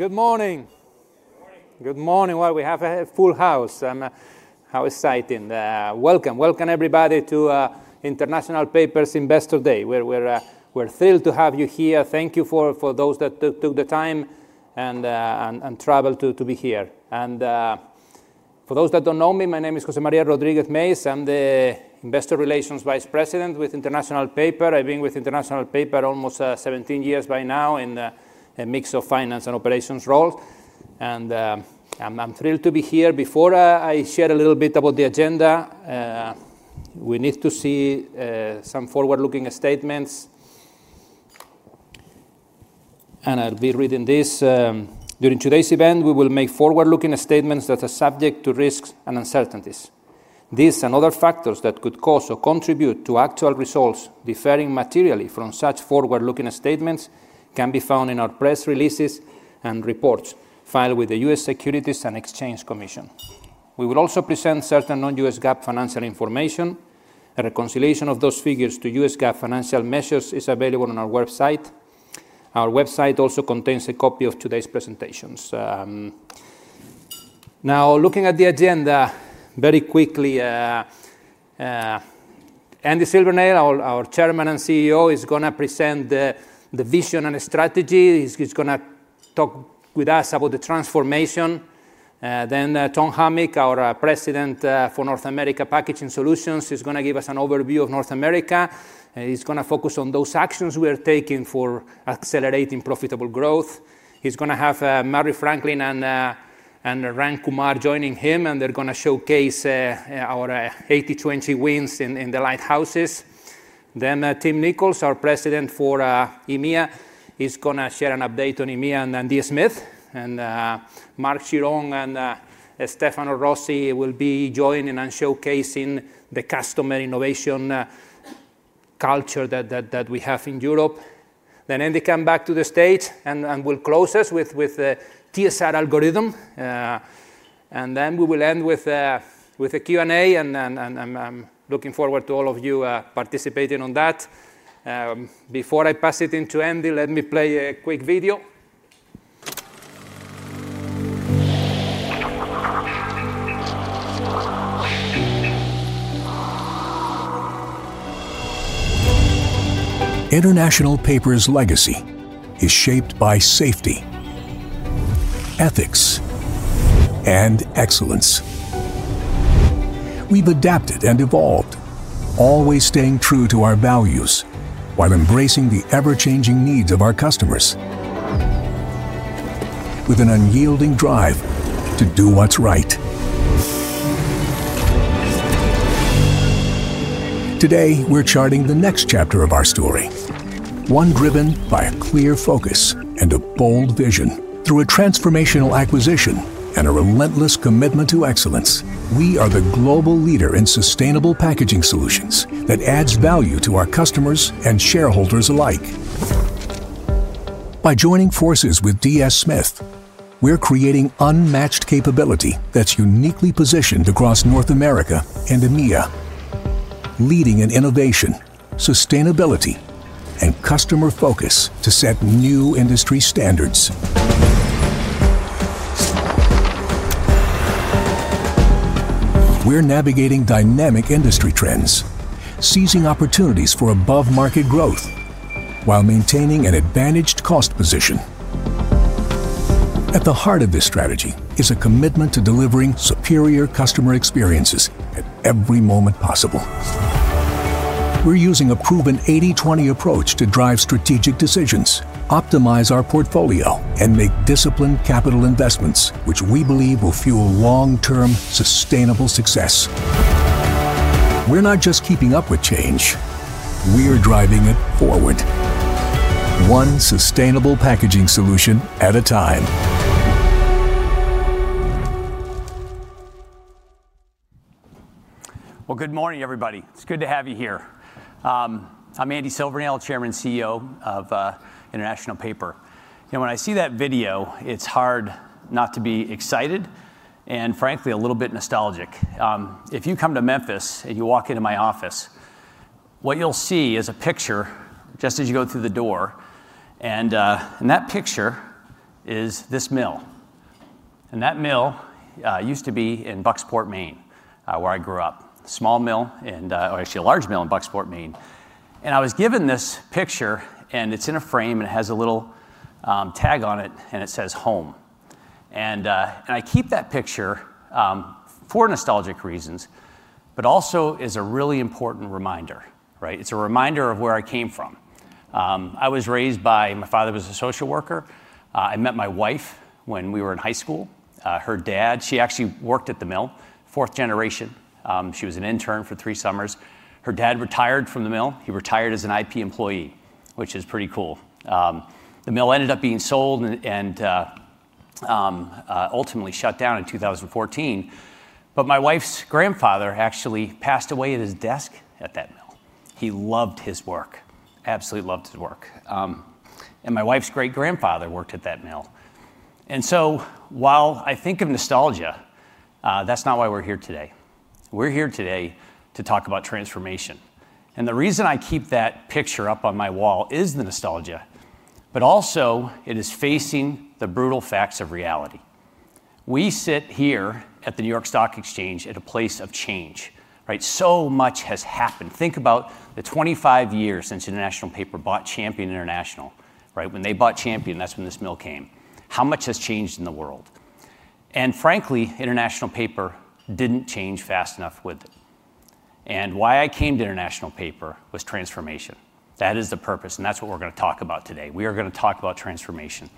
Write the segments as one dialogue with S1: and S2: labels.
S1: Good morning. Good morning. We have a full house. How exciting. Welcome. Welcome everybody to International Paper's Investor Day. We're thrilled to have you here. Thank you. For those that took the time and traveled to be here and for those that don't know me, my name is Jose Maria Rodriguez Meis. I'm the Investor Relations Vice President with International Paper. I've been with International Paper almost 17 years by now in a mix of finance and operations roles and I'm thrilled to be here. Before I share a little bit about the agenda, we need to see some forward looking statements and I'll be reading this. During today's event we will make forward looking statements that are subject to risks and uncertainties. These and other factors that could cause. Or contribute to actual results differing materially from such forward-looking statements can be found in our press releases and reports filed with the U.S. Securities and Exchange Commission. We will also present certain non-U.S. GAAP financial information. A reconciliation of those figures to U.S. GAAP financial measures is available on our website. Our website also contains a copy of today's presentations. Now looking at the agenda very quickly, Andy Silvernail, our Chairman and CEO, is going to present the vision and strategy. He's going to talk with us about the transformation. Tom Hamic, our President for North America Packaging Solutions, is going to give us an overview of North America. He's going to focus on those actions we are taking for accelerating profitable growth. He's going to have Murry Franklin and Ram Kumar joining him and they're going to showcase our 80/20 wins in the Lighthouses. Tim Nichols, our President for EMEA, is going to share an update on EMEA, and Andy Smith and Marc Chiron and Stefano Rossi will be joining and showcasing the customer innovation culture that we have in Europe. Andy will come back to the States and will close us with TSR algorithm, and then we will end with a Q&A. I'm looking forward to all of you participating on that. Before I pass it to Andy, let me play a quick video. International Paper's legacy is shaped by safety, ethics, and excellence. We've adapted and evolved, always staying true to our values while embracing the ever-changing needs of our customers with an unyielding drive to do what's right. Today we're charting the next chapter of our story, one driven by a clear focus and a bold vision. Through a transformational acquisition and a relentless commitment to excellence, we are the global leader in sustainable packaging solutions that adds value to our customers and shareholders alike. By joining forces with DS Smith, we're creating unmatched capability that's uniquely positioned across North America and EMEA. Leading in innovation, sustainability, and customer focus to set new industry standards. We're navigating dynamic industry trends, seizing opportunities for above market growth while maintaining an advantaged cost position. At the heart of this strategy is a commitment to delivering superior customer experiences at every moment possible. We're using a proven 80/20 approach to drive strategic decisions, optimize our portfolio, and make disciplined capital investments which we believe will fuel long term sustainable success. We're not just keeping up with change, we're driving it forward one sustainable packaging solution at a time. Good morning everybody. It's good to have you here.
S2: I'm Andy Silvernail, Chairman and CEO of International Paper. When I see that video, it's hard not to be excited and frankly, a little bit nostalgic. If you come to Memphis and you walk into my office, what you'll see is a picture just as you go through the door. In that picture is this mill. That mill used to be in Bucksport, Maine, where I grew up. Small mill and actually a large mill in Bucksport, Maine. I was given this picture and it's in a frame and it has a little tag on it and it says home. I keep that picture for nostalgic reasons, but also is a really important reminder, right? It's a reminder of where I came from. I was raised by. My father was a social worker. I met my wife when we were in high school. Her dad, she actually worked at the mill, fourth generation. She was an intern for three summers. Her dad retired from the mill. He retired as an IP employee, which is pretty cool. The mill ended up being sold and ultimately shut down in 2014. My wife's grandfather actually passed away at his desk and at that mill. He loved his work, absolutely loved his work. My wife's great grandfather worked at that mill. While I think of nostalgia, that's not why we're here today. We're here today to talk about transformation. The reason I keep that picture up on my wall is the nostalgia, but also it is facing the brutal facts of reality. We sit here at the New York Stock Exchange at a place of change. So much has happened. Think about the 25 years since International Paper bought Champion. International, right when they bought Champion, that's when this mill came. How much has changed in the world? f billionrankly, International Paper didn't change fast enough with it. Why I came to International Paper was transformation. That is the purpose and that's what we're going to talk about today. We are going to talk about transformation,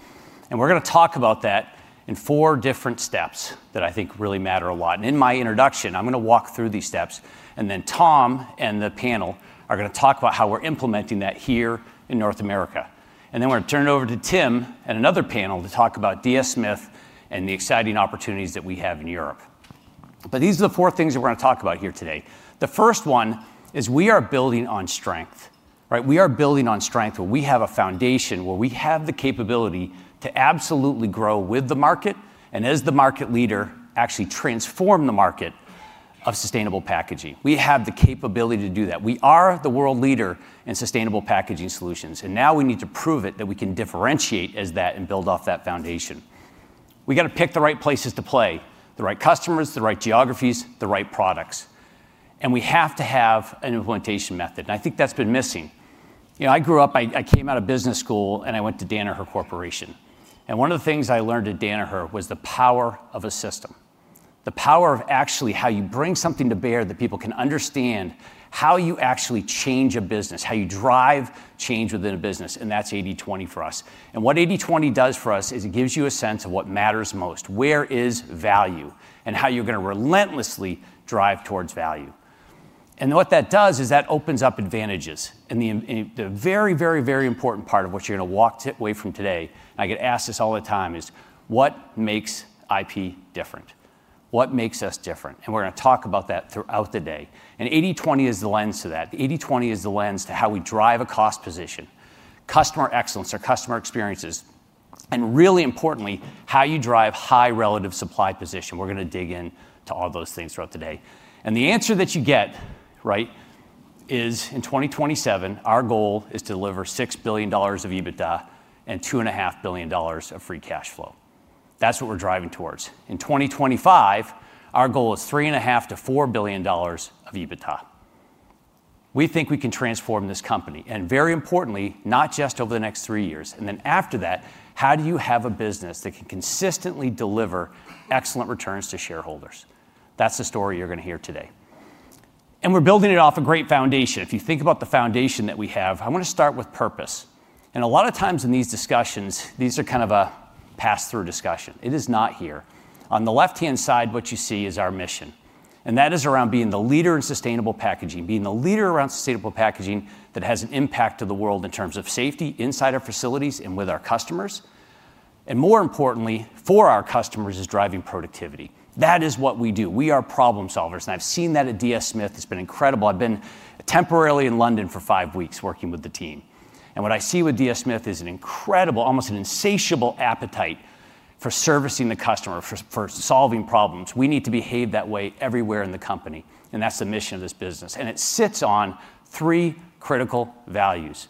S2: and we're going to talk about that in four different steps that I think really matter a lot. In my introduction, I'm gonna walk through these steps and then Tom and the panel are gonna talk about how we're implementing that here in North America. We will turn it over to Tim and another panel to talk about DS Smith and the exciting opportunities that we have in Europe. These are the four things that we're gonna talk about here today. The first one is we are building on strength, right? We are building on strength where we have a foundation where we have the capability to absolutely grow with the market and as the market leader, actually transform the market of sustainable packaging. We have the capability to do that. We are the world leader in sustainable packaging solutions. Now we need to prove it that we can differentiate as that and build off that foundation. We got to pick the right places to play, the right customers, the right geographies, the right products, and we have to have an implementation method. I think that's been missing. You know, I grew up, I came out of business school and I went to Danaher Corporation. One of the things I learned at Danaher was the power of a system, the power of actually how you bring something to bear that people can understand, how you actually change a business, how you drive change within a business. That's 80/20 for us. What 80/20 does for us is it gives you a sense of what matters most, where is value and how you're going to relentlessly drive towards value. What that does is that opens up advantages. The very, very, very important part of what you're gonna walk away from today, and I get asked this all the time, is what makes IP different, what makes us different? We're gonna talk about that throughout the day. 80/20 is the lens to that. 80/20 is the lens to how we drive a cost position, customer excellence or customer experiences, and really importantly, how you drive high relative supply position. We're gonna dig in to all those things throughout the day. The answer that you get right is in 2027, our goal is to deliver $6 billion of EBITDA and $2.5 billion of free cash flow. That's what we're driving towards. In 2025, our goal is $3.5 billion-$4 billion of EBITDA. We think we can transform this company and very importantly, not just over the next three years, and then after that, how do you have a business that can consistently deliver excellent returns to shareholders? That's the story you're going to hear today. We're building it off a great foundation. If you think about the foundation that we have. I want to start with purpose. A lot of times in these discussions, these are kind of a pass through discussion. It is not here on the left hand side. What you see is our mission and that is around being the leader in sustainable packaging. Being the leader around sustainable packaging that has an impact to the world in terms of safety inside our facilities and within with our customers, and more importantly for our customers is driving productivity. That is what we do. We are problem solvers. I have seen that at DS Smith. It is been incredible. I have been temporarily in London for five weeks working with the team and what I see with DS Smith is an incredible, almost an insatiable appetite for servicing the customer, for solving problems. We need to behave that way everywhere in the company. That is the mission of this business. It sits on three critical values.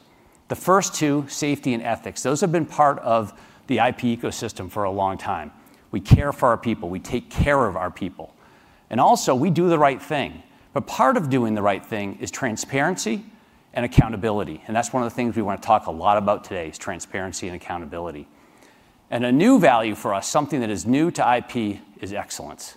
S2: The first two, safety and ethics. Those have been part of the IP ecosystem for a long time. We care for our people, we take care of our people and also we do the right thing. Part of doing the right thing is transparency and accountability. That is one of the things we want to talk a lot about today, transparency and accountability and a new value for us. Something that is new to IP is excellence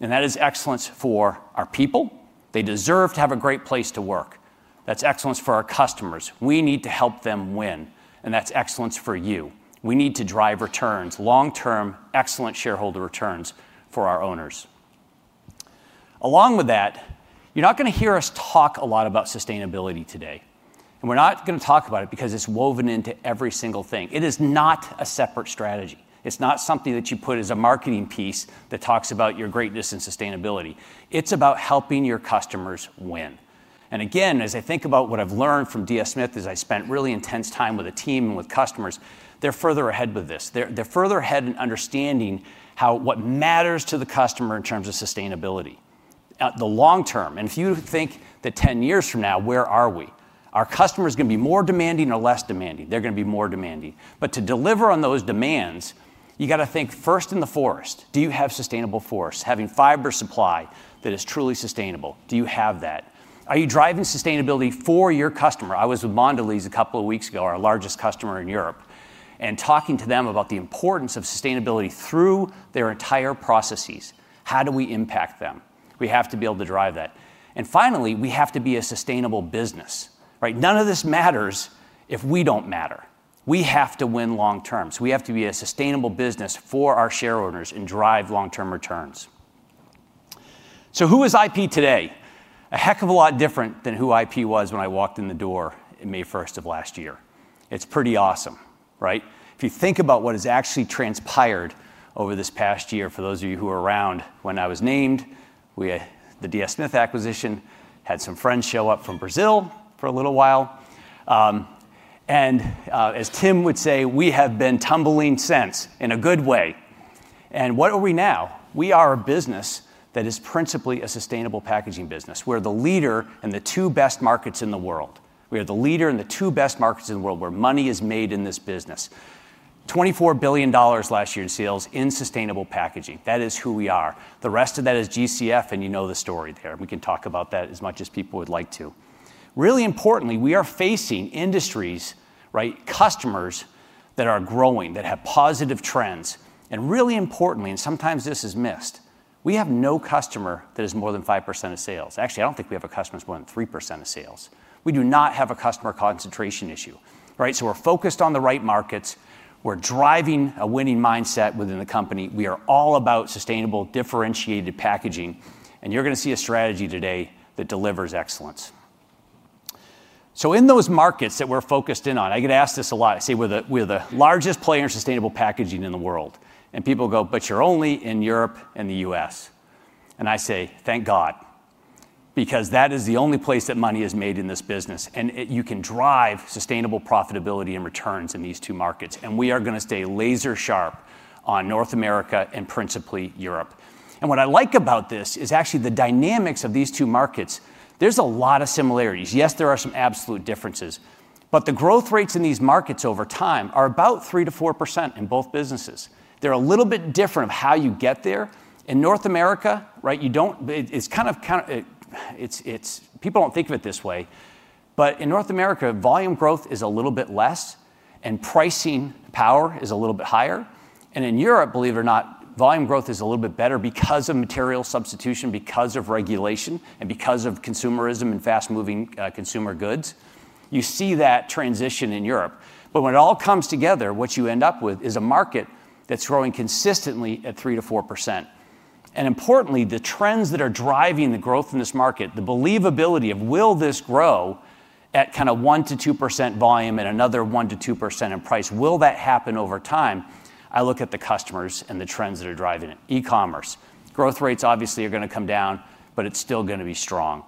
S2: and that is excellence for our people. They deserve to have a great place to work. That is excellence for our customers. We need to help them win and that is excellence for you. We need to drive returns long term, excellent shareholder returns for our owners. Along with that, you're not going to hear us talk a lot about sustainability today and we're not going to talk about it because it's woven into every single thing. It is not a separate strategy. It's not something that you put as a marketing piece that talks about your greatness in sustainability. It's about helping your customers win. As I think about what I've learned from DS Smith, as I spent really intense time with a team and with customers, they're further ahead with this, they're further ahead in understanding how what matters to the customer in terms of sustainability, the long term. If you think that 10 years from now, where are we, our customers, going to be more demanding or less demanding? They're going to be more demanding. To deliver on those demands, you got to think first in the forest. Do you have sustainable forests, having fiber supply that is truly sustainable. Do you have that? Are you driving sustainability for your customer? I was with Mondelēz a couple of weeks ago, our largest customer in Europe, and talking to them about the importance of sustainability through their entire processes, how do we impact them? We have to be able to drive that. Finally we have to be a sustainable business, right? None of this matters if we do not matter. We have to win long term. We have to be a sustainable business for our shareholders and drive long term returns. Who is IP today? A heck of a lot different than who IP was when I walked in the door on May 1st of last year. It is pretty awesome, right? If you think about what has actually transpired over this past year. For those of you who were around when I was named, the DS Smith acquisition had some friends show up from Brazil for a little while. As Tim would say, we have been tumbling since in a good way. What are we now? We are a business that is principally a sustainable packaging business. We are the leader in the two best markets in the world. We are the leader in the two best markets in the world where money is made in this business, $24 billion last year in sales in sustainable packaging. That is who we are. The rest of that is GCF. You know the story there. We can talk about that as much as people would like to. Really importantly, we are facing industries, right? Customers that are growing, that have positive trends. Really importantly, and sometimes this is missed, we have no customer that is more than 5% of sales. Actually, I do not think we have a customer that is more than 3% of sales. We do not have a customer concentration issue, right? We are focused on the right markets. We are driving a winning mindset within the company. We are all about sustainable, differentiated packaging. You are going to see a strategy today that delivers excellence. In those markets that we are focused in on, I get asked this a lot. I say we are the largest player in sustainable packaging in the world. People go, but you are only in Europe and the U.S. I say, thank God, because that is the only place that money is made in this business. You can drive sustainable profitability and returns in these two markets. We are going to stay laser sharp on North America and principally Europe. What I like about this is actually the dynamics of these two markets. There are a lot of similarities. Yes, there are some absolute differences, but the growth rates in these markets over time are about 3%-4% in both businesses. They are a little bit different of how you get there in North America. Right. You do not, it is kind of, it is, it is. People do not think of it this way. In North America, volume growth is a little bit less and pricing power is a little bit higher. In Europe, believe it or not, volume growth is a little bit better because of material substitution, because of regulation and because of consumerism and fast moving consumer goods. You see that transition in Europe. When it all comes together, what you end up with is a market that's growing consistently at 3%-4%. Importantly, the trends that are driving the growth in this market, the believability of will this grow at kind of 1%-2% volume and another 1%-2% in price. Will that happen over time? I look at the customers and the trends that are driving it. E-commerce growth rates obviously are going to come down, but it's still going to be strong.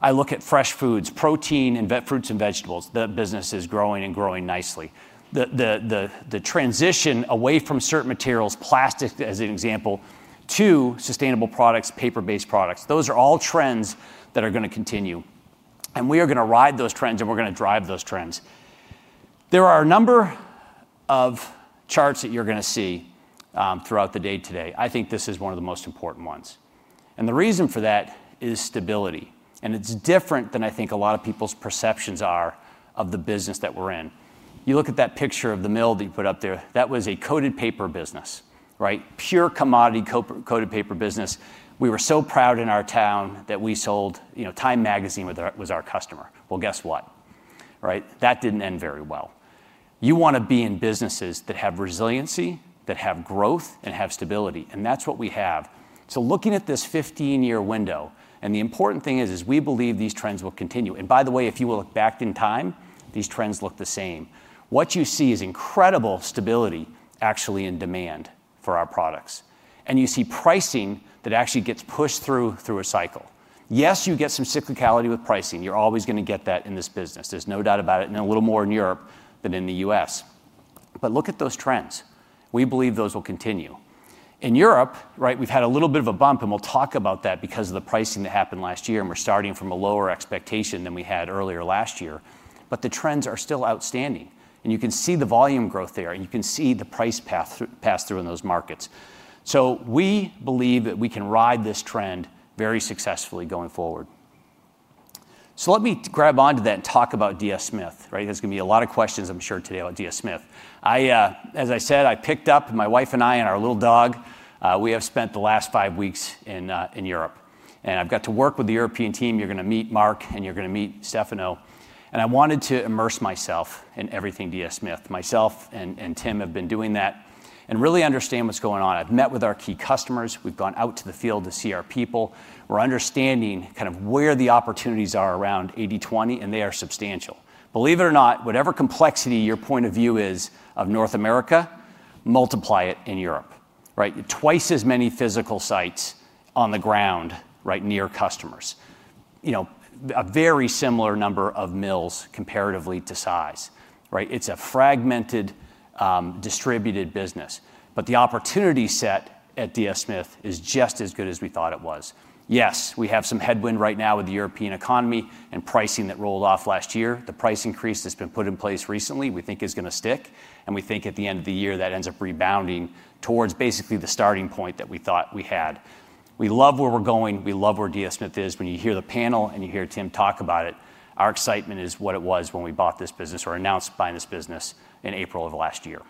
S2: I look at fresh foods, protein and fruits and vegetables. The business is growing and growing nicely. The transition away from certain materials, plastic as an example, to sustainable products, paper based products, those are all trends that are going to continue and we are going to ride those trends and we're going to drive those trends. There are a number of charts that you're going to see throughout the day today. I think this is one of the most important ones. The reason for that is stability. It's different than I think a lot of people's perceptions are of the business that we're in. You look at that picture of the mill that you put up there. That was a coated paper business, right? Pure commodity coated paper business. We were so proud in our town that we sold Time magazine was our customer. Guess what? That didn't end very well. You want to be in businesses that have resiliency, that have growth and have stability. That's what we have. Looking at this 15 year window, the important thing is we believe these trends will continue. By the way, if you will look back in time, these trends look the same. What you see is incredible stability actually in demand for our products. You see pricing that actually gets pushed through, through a cycle. Yes, you get some cyclicality with pricing. You're always going to get that in this business, there's no doubt about it. A little more in Europe than in the U.S., but look at those trends. We believe those will continue in Europe. Right. We've had a little bit of a bump and we'll talk about that because of the pricing that happened last year and we're starting from a lower expectation than we had earlier last year. The trends are still outstanding and you can see the volume growth there and you can see the price pass through in those markets. We believe that we can ride this trend very successfully going forward. Let me grab onto that and talk about DS Smith. Right. There are going to be a lot of questions, I'm sure today about DS Smith. As I said, I picked up my wife and I and our little dog. We have spent the last five weeks in Europe and I've got to work with the European team. You're going to meet Marc and you're going to meet Stefano. I wanted to immerse myself in everything DS Smith, myself and Tim have been doing that and really understand what's going on. I've met with our key customers. We've gone out to the field to see our people. We're understanding kind of where the opportunities are around 80/20, and they are substantial, believe it or not. Whatever complexity your point of view is of North America, multiply it. In Europe. Right. Twice as many physical sites on the ground, right, near customers, you know, a very similar number of mills comparatively to size. Right. It's a fragmented, distributed business. The opportunity set at DS Smith is just as good as we thought it was. Yes, we have some headwind right now with the European economy and pricing that rolled off last year. The price increase that's been put in place recently we think is going to stick, and we think at the end of the year that ends up rebounding towards basically the starting point that we thought we had. We love where we're going, we love where DS Smith is. When you hear the panel and you hear Tim talk about it, our excitement is what it was when we bought this business or announced buying this business in April of last year.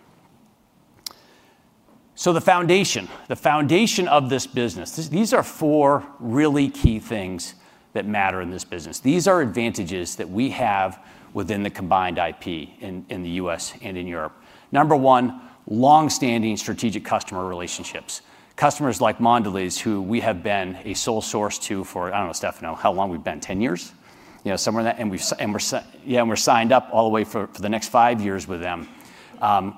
S2: The foundation, the foundation of this business. These are four really key things that matter in this business. These are advantages that we have within the combined IP in the U.S. and in Europe. Number one, long standing strategic customer relationships. Customers like Mondelēz who we have been a sole source to for, I don't know, Stefano, how long we've been, 10 years, you know, somewhere, and we're, yeah, and we're signed up all the way for the next five years with them.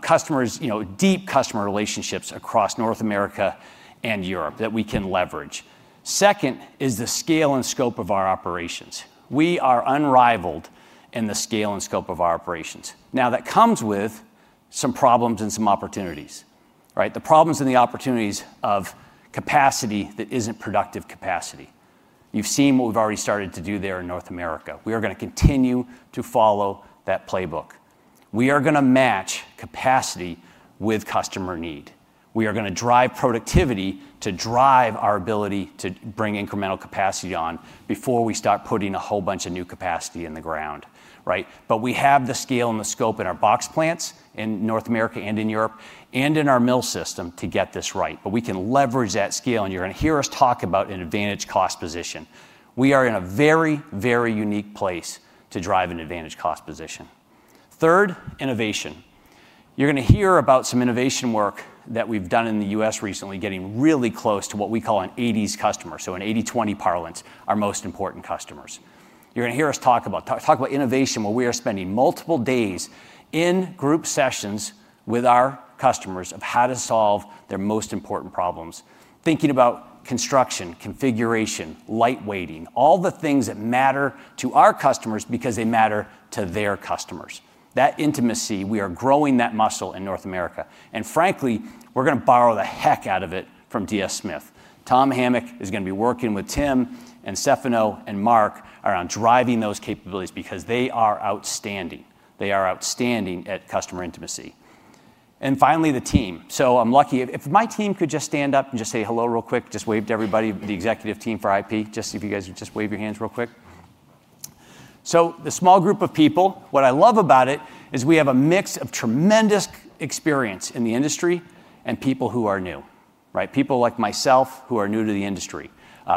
S2: Customers, you know, deep customer relationships across North America and Europe that we can leverage. Second is the scale and scope of our operations. We are unrivaled in the scale and scope of our operations. Now that comes with some problems and some opportunities, right? The problems and the opportunities of capacity that is not productive capacity. You have seen what we have already started to do there in North America. We are going to continue to follow that playbook. We are going to match capacity with customer need. We are going to drive productivity, to drive our ability to bring incremental capacity on before we start putting a whole bunch of new capacity in the ground. Right? We have the scale and the scope in our box plants in North America and in Europe and in our mill system to get this right. We can leverage that scale. You are going to hear us talk about an advantage cost position. We are in a very, very unique place to drive an advantage cost position. Third, innovation. You're going to hear about some innovation work that we've done in the U.S. recently, getting really close to what we call an 80s customer. In 80/20 parlance, our most important customers. You're going to hear us talk about, talk about innovation, where we are spending multiple days in group sessions with our customers of how to solve their most important problems. Thinking about construction, configuration, lightweighting, all the things that matter to our customers because they matter to their customers. That intimacy, we are growing that muscle in North America and frankly, we're going to borrow the heck out of it from DS Smith. Tom Hamic is going to be working with Tim and Stefano and Marc around driving those capabilities because they are outstanding. They are outstanding at customer intimacy. Finally the team. I'm lucky if my team could just stand up and just say hello real quick, just wave to everybody. The executive team for IP, just if you guys would just wave your hands real quick. The small group of people, what I love about it is we have a mix of tremendous experience in the industry and people who are new, right? People like myself who are new to the industry,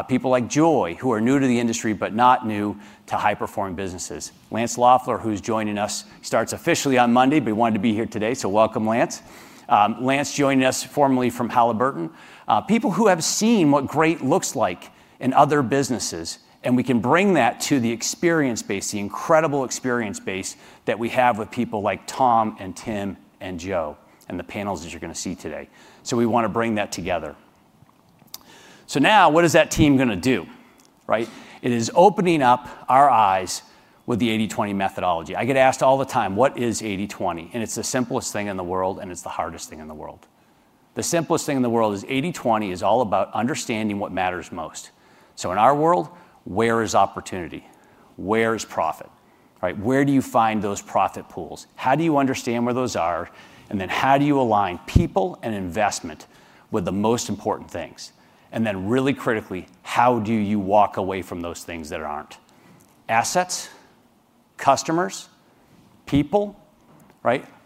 S2: people like Joy who are new to the industry but not new to high performing businesses. Lance Loeffler, who's joining us, starts officially on Monday, but he wanted to be here today. So welcome Lance. Lance joining us, formerly from Halliburton, people who have seen what great looks like in other businesses and we can bring that to the experience base, the incredible experience base that we have with people like Tom and Tim and Joe and the panels that you're going to see today. We want to bring that together. Now what is that team going to do? Right? It is opening up our eyes with the 80/20 methodology. I get asked all the time, what is 80/20? It's the simplest thing in the world, and it's the hardest thing in the world. The simplest thing in the world is 80/20 is all about understanding what matters most. In our world, where is opportunity? Where is profit? Right? Where do you find those profit pools? How do you understand where those are? How do you align people and investment with the most important things? Really critically, how do you walk away from those things that are not assets? Customers, people?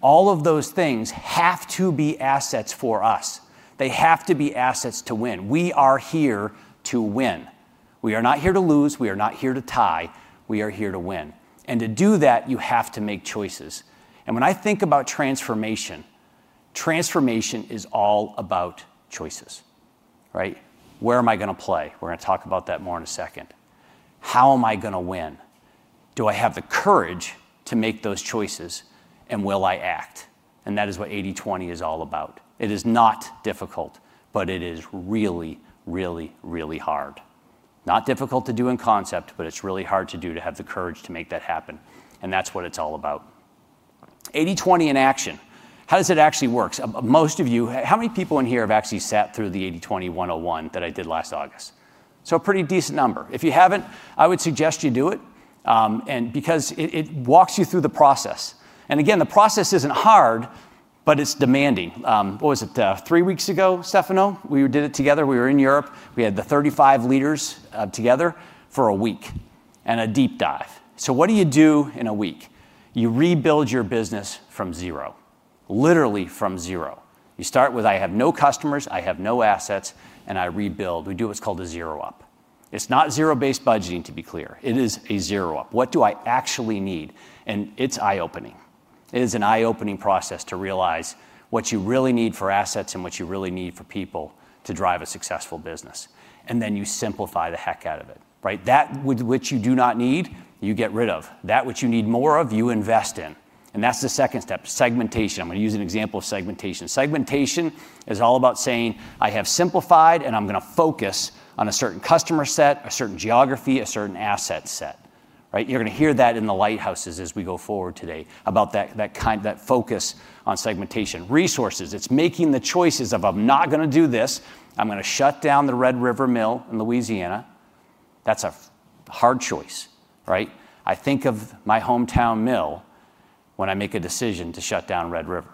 S2: All of those things have to be assets for us. They have to be assets to win. We are here to win. We are not here to lose. We are not here to tie. We are here to win. To do that, you have to make choices. When I think about transformation, transformation is all about choices, right? Where am I going to play? We are going to talk about that more in a second. How am I going to win? Do I have the courage to make those choices and will I act? That is what 80/20 is all about. It is not difficult, but it is really, really, really hard. Not difficult to do in concept, but it's really hard to do, to have the courage to make that happen. That's what it's all about. 80/20 in action. How does it actually work? Most of you, how many people in here have actually sat through the 80/20 101 that I did last August? A pretty decent number. If you haven't, I would suggest you do it because it walks you through the process. Again, the process isn't hard, but it's demanding. What was it, three weeks ago, Stefano? We did it together. We were in Europe. We had the 35 leaders together for a week and a deep dive. What do you do in a week? You rebuild your business from zero. Literally from zero. You start with, I have no customers, I have no assets, and I rebuild. We do what's called a zero up. It's not zero based budgeting, to be clear. It's a zero up. What do I actually need? And it's eye opening. It is an eye opening process to realize what you really need for assets and what you really need for people to drive a successful business. You simplify the heck out of it, right? That which you do not need, you get rid of. That which you need more of, you invest in. That's the second step, segmentation. I'm gonna use an example of segmentation. Segmentation is all about saying, I have simplified and I'm gonna focus on a certain customer set, a certain geography, a certain asset set, right? You're going to hear that in the lighthouses as we go forward today about that, that kind, that focus on segmentation resources. It's making the choices of, I'm not going to do this. I'm going to shut down the Red River Mill in Louisiana. That's a hard choice, right? I think of my hometown mill when I make a decision to shut down Red River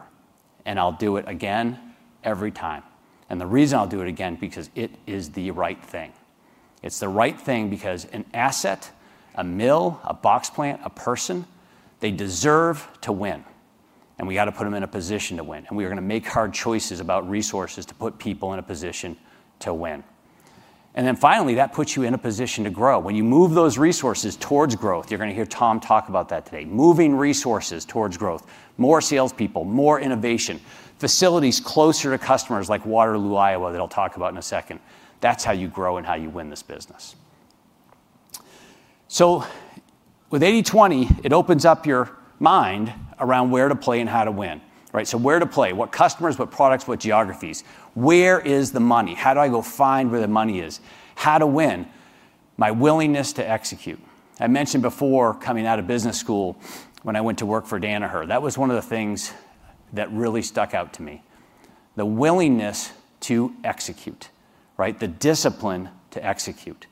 S2: and I'll do it again every time. The reason I'll do it again is because it is the right thing. It's the right thing because an asset, a mill, a box plant, a person, they deserve to win, and we got to put them in a position to win. We are going to make hard choices about resources to put people in a position to win. Finally, that puts you in a position to grow when you move those resources towards growth. You're going to hear Tom talk about that today. Moving resources towards growth, more salespeople, more innovation facilities closer to customers. Like Waterloo, Iowa, that I'll talk about in a second. That's how you grow and how you win this business. With 80/20, it opens up your mind around where to play and how to win, right? Where to play, what customers, what products, what geographies? Where is the money? How do I go find where the money is? How to win? My willingness to execute. I mentioned before coming out of business school, when I went to work for Danaher, that was one of the things that really stuck out to me. The willingness to execute, right? The discipline to execute.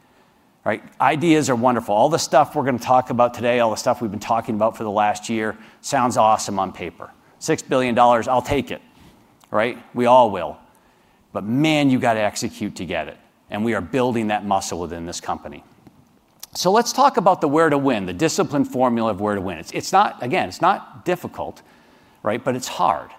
S2: Ideas are wonderful. All the stuff we're going to talk about today, all the stuff we've been talking about for the last year, sounds awesome. On paper, $6 billion. I'll take it. Right? We all will. Man, you got to execute to get it. We are building that muscle within this company. Let's talk about the where to win, the disciplined formula of where to win. It's not, again, it's not difficult, right? But it's hard.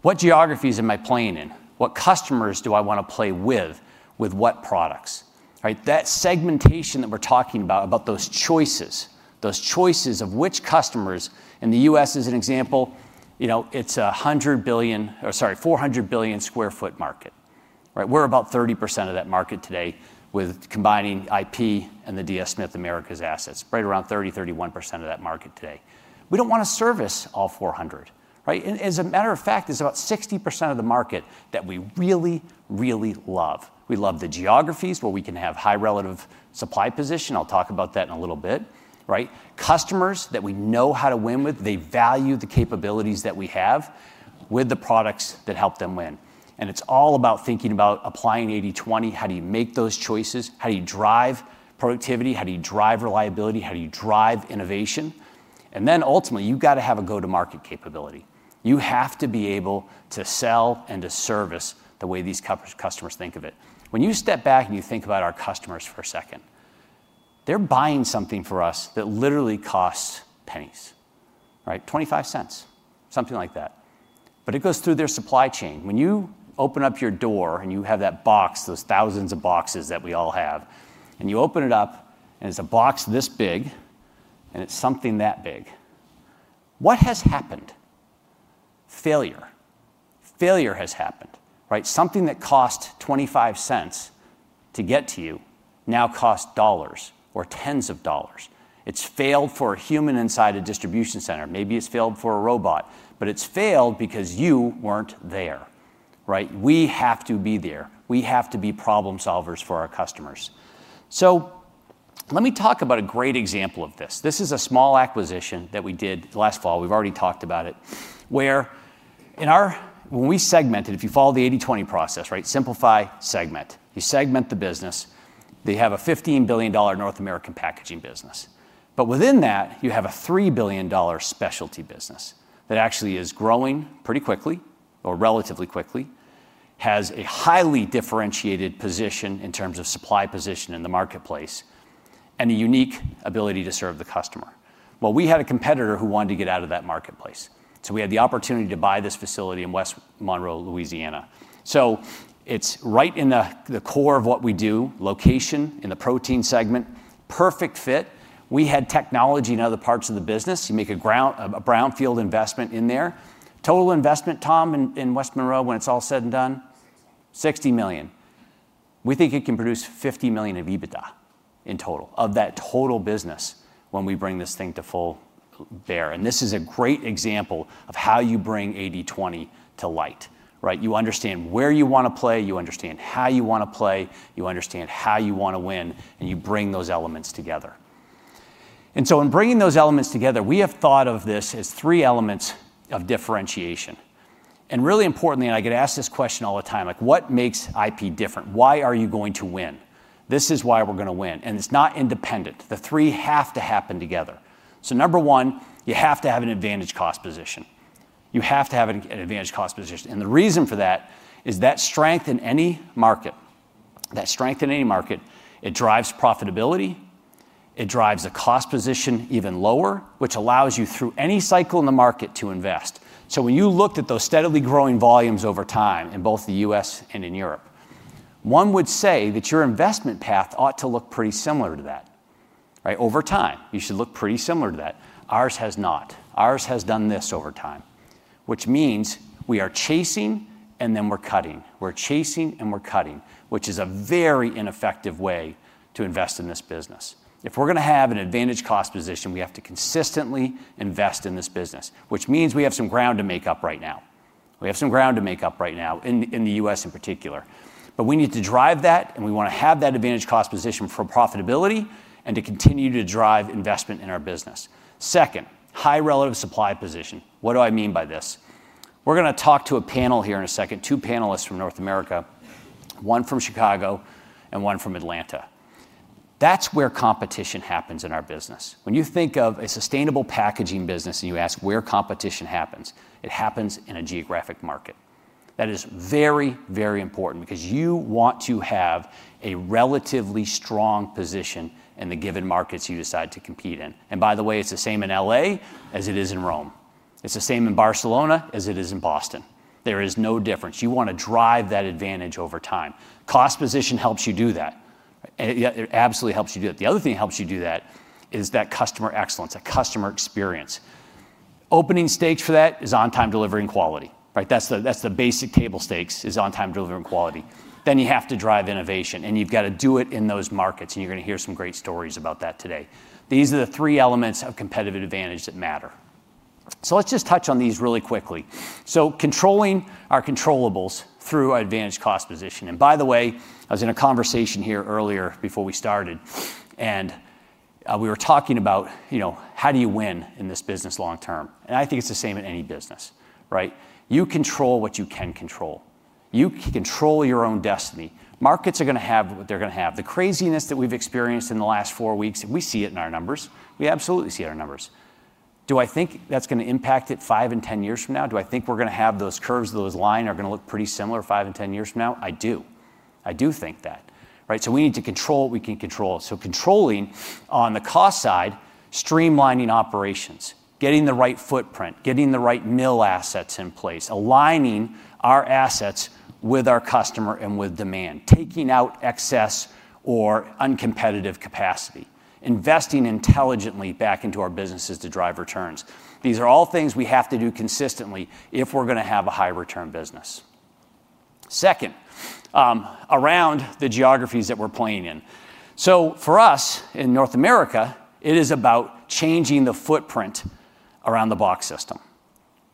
S2: What geographies am I playing in? What customers do I want to play with? With what products? Right. That segmentation that we're talking about, about those choices, those choices of which customers in the U.S. as an example, you know, it's a 400 billion sq ft market, right. We're about 30% of that market today. With combining IP and the DS Smith America's assets, right? Around 30%-31% of that market today. We don't want to service all 400. Right. As a matter of fact, it's about 60% of the market that we really, really love. We love the geographies where we can have high relative supply position. I'll talk about that in a little bit, right? Customers that we know how to win with, they value the capabilities that we have with the products that help them win. And it's all about thinking about applying 80/20. How do you make those choices? How do you drive productivity, how do you drive reliability, how do you drive innovation? Ultimately, you have got to have a go to market capability. You have to be able to sell and to service the way these customers think of it. When you step back and you think about our customers for a second, they are buying something from us that literally costs pennies, right? $0.25, something like that. It goes through their supply chain. When you open up your door and you have that box, those thousands of boxes that we all have, and you open it up and it is a box this big and it is something that big, what has happened? Failure. Failure has happened, right? Something that cost $0.25 to get to you now costs dollars or tens-of-dollars. It has failed for a human inside a distribution center. Maybe it's failed for a robot, but it's failed because you weren't there, right? We have to be there. We have to be problem solvers for our customers. Let me talk about a great example of this. This is a small acquisition that we did last fall. We've already talked about it. When we segmented, if you follow the 80/20 process, right, simplify, simplify, segment. You segment the business. They have a $15 billion North American packaging business, but within that you have a $3 billion specialty business that actually is growing pretty quickly or relatively quickly, has a highly differentiated position in terms of supply position in the marketplace and a unique ability to serve the customer well. We had a competitor who wanted to get out of that marketplace. We had the opportunity to buy this facility in West Monroe, Louisiana. It's right in the core of what we do, location in the protein segment, perfect fit. We had technology in other parts of the business. You make a brownfield investment in there. Total investment, Tom, in West Monroe, when it's all said and done, $60 million. We think it can produce $50 million of EBITDA in total of that total business when we bring this thing to full bear. This is a great example of how you bring 80/20 to light, right? You understand where you want to play, you understand how you want to play, you understand how you want to win, and you bring those elements together. In bringing those elements together, we have thought of this as three elements of differentiation. Really importantly, and I get asked this question all the time, like, what makes IP different? Why are you going to win? This is why we're going to win. It is not independent. The three have to happen together. Number one, you have to have an advantage cost position. You have to have an advantage cost position. The reason for that is that strength in any market, that strength in any market, it drives profitability, it drives the cost position even lower, which allows you through any cycle in the market to invest. When you looked at those steadily growing volumes over time in both the U.S. and in Europe, one would say that your investment path ought to look pretty similar to that over time. You should look pretty similar to that. Ours has not. Ours has done this over time, which means we are chasing and then we're cutting. We're chasing and we're cutting, which is a very ineffective way to invest in this business. If we're going to have an advantage cost position, we have to consistently invest in this business, which means we have some ground to make up right now. We have some ground to make up right now in the U.S. in particular. We need to drive that and we want to have that advantage cost position for profitability and to continue to drive investment in our business. Second, high relative supply position. What do I mean by this? We're going to talk to a panel here in a second. Two panelists from North America, one from Chicago and one from Atlanta. That's where competition happens in our business. When you think of a sustainable packaging business and you ask where competition happens, it happens in a geographic market that is very, very important because you want to have a relatively strong position in the given markets you decide to compete in. By the way, it's the same in L.A. as it is in Rome, it's the same in Barcelona as it is in Boston. There is no difference. You want to drive that advantage over time. Cost position helps you do that. It absolutely helps you do it. The other thing that helps you do that is that customer excellence, except customer experience, opening stakes for that is on time delivering quality. Right? That's the, that's the basic table stakes is on time delivering quality, then you have to drive innovation and you've got to do it in those markets. You're going to hear some great stories about that today. These are the three elements of competitive advantage that matter. Let's just touch on these really quickly. Controlling our controllables through advantage, cost, position. By the way, I was in a conversation here earlier before we started and we were talking about, you know, how do you win in this business long term? I think it's the same in any business, right? You control what you can control, you control your own destiny. Markets are going to have what they're going to have. The craziness that we've experienced in the last four weeks, we see it in our numbers. We absolutely see our numbers. Do I think that's going to impact it five and ten years from now? Do I think we're going to have those curves, those lines are going to look pretty similar five and ten years from now? I do, I do think that. Right. We need to control what we can control. Controlling on the cost side, streamlining operations, getting the right footprint, getting the right mill assets in place, aligning our assets with our customer and with demand, taking out excess or uncompetitive capacity, investing intelligently back into our businesses to drive returns. These are all things we have to do consistently if we're going to have a high return business. Second, around the geographies that we're playing in. For us in North America, it is about changing the footprint around the box system,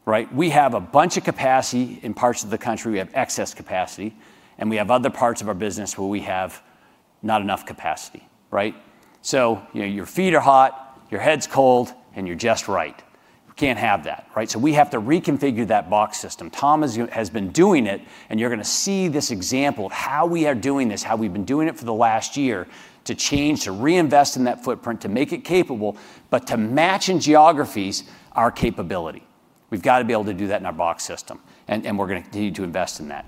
S2: right? We have a bunch of capacity in parts of the country, we have excess capacity and we have other parts of our business where we have not enough capacity, right? Your feet are hot, your head's cold and you're just right, you can't have that, right? We have to reconfigure that box system. Tom has been doing it and you're going to see this example of how we are doing this, how we've been doing it for the last year, to change, to reinvest in that footprint, to make it capable. To match in geographies our capability, we've got to be able to do that in our box system and we're going to continue to invest in that.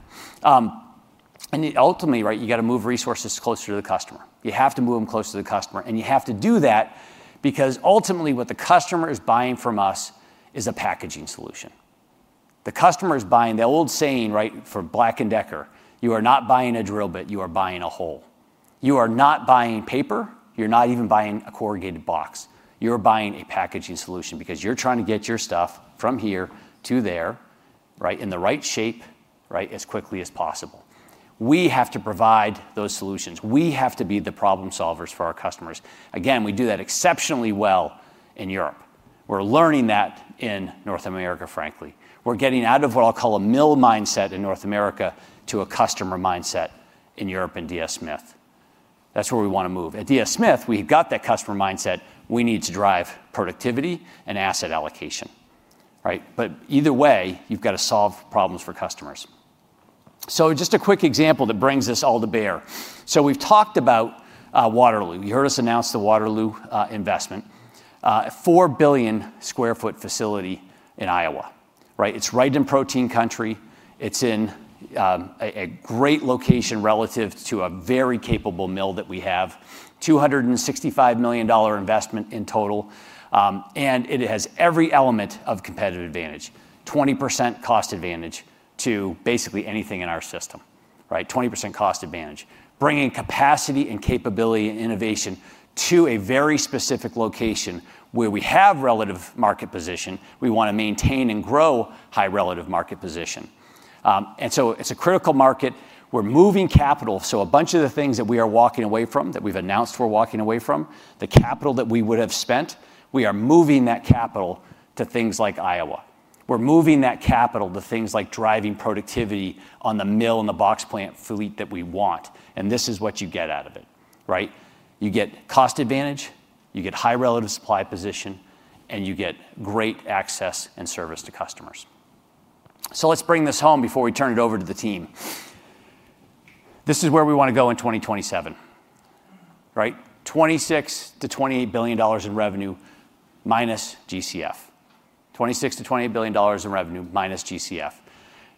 S2: Ultimately, right, you got to move resources closer to the customer. You have to move them closer to the customer. You have to do that because ultimately what the customer is buying from us is a packaging solution. The customer is buying the old saying, right? For Black and Decker, you are not buying a drill bit, you are buying a hole, you are not buying paper, you're not even buying a corrugated box. You're buying a packaging solution because you're trying to get your stuff from here to there, right, in the right shape, right, as quickly as possible. We have to provide those solutions. We have to be the problem solvers for our customers. Again, we do that exceptionally well. In Europe, we're learning that. In North America, frankly, we're getting out of what I'll call a mill mindset in North America to a customer mindset in Europe. At DS Smith, that's where we want to move. At DS Smith, we've got that customer mindset. We need to drive productivity and asset allocation. Right. Either way you've gotta solve problems for customers. Just a quick example that brings this all to bear. We've talked about Waterloo. You heard us announce the Waterloo investment, 4 billion sq ft facility in Iowa. Right. It's right in protein country. It's in a great location relative to a very capable mill that we have, $265 million investment in total. It has every element of competitive advantage, 20% cost advantage to basically anything in our system. Right. 20% cost advantage bringing capacity and capability and innovation to a very specific location where we have relative market position, we want to maintain and grow high relative market position. It's a critical market. We're moving capital. A bunch of the things that we are walking away from that we've announced, we're walking away from the capital that we would have spent, we are moving that capital to things like Iowa, we're moving that capital to things like driving productivity on the mill and the box plant fleet that we want. This is what you get out of it, right? You get cost advantage, you get high relative supply position and you get great access and service to customers. Let's bring this home before we turn it over to the team. This is where we want to go in 2027, right? $26 billion-$28 billion in revenue, minus GCF. $26 billion-$28 billion in revenue minus GCF.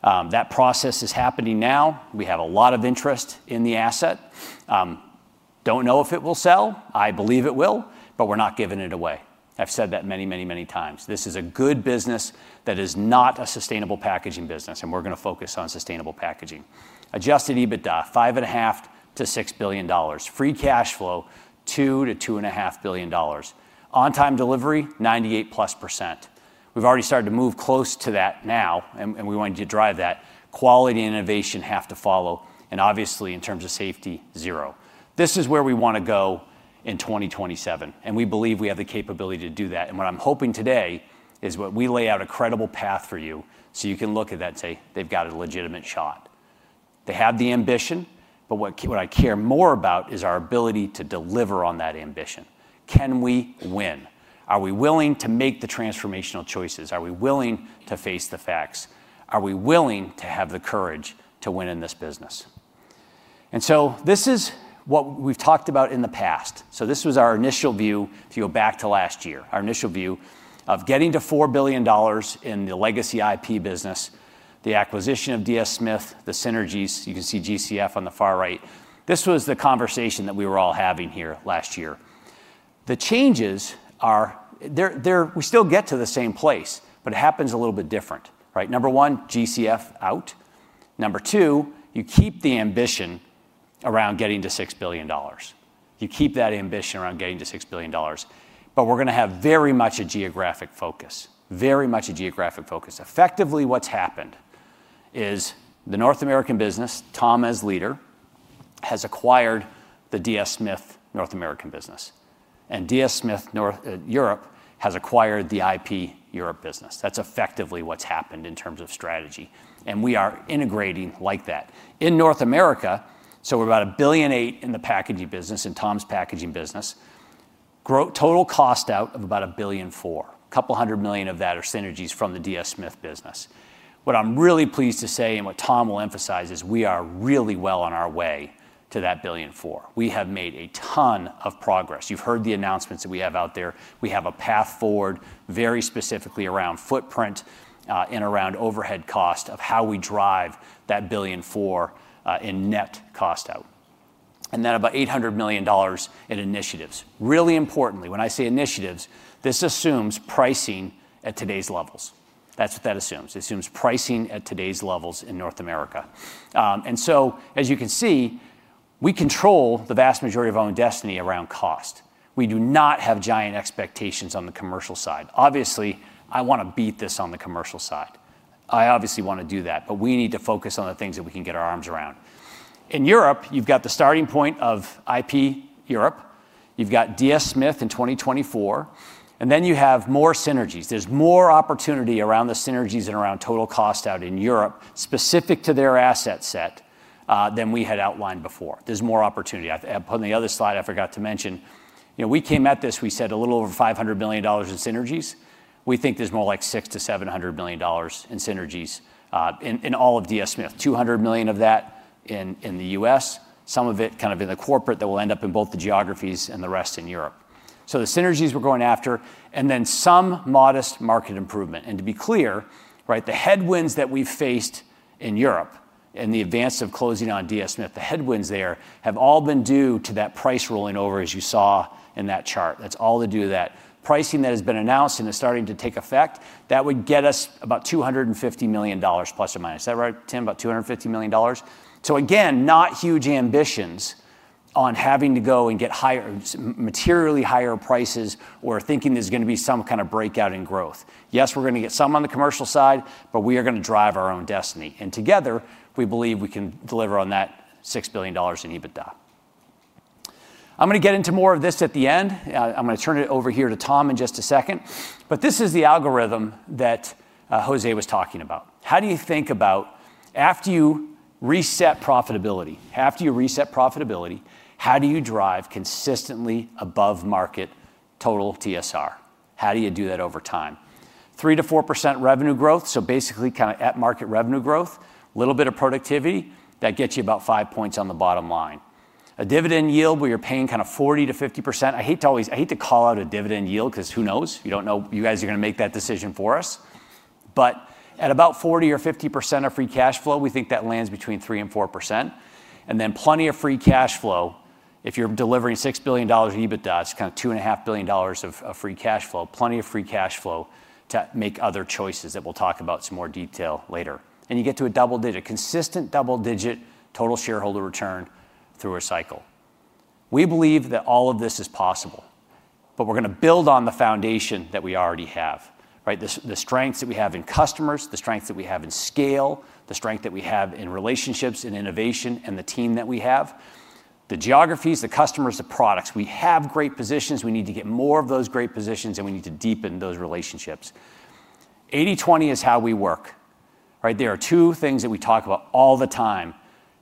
S2: That process is happening now. We have a lot of interest in the asset. Don't know if it will sell. I believe it will, but we're not giving it away. I've said that many, many, many times. This is a good business. That is not a sustainable packaging business. We're going to focus on sustainable packaging. Adjusted EBITDA, $5.5 billion-$6 billion. Free cash flow, $2 billion-$2.5 billion. On time delivery, 98%+. We've already started to move close to that now and we wanted to drive that. Quality and innovation have to follow and obviously in terms of safety, zero. This is where we want to go in 2027. We believe we have the capability to do that. What I'm hoping today is what we lay out a credible path for you. You can look at that and say, they've got a legitimate shot, they have the ambition.
S1: What I care more about is our ability to deliver on that ambition. Can we win? Are we willing to make the transformational choices? Are we willing to face the facts? Are we willing to have the courage to win in this business? This is what we've talked about in the past. This was our initial view, if you go back to last year, our initial view of getting to $4 billion in the legacy IP business, the acquisition of DS Smith, the synergies. You can see GCF on the far right. This was the conversation that we were all having here last year. The changes are we still get to the same place, but it happens a little bit different, right? Number one, GCF out. Number two, you keep the ambition around getting to $6 billion. You keep that ambition around getting to $6 billion, but we're going to have very much a geographic focus. Very much a geographic focus. Effectively, what's happened is the North American business, Tom as leader, has acquired the DS Smith North American business, and DS Smith North Europe has acquired the IP Europe business. That's effectively what's happened in terms of strategy. We are integrating like that in North America. We are about $1.8 billion in the packaging business, in Tom's packaging business, grow total cost out of about $1.4 billion, couple hundred million of that are synergies from the DS Smith business. What I'm really pleased to say, and what Tom will emphasize is we are really well on our way to that $1.4 billion. We have made a ton of progress. You've heard the announcements that we have out there. We have a path forward, forward very specifically around footprint and around overhead cost of how we drive that $1.4 billion in net cost out, and then about $800 million in initiatives. Really importantly, when I say initiatives, this assumes pricing at today's levels. That's what that assumes. It assumes pricing at today's levels in North America. As you can see, we control the vast majority of own destiny around cost. We do not have giant expectations on the commercial side, obviously, I want to beat this on the commercial side. I obviously want to do that. We need to focus on the things that we can get our arms around in Europe. You have the starting point of IP Europe, you have DS Smith in 2024. You have more synergies. There's more opportunity around the synergies and around total cost out in Europe, specific to their asset set, than we had outlined before. There's more opportunity on the other slide. I forgot to mention, you know, we came at this, we said a little over $500 million in synergies. We think there's more like $600 million-$700 million in synergies in all of DS Smith, $200 million of that in the US, some of it kind of in the corporate that will end up in both the geographies and the rest in Europe. So the synergies we're going after and then some modest market improvement. To be clear, right, the headwinds that we've faced in Europe in the advance of closing on DS Smith, if the headwinds there have all been due to that price rolling over, as you saw in that chart, that's all to do. That pricing that has been announced and is starting to take effect, that would get us about $250 million, plus or minus that, right, Tim? About $250 million. Not huge ambitions on having to go and get higher, materially higher prices or thinking there's going to be some kind of breakout in growth. Growth, yes, we're going to get some on the commercial side, but we are going to drive our own destiny. Together we believe we can deliver on that $6 billion in EBITDA. I'm going to get into more of this at the end. I'm going to turn it over here to Tom in just a second. This is the algorithm that José was talking about. How do you think about after you reset profitability, after you reset profitability, how do you drive consistently above market total TSR? How do you do that over time? 3%-4% revenue growth. Basically kind of at market revenue growth, a little bit of productivity that gets you about five percentage points on the bottom line. A dividend yield where you're paying kind of 40%-50%. I hate to always, I hate to call out a dividend yield because who knows, you do not know, you guys are going to make that decision for us. At about 40%-50% of free cash flow, we think that lands between 3%-4% and then plenty of free cash flow. If you're delivering $6 billion EBITDA, it's kind of $2.5 billion of free cash flow, plenty of free cash flow to make other choices that we'll talk about in some more detail later. You get to a double digit, consistent, double digit total shareholder return through a cycle. We believe that all of this is possible, but we're going to build on the foundation that we already have. The strengths that we have in customers, the strengths that we have in scale, the strength that we have in relationships and innovation and the team that we have, the geographies, the customers, the products. We have great positions, we need to get more of those great positions and we need to deepen those relationships. 80/20 is how we work, right? There are two things that we talk about all the time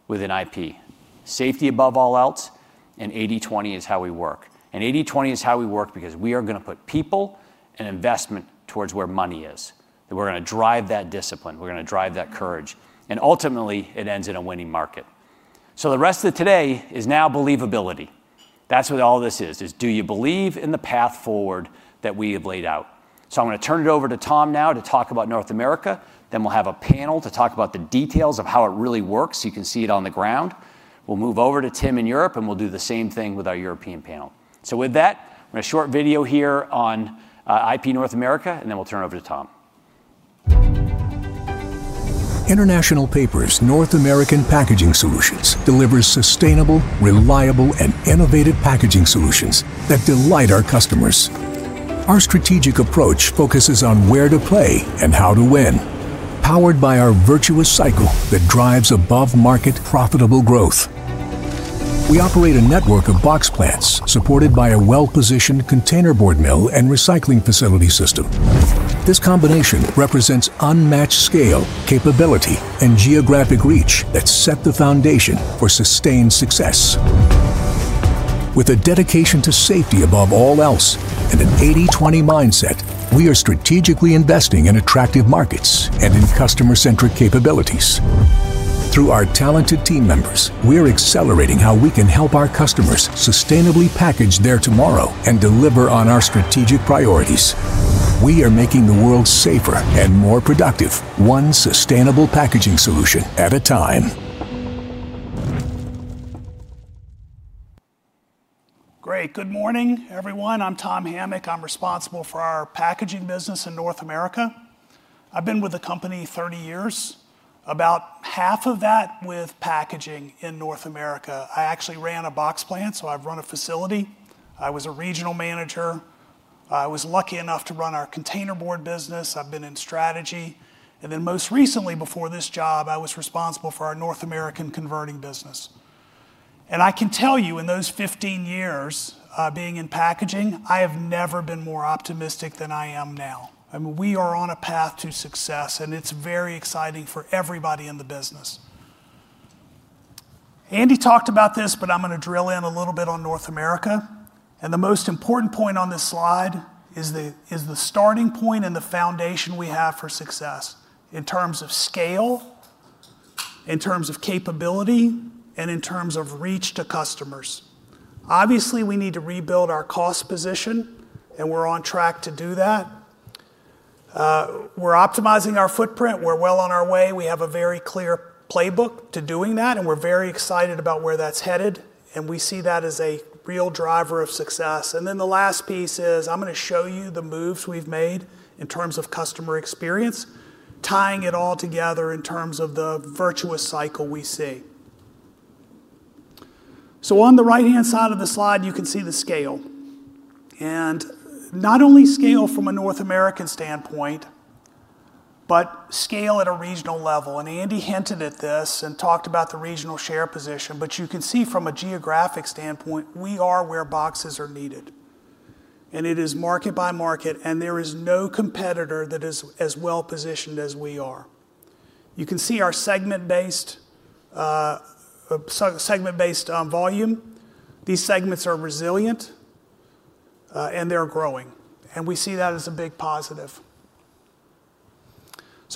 S1: within IP: safety above all else, and 80/20 is how we work. 80/20 is how we work because we are going to put people and an investment towards where money is, that we're going to drive that discipline, we're going to drive that courage, and ultimately it ends in a winning market. The rest of today is now believability. That is what all this is, is. Do you believe in the path forward that we have laid out? I am going to turn it over to Tom now to talk about North America. Then we will have a panel to talk about the details of how it really works. You can see it on the ground. We will move over to Tim in Europe and we will do the same thing with our European panel. With that, a short video here on IP North America and then we will turn over to Tom. International Paper's North American Packaging Solutions delivers sustainable, reliable, and innovative packaging solutions that delight our customers. Our strategic approach focuses on where to play and how to win. Powered by our virtuous cycle that drives above market profitable growth. We operate a network of box plants supported by a well positioned containerboard mill and recycling facility system. This combination represents unmatched scale, capability and geographic reach that set the foundation for sustained success. With a dedication to safety above all else and an 80/20 mindset, we are strategically investing in attracting markets and in customer centric capabilities. Through our talented team members, we're accelerating how we can help our customers sustainably package their tomorrow and deliver on our strategic priorities. We are making the world safer and more productive, one sustainable packaging solution at a time.
S3: Great. Good morning everyone. I'm Tom Hamic. I'm responsible for our packaging business in North America. I've been with the company 30 years, about half of that with packaging in North America. I actually ran a box plant, so I've run a facility. I was a regional manager. I was lucky enough to run our containerboard business. I've been in strategy and most recently before this job, I was responsible for our North American converting business. I can tell you in those 15 years being in packaging, I have never been more optimistic than I am now. We are on a path to success and it's very exciting for everybody in the business. Andy talked about this, but I'm going to drill in a little bit on North America. The most important point on this slide is the starting point and the foundation we have for success in terms of scale, in terms of capability, and in terms of reach to customers. Obviously we need to rebuild our cost position and we're on track to do that. We're optimizing our footprint, we're well on our way. We have a very clear playbook to doing that and we're very excited about where that's headed and we see that as a real driver of success. The last piece is I'm going to show you the moves we've made in terms of customer experience, tying it all together in terms of the virtuous cycle we see. On the right hand side of the slide you can see the scale, and not only scale from a North American standpoint, but scale at a regional level. Andy hinted at this and talked about the regional share position. You can see from a geographic standpoint we are where boxes are needed and it is market by market and there is no competitor that is as well positioned as we are. You can see our segment based volume. These segments are resilient and they're growing and we see that as a big positive.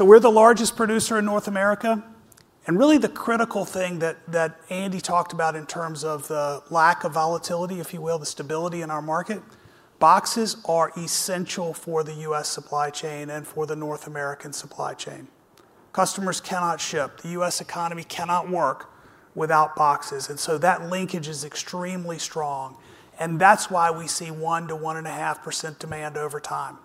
S3: We are the largest producer in North America. The critical thing that Andy talked about in terms of the lack of volatility, if you will, the stability in our market, boxes are essential for the U.S. supply chain and for the North American supply chain. Customers cannot ship. The U.S. economy cannot work without boxes. That linkage is extremely strong. That is why we see 1-1.5% demand over time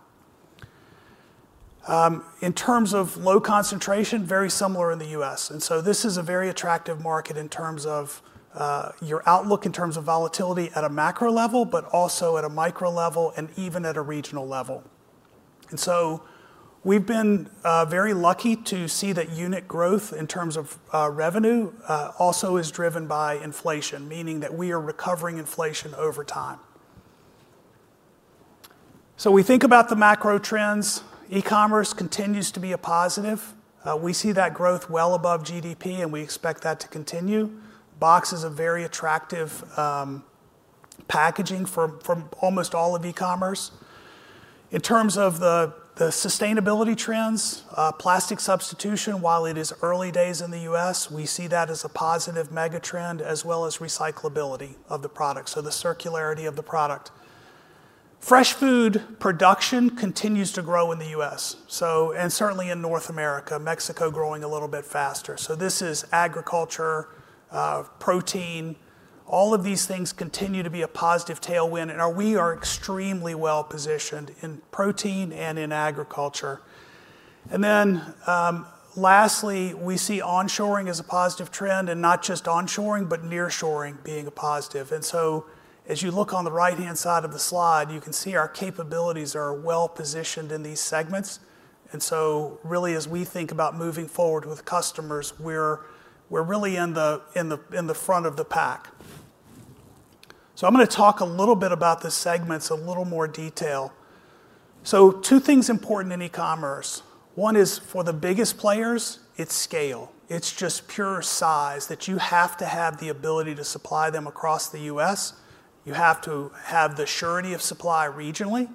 S3: in terms of low concentration. Very similar in the U.S. and this is a very attractive market in terms of your outlook in terms of volatility at a macro level, but also at a micro level and even at a regional level. We have been very lucky to see that unit growth in terms of revenue also is driven by inflation, meaning that we are recovering inflation over time. We think about the macro trends. E-commerce continues to be a positive. We see that growth well above GDP and we expect that to continue. Box is a very attractive packaging for almost all of e-commerce in terms of the sustainability trends, plastic substitution, while it is early days in the U.S. we see that as a positive mega trend as well as recyclability of the product. The circularity of the product. Fresh food production continues to grow in the U.S., and certainly in North America, Mexico growing a little bit faster. This is agriculture, protein, all of these things continue to be a positive tailwind and we are extremely well positioned in protein and in agriculture. Lastly, we see onshoring as a positive trend, and not just onshoring but nearshoring being a positive. As you look on the right hand side of the slide, you can see our capabilities are well positioned in these segments. Really, as we think about moving forward with customers, we're really in the front of the pack. I'm going to talk a little bit about the segments, a little more detail. Two things important in E-Commerce. One is for the biggest players, it's scale. It's just pure size that you have to have the ability to supply them across the U.S. You have to have the surety of supply regionally.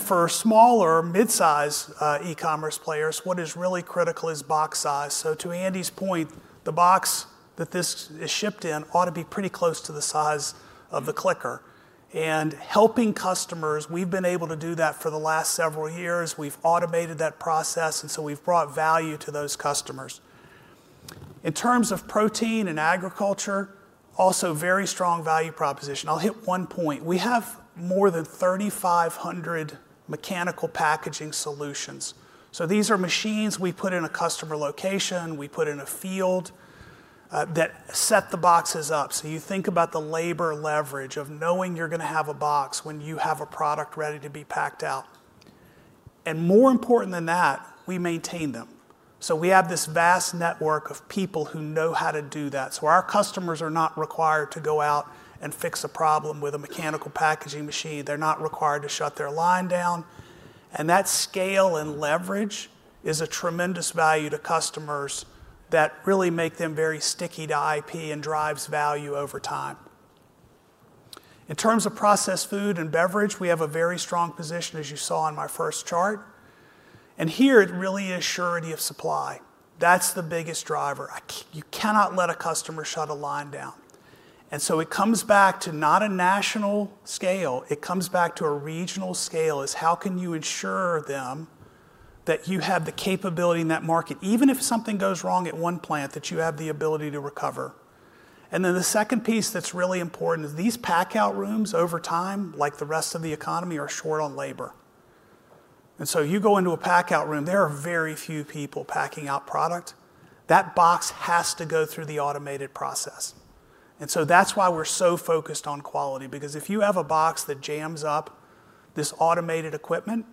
S3: For smaller mid size e-commerce players, what is really critical is box size. To Andy's point, the box that this is shipped in ought to be pretty close to the size of the clicker and helping customers. We've been able to do that for the last several years. We've automated that process and we've brought value to those customers. In terms of protein and agriculture, also very strong value proposition. I'll hit one point. We have more than 3,500 mechanical packaging solutions. These are machines we put in a customer location, we put in a field that set the boxes up. You think about the labor leverage of knowing you're going to have a box when you have a product ready to be packed out. More important than that, we maintain them. We have this vast network of products, people who know how to do that. Our customers are not required to go out and fix a problem with a mechanical packaging machine. They're not required to shut their line down. That scale and leverage is a tremendous value to customers that really make them very sticky to IP and drives value over time in terms of processed food and beverage. We have a very strong position as you saw on my first chart. Here it really is surety of supply. That's the biggest driver. You cannot let a customer shut a line down. It comes back to not a national scale, it comes back to a regional scale. It is how can you ensure them that you have the capability in that market even if something goes wrong at one plant, that you have the ability to recover. The second piece that is really important is these pack-out rooms over time, like the rest of the economy, are short on labor. You go into a pack-out room, there are very few people packing out product. That box has to go through the automated process. That is why we are so focused on quality. Because if you have a box that jams up this automated equipment,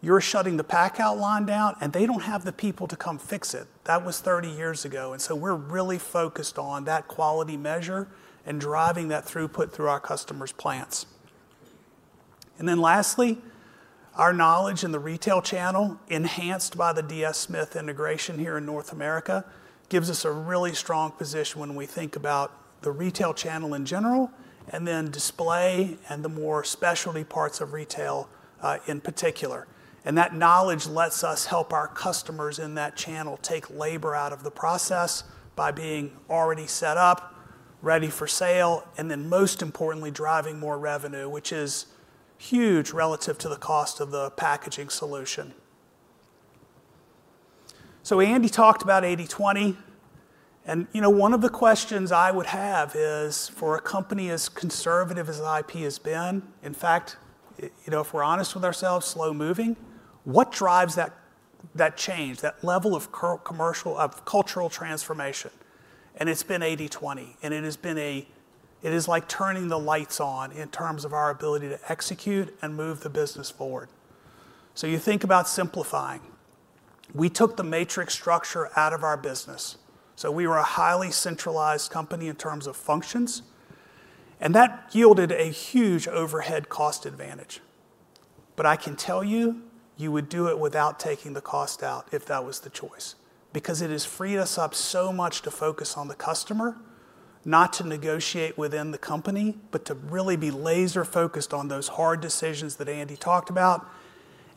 S3: you are shutting the pack-out line down and they do not have the people to come fix it. That was 30 years ago. We are really focused on that quality measure and driving that throughput through our customers' plants. Lastly, our knowledge in the retail channel, enhanced by the DS Smith integration here in North America, gives us a really strong position when we think about the retail channel in general and then display and the more specialty parts of retail in particular. That knowledge lets us help our customers in that channel take labor out of the process by being already set up, ready for sale, and most importantly driving more revenue, which is huge relative to the cost of the packaging solution. Andy talked about 80/20, and one of the questions I would have is for a company as conservative as IP has been, in fact, if we are honest with ourselves, slow moving, what drives that change, that level of commercial, of cultural transformation? It has been 80/20 and it is like turning the lights on in terms of our ability to execute and move the business forward. You think about simplifying. We took the matrix structure out of our business. We were a highly centralized company in terms of functions and that yielded a huge overhead cost to the advantage. I can tell you you would do it without taking the cost out if that was the choice. It has freed us up so much to focus on the customer, not to negotiate within the company, but to really be laser focused on those hard decisions that Andy talked about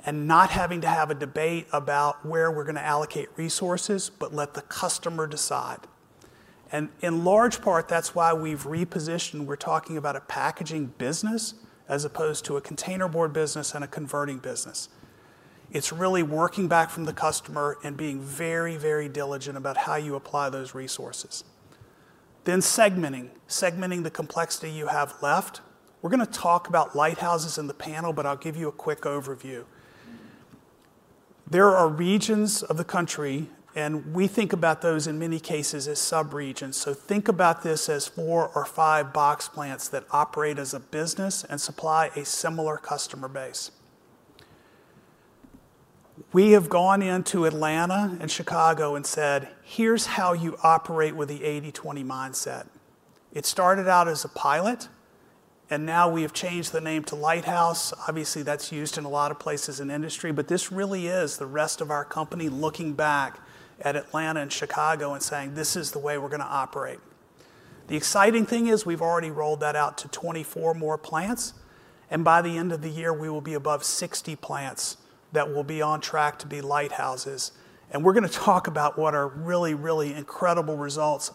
S3: and not having to have a debate about where we are going to allocate resources, but let the customer decide. In large part that is why we have repositioned. We're talking about a packaging business as opposed to a containerboard business and a converting business. It's really working back from the customer and being very, very diligent about how you apply those resources then segmenting, segmenting the complexity you have left. We're going to talk about lighthouses in the panel, but I'll give you a quick overview. There are regions of the country and we think about those in many cases as sub regions. Think about this as four or five box plants that operate as a business and supply a similar customer base. We have gone into a and Chicago and said, here's how you operate with the 80/20 mindset. It started out as a pilot and now we have changed the name to Lighthouse. Obviously that's used in a lot of places in industry, but this really is the rest of our company looking back at Atlanta and Chicago and saying this is the way we're going to operate. The exciting thing is we've already rolled that out to 24 more plants and by the end of the year we will be above 60 plants that will be on track to be lighthouses. We're going to talk about what are really, really incredible results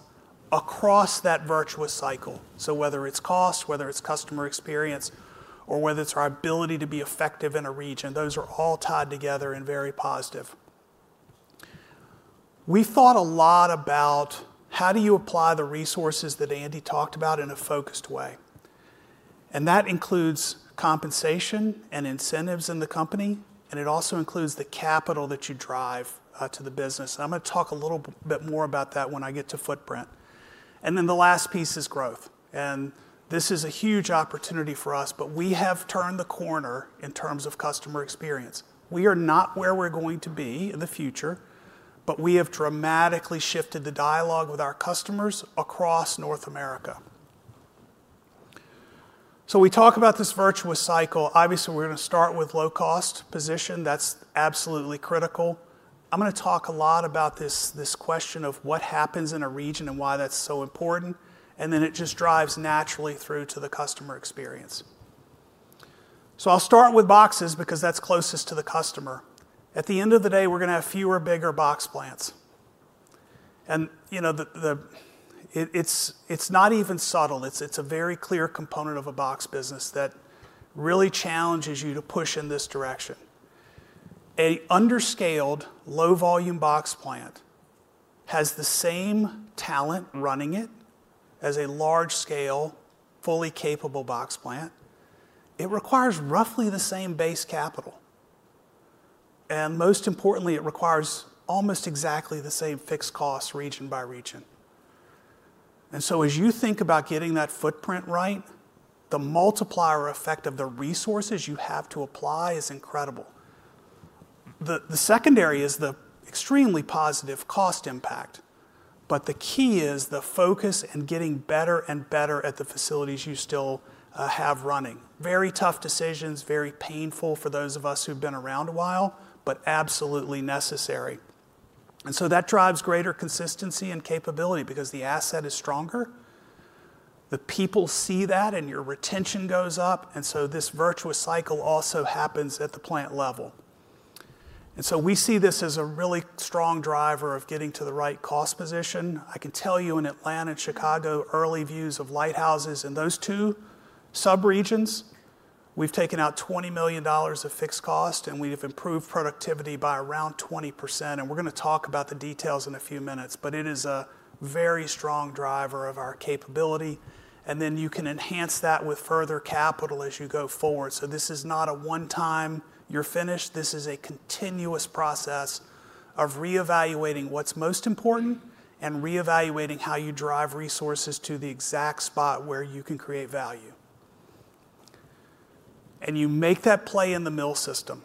S3: across that virtuous cycle. Whether it's cost, whether it's customer experience, or whether it's our ability to be effective in a relationship region, those are all tied together and very positive. We thought a lot about how do you apply the resources that Andy talked about in a focused way and that includes compensation and incentives in the company and it also includes the capital that you drive to the business. I'm going to talk a little bit more about that when I get to footprint. The last piece is growth. This is a huge opportunity for us, but we have turned the corner in terms of customer experience. We are not where we're going to be in the future, but we have dramatically shifted the dialogue with our customers across North America. We talk about this virtuous cycle. Obviously we're gonna start with low cost position. That's absolutely critical. I'm gonna talk a lot about this question of what happens in a region and why that's so important. It just drives naturally through to the customer experience. I'll start with boxes because that's closest to the customer. At the end of the day, we're gonna have fewer bigger box plants. You know, it's not even subtle. It's a very clear component of a box business that really challenges you to push in this direction. An under-scaled, low volume box plant has the same talent running it as a large scale, fully capable box plant. It requires roughly the same base capital and most importantly, it requires almost exactly the same fixed cost region by region. As you think about getting that footprint right, the multiplier effect of the resources you have to apply is incredible. The secondary is the extremely positive cost impact. The key is the focus and getting better and better at the facilities you still have running. Very tough decisions, very painful for those of us who've been around a while, but absolutely necessary. That drives greater consistency and capability because the asset is stronger, the people see that, and your retention goes up. This virtuous cycle also happens at the plant level. We see this as a really strong driver of getting to the right cost position. I can tell you in Atlanta and Chicago, early views of lighthouses in those two sub regions, we've taken out $20 million of fixed cost and we have improved productivity by around 20%. We are going to talk about the details in a few minutes. It is a very strong driver of our capability and then you can enhance that with further capital as you go forward. This is not a one time you're finished. This is a continuous process of reevaluating what's most important and reevaluating how you drive resources to the exact spot where you can create value and you make that play in the mill system.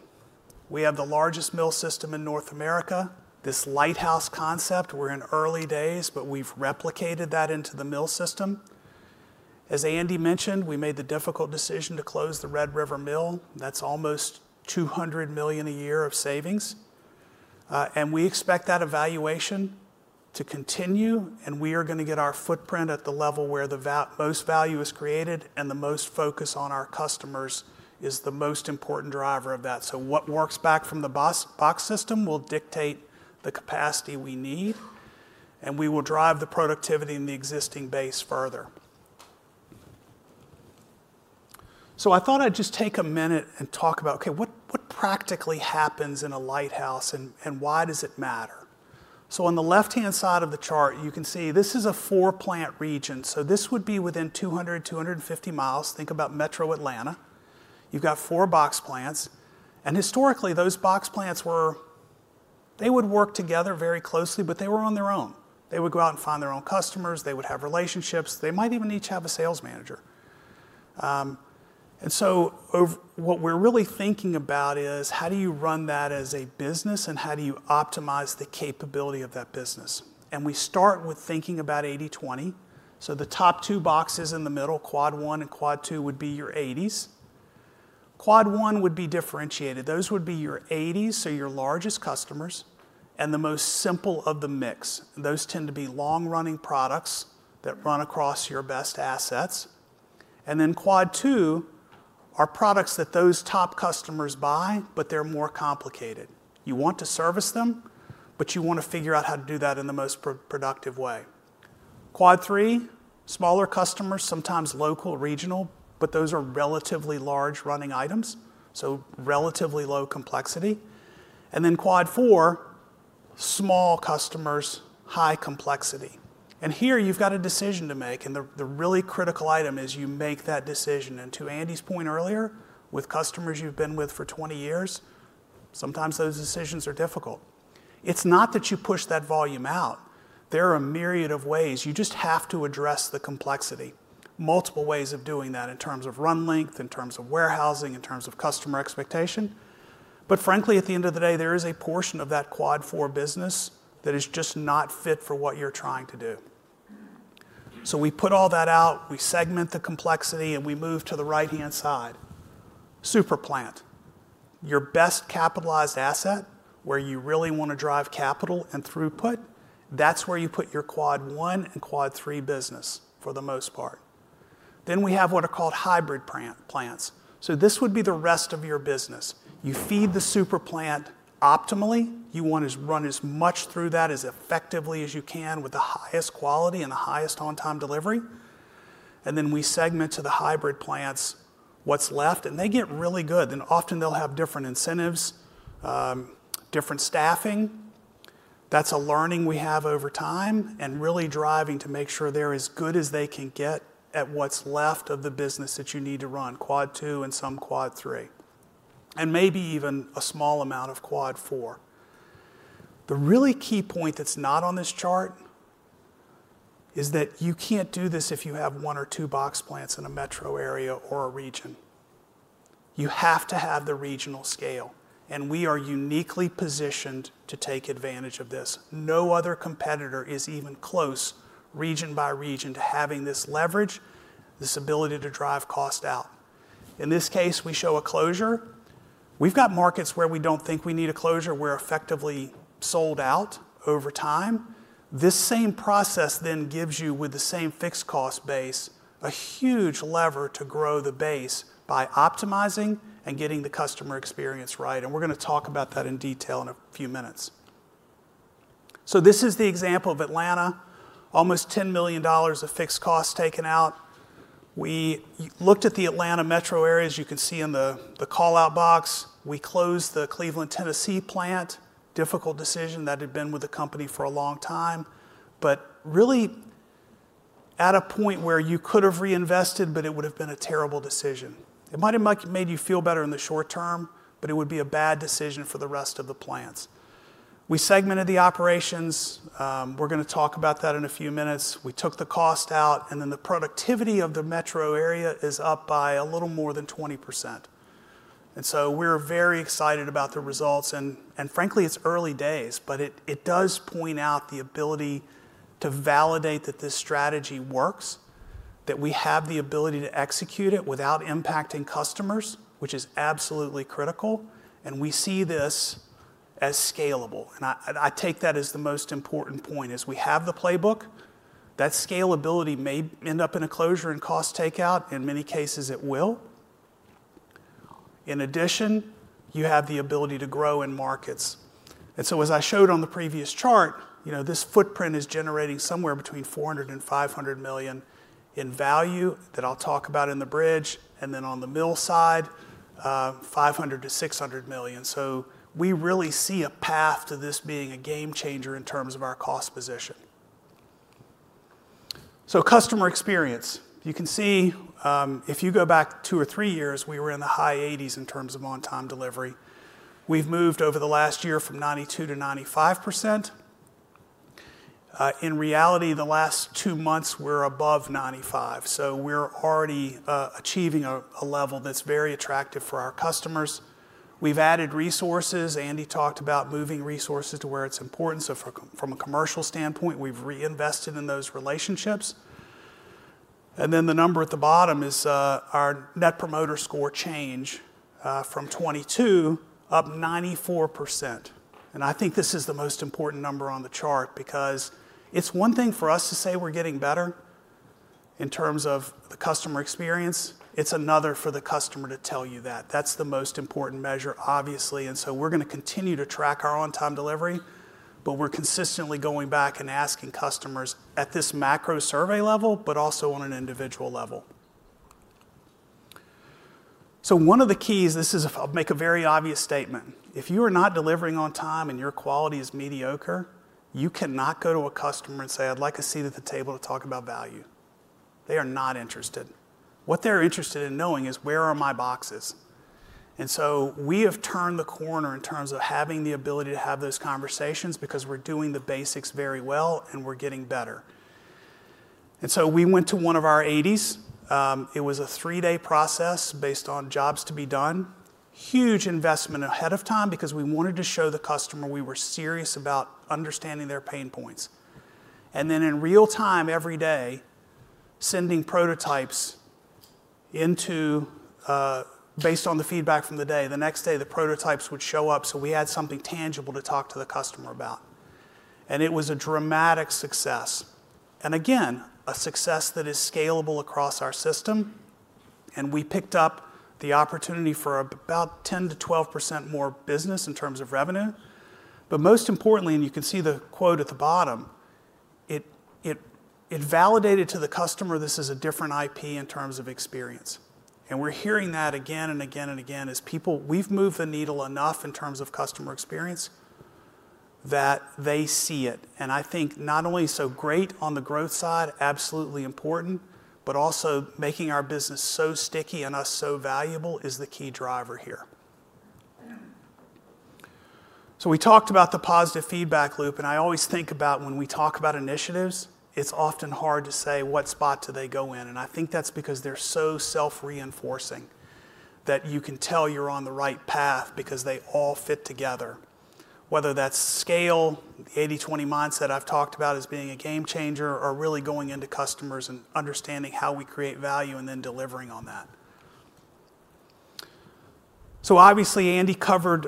S3: We have the largest mill system in North America, America. This lighthouse concept. We're in early days, but we've replicated that into the mill system. As Andy mentioned, we made the difficult decision to close the Red River mill. That's almost $200 million a year of savings. We expect that evaluation to continue. We are going to get our footprint at the level where the most value is created. The most focus on our customers is the most important driver of that. What works back from the box system will dictate the capacity we need and we will drive the productivity in the existing base further. I thought I'd just take a minute and talk about, okay, what practically happens in a lighthouse and why does it matter? On the left hand side of the chart you can see this is a four plant region. This would be within 200 miles-250 miles. Think about metro Atlanta. You've got four box plants. Historically those box plants were, they would work together very closely, but they were on their own. They would go out and find their own customers. They would have relationships. They might even each have a sales manager. What we're really thinking about is how do you run that as a business and how do you optimize the capability of that business? We start with thinking about 80/20. The top two boxes in the middle, quad one and quad two, would be your 80s. Quad one would be differentiated. Those would be your 80s, so your largest customers and the most simple of the mix. Those tend to be long running products that run across your best assets. Quad two are products that those top customers buy, but they're more complicated. You want to service them, but you want to figure out how to do that in the most productive way. Quad three, smaller customers, sometimes local, regional, but those are relatively large running items, so relatively low complexity. Quad four, small customers, high complexity. Here you've got a decision to make. The really critical item is you make that decision. To Andy's point earlier, with customers you've been with for 20 years, sometimes those decisions are difficult. It's not that you push that volume out. There are a myriad of ways, you just have to address the complexity, multiple ways of doing that in terms of run length, in terms of warehousing, in terms of customer expectation. Frankly, at the end of the day, there is a portion of that quad four business that is just not fit for what you're trying to do. We put all that out, we segment the complexity and we move to the right hand side. Super plant, your best capitalized asset, where you really want to drive capital and throughput. That's where you put your quad one and quad three business for the most part. We have what are called hybrid plants. This would be the rest of your business. You feed the super plant optimally, you want to run as much through that as it effectively as you can with the highest quality and the highest on time delivery. You segment to the hybrid plants, what's left and they get really good. Often they'll have different incentives, different staffing. That's a learning we have over time. Really driving to make sure they're as good as they can get at what's left of the business that you need to run quad two and some quad three and maybe even a small amount of quad four. The really key point that's not on this chart is that you can't do this if you have one or two box plants in a metro area or a region. You have to have the regional scale and we are uniquely positioned to take advantage of this. No other competitor is even close, region by region, to having this leverage, this ability to drive cost out. In this case we show a closure. We have markets where we do not think we need a closure. We are effectively sold out over time. This same process then gives you, with the same fixed cost base, a huge lever to grow the base by optimizing and getting the customer experience. Right. We are going to talk about that in detail in a few minutes. This is the example of Atlanta. Almost $10 million of fixed costs taken out. We looked at the Atlanta metro areas. You can see in the call out box. We closed the Cleveland, Tennessee plant. Difficult decision that had been with the company for a long time, but really at a point where you could have reinvested, but it would have been a terrible decision. It might have made you feel better in the short term, but it would be a bad decision for the rest of the plants. We segmented the operations. We're going to talk about that in a few minutes. We took the cost out and then the productivity of the metro area is up by a little more than 20%. We are very excited about the results. Frankly, it's early days. It does point out the ability to validate that this strategy works, that we have the ability to execute it without impacting customers, which is absolutely critical. We see this as scalable. I take that as the most important point, that we have the playbook, that scalability may end up in a closure and cost takeout. In many cases it will. In addition, you have the ability to grow in markets. As I showed on the previous chart, this footprint is generating somewhere between $400 million and $500 million in value that I'll talk about in the bridge and then on the mill side, $500 million-$600 million. We really see a path to this being a game changer in terms of our cost position. Customer experience, you can see if you go back two or three years, we were in the high 80s in terms of on time delivery. We've moved over the last year from 92% to 95%. In reality, the last two months, we're above 95%. We're already achieving a level that's very attractive for our customers. We've added resources. Andy talked about moving resources to where it's important. From a commercial standpoint, we've reinvested in those relationships. The number at the bottom is our net promoter score change from 22, up 94%. I think this is the most important, important number on the chart because it's one thing for us to say we're getting better in terms of the customer experience. It's another for the customer to tell you that that's the most important measure, obviously. We are going to continue to track our on time delivery, but we're consistently going back and asking customers at this macro survey level but also on an individual level. One of the keys is, I'll make a very obvious statement. If you are not delivering on time and your quality is mediocre, you cannot go to a customer and say I'd like a seat at the table to talk about value. They are not interested. What they're interested in knowing is where are my boxes? We have turned the corner in terms of having the ability to have those conversations because we're doing the basics very well and we're getting better. We went to one of our 80/20s. It was a three day process based on jobs to be done. Huge investment ahead of time because we wanted to show the customer we were serious about understanding their pain points. In real time every day sending prototypes in, based on the feedback from the day, the next day the prototypes would show up. We had something tangible to talk to the customer about. It was a dramatic success and again a success that is scalable across our system. We picked up the opportunity for about 10-12% more business in terms of revenue. Most importantly, and you can see the quote at the bottom, it validated to the customer. This is a different IP in terms of experience. We're hearing that again and again and again as people. We've moved the needle enough in terms of customer experience that they see it. I think not only so great on the growth side, absolutely important, but also making our business so sticky and us so valuable is the key driver here. We talked about the positive feedback loop and I always think about when we talk about initiatives it's often hard to say what spot do they go in. I think that's because they're so self-reinforcing that you can tell you're on the right path because they all fit together. Whether that's scale, 80/20 mindset I've talked about as being a game changer, or really going into customers and understanding how we create value and then delivering on that. Obviously, Andy covered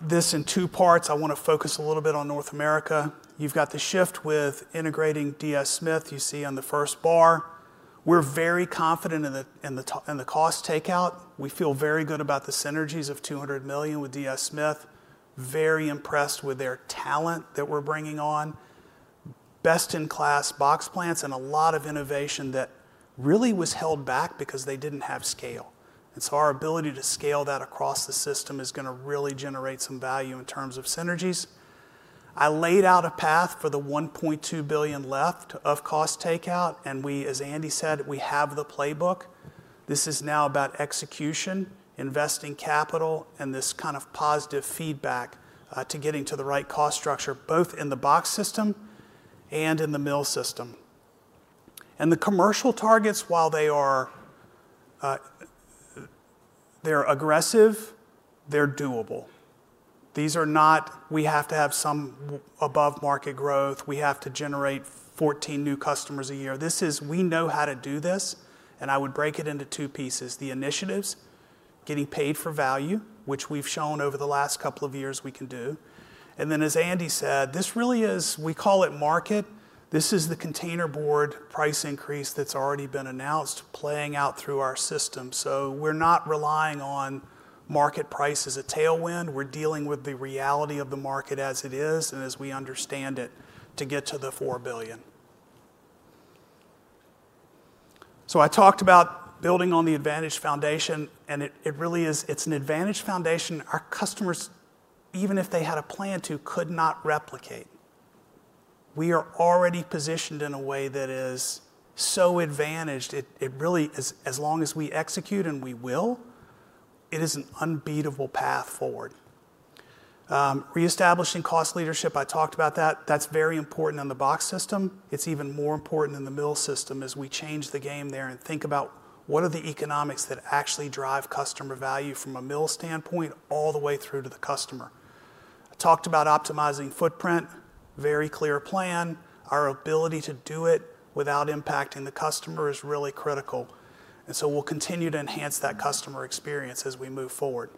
S3: this in two parts. I want to focus a little bit on North America. You've got the shift with integrating DS Smith. You see on the first bar we're very confident in the cost takeout. We feel very good about the synergies of $200 million with DS Smith, very impressed with their talent that we're bringing on, best in class box plants, and a lot of innovation that really was held back because they didn't have scale. Our ability to scale that across the system is going to really generate some value in terms of synergies. I laid out a path for the $1.2 billion left of cost takeout. As Andy said, we have the playbook. This is now about execution, investing capital, and this kind of positive feedback to getting to the right cost structure, both in the box system and in the mill system. The commercial targets, while they are aggressive, they're doable, these are not. We have to have some above market growth. We have to generate 14 new customers a year. We know how to do this. I would break it into two pieces. The initiatives getting paid for value, which we've shown over the last couple of years, we can do. As Andy said, this really is. We call it market. This is the containerboard price increase that's already been announced playing out through our system. We're not relying on market price as a tailwind. We're dealing with the reality of the market as it is and as we understand it, to get to the $4 billion. I talked about building on the Advantage foundation, and it really is. It's an Advantage Foundation. Our customers, even if they had a plan to, could not replicate. We are already positioned in a way that is so advantaged. It really, as long as we execute and we will, it is an unbeatable path forward, reestablishing cost leadership. I talked about that. That's very important in the box system. It's even more important in the mill system as we change the game there and think about what are the economics that actually drive customer value from a mill standpoint all the way through to the customer. I talked about optimizing footprint, very clear plan. Our ability to do it without impacting the customer is really critical. We will continue to enhance that customer experience as we move forward.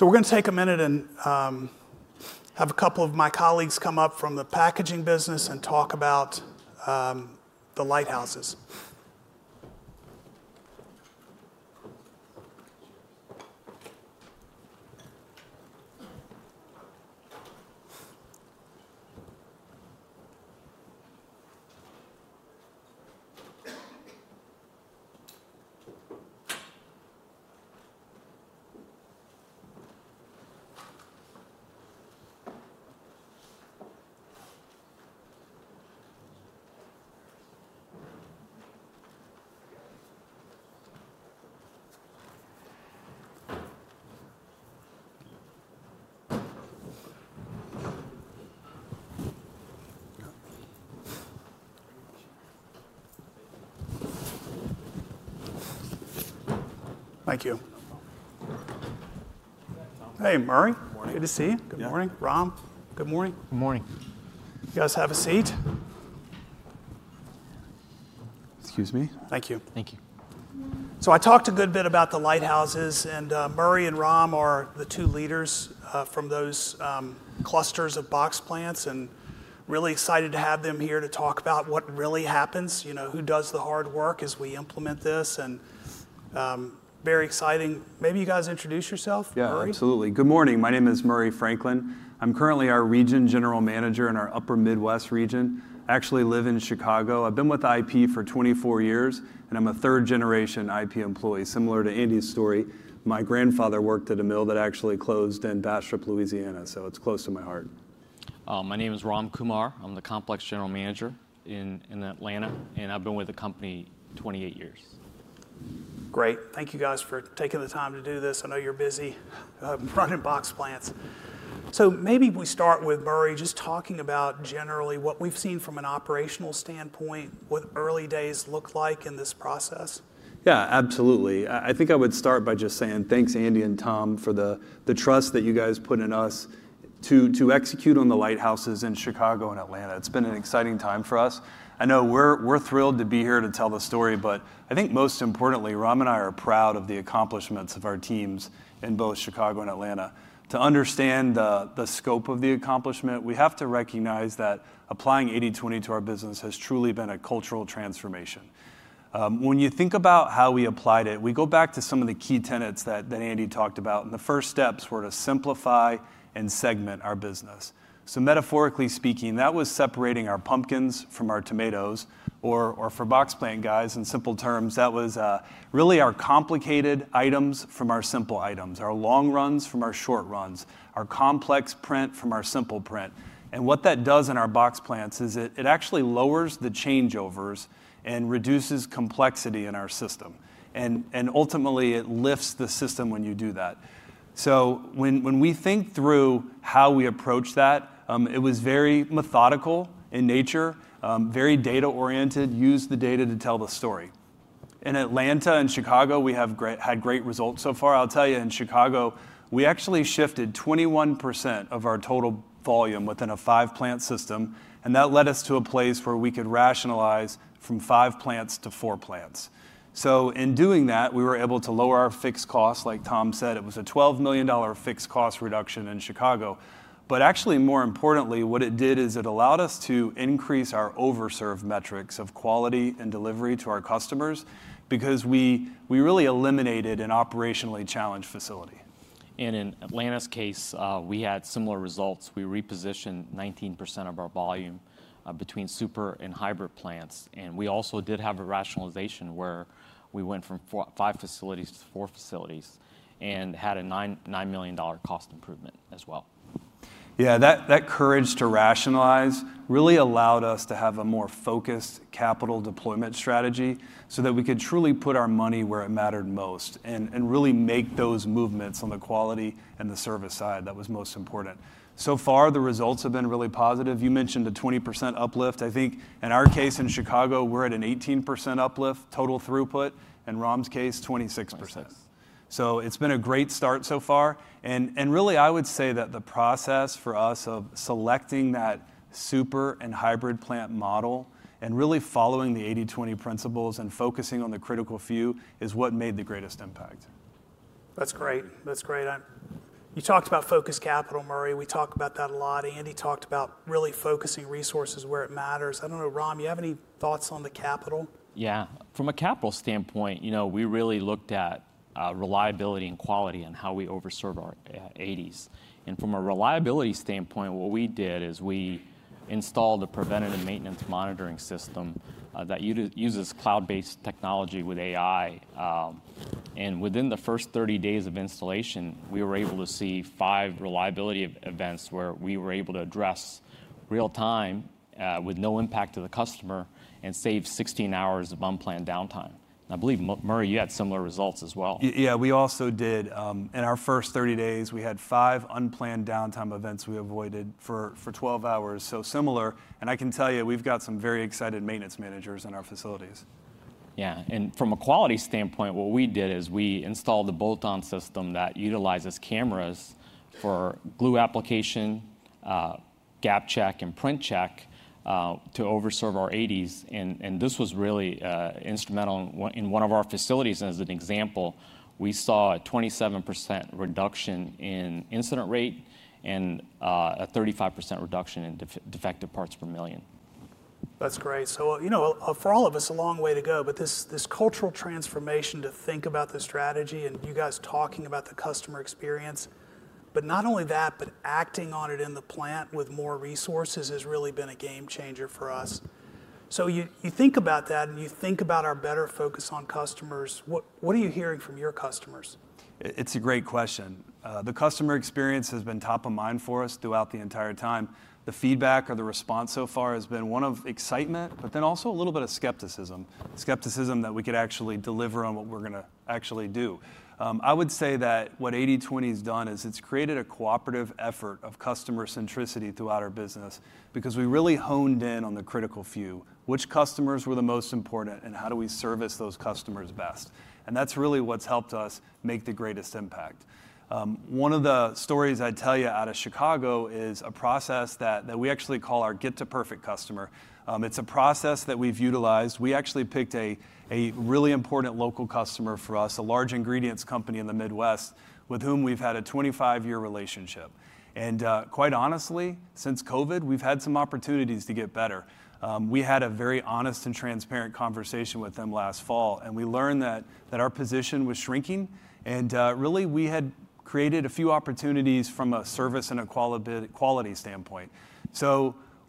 S3: We are going to take a minute and have a couple of my colleagues come up from the packaging business and talk about the Lighthouses. It. Thank you. Hey, Murry. Good to see you. Good morning, Rob. Good morning.
S4: Good morning.
S3: You guys have a seat.
S5: Excuse me.
S3: Thank you.
S1: Thank you.
S3: I talked a good bit about the Lighthouses. Murry and Ram are the two leaders from those clusters of box plants. I am really excited to have them here to talk about what really happens, you know, who does the hard work as we implement this. Very exciting. Maybe you guys introduce yourself.
S6: Murry.
S1: Absolutely.
S6: Good morning. My name is Murry Franklin. I'm currently our Region General Manager in our Upper Midwest region. I actually live in Chicago. I've been with IP for 24 years. I'm a third generation IP employee. Similar to Andy's story, my grandfather worked at a mill that actually closed in Bastrop, Louisiana. It is close to my heart.
S7: My name is Ram Kumar. I'm the Complex General Manager in Atlanta, and I've been with the company 28 years.
S6: Great. Thank you guys for taking the time to do this. I know you're busy running box plants, so maybe we start with Murry just talking about generally what we've seen from an operational standpoint, what early days look like in this process. Yeah, absolutely. I think I would start by just saying thanks, Andy and Tom, for the trust that you guys put in us to execute on the lighthouses in Chicago and Atlanta. It's been an exciting time for us. I know we're thrilled to be here to tell the story. I think most importantly, Ram and I are proud of the accomplishments of our teams in both Chicago and Atlanta. To understand the scope of the accomplishment, we have to recognize that applying 80/20 to our business has truly been a cultural transformation. When you think about how we applied it, we go back to some of the key tenets that Andy talked about. The first steps were to simplify and segment our business. Metaphorically speaking, that was separating our pumpkins from. From our tomatoes or for box plant guys, in simple terms, that was really our complicated items from our simple items, our long runs from our short runs, our complex print from our simple print. What that does in our box plants is it actually lowers the changeovers and reduces complexity in our system. Ultimately it lifts the system when you do that. When we think through how, how we approached that, it was very methodical in nature, very data oriented. Use the data to tell the story. In Atlanta and Chicago, we have had great results so far. I'll tell you, in Chicago, we actually shifted 21% of our total volume within a five plant system. That led us to a place where we could rationalize from five plants to four plants. In doing that, we were able to lower our fixed costs. Like Tom said, it was a $12 million fixed cost reduction in Chicago. Actually, more importantly, what it did is it allowed us to increase our overserved metrics of quality and delivery to our customers because we really eliminated an operationally challenged facility.
S7: In Atlanta's case, we had similar results. We repositioned 19% of our volume between super and hybrid plants. We also did have a rationalization where we went from five facilities to four facilities and had a $9 million cost improvement as well.
S6: Yeah. That courage to rationalize really allowed us to have a more focused capital deployment strategy so that we could truly put our money where it mattered most and really make those movements on the quality and the service side that was most important. So far the results have been really positive. You mentioned a 20% uplift. I think in our case in Chicago, we're at an 18% uplift, total throughput, in Ram's case, 26%. It has been a great start so far. I would say that the process for us of selecting that super and hybrid plant model and really following the 80/20 principles and focusing on the critical few is what made the greatest impact.
S3: That's great. That's great. You talked about focus capital, Murry. We talk about that a lot. Andy talked about really focusing resources where it matters. I don't know. Ram, you have any thoughts on the capital?
S7: Yeah, from a capital standpoint, you know, we really looked at reliability and quality and how we overserve our 80s. From a reliability standpoint, what we did is we installed a preventative maintenance monitoring system that uses cloud based technology with AI. Within the first 30 days of installation we were able to see five reliability events where we were able to address real time with no impact to the customer and save 16 hours of unplanned downtime. I believe, Murry, you had similar results as well.
S6: Yeah, we also did. In our first 30 days we had five unplanned downtime events we avoided for 12 hours. Similar. I can tell you we've got some very excited maintenance managers in our facilities.
S7: Yeah. From a quality standpoint, what we did is we installed the bolt on system that utilizes cameras for glue application, gap check, and print check to over serve our 80s. This was really instrumental in one of our facilities. As an example, we saw a 27% reduction in incident rate and a 35% reduction in defective parts per million.
S3: That's great. You know, for all of us, a long way to go. This cultural transformation to think about the strategy and you guys talking about the customer experience, but not only that, but acting on it in the plant with more resources has really been a game changer for us. You think about that and you think about our better focus on customers. What are you hearing from your customers?
S6: It's a great question. The customer experience has been top of mind for us throughout the entire time. The feedback or the response so far has been one of excitement, but then also a little bit of skepticism. Skepticism that we could actually deliver on what we're going to actually do. I would say that what 80/20 has done is it's created a cooperative effort of customer centricity throughout our business because we really honed in on the critical few, which customers were the most important and how do we service those customers best. That's really what's helped us make the greatest impact. One of the stories I tell you out of Chicago is a process that we actually call our get to perfect customer. It's a process that we've utilized. We actually picked a really important local customer for us, a large ingredients company in the Midwest with whom we've had a 25 year relationship. Quite honestly, since COVID we've had some opportunities to get better. We had a very honest and transparent contract conversation with them last fall and we learned that our position was shrinking. We had created a few opportunities from a service and a quality standpoint.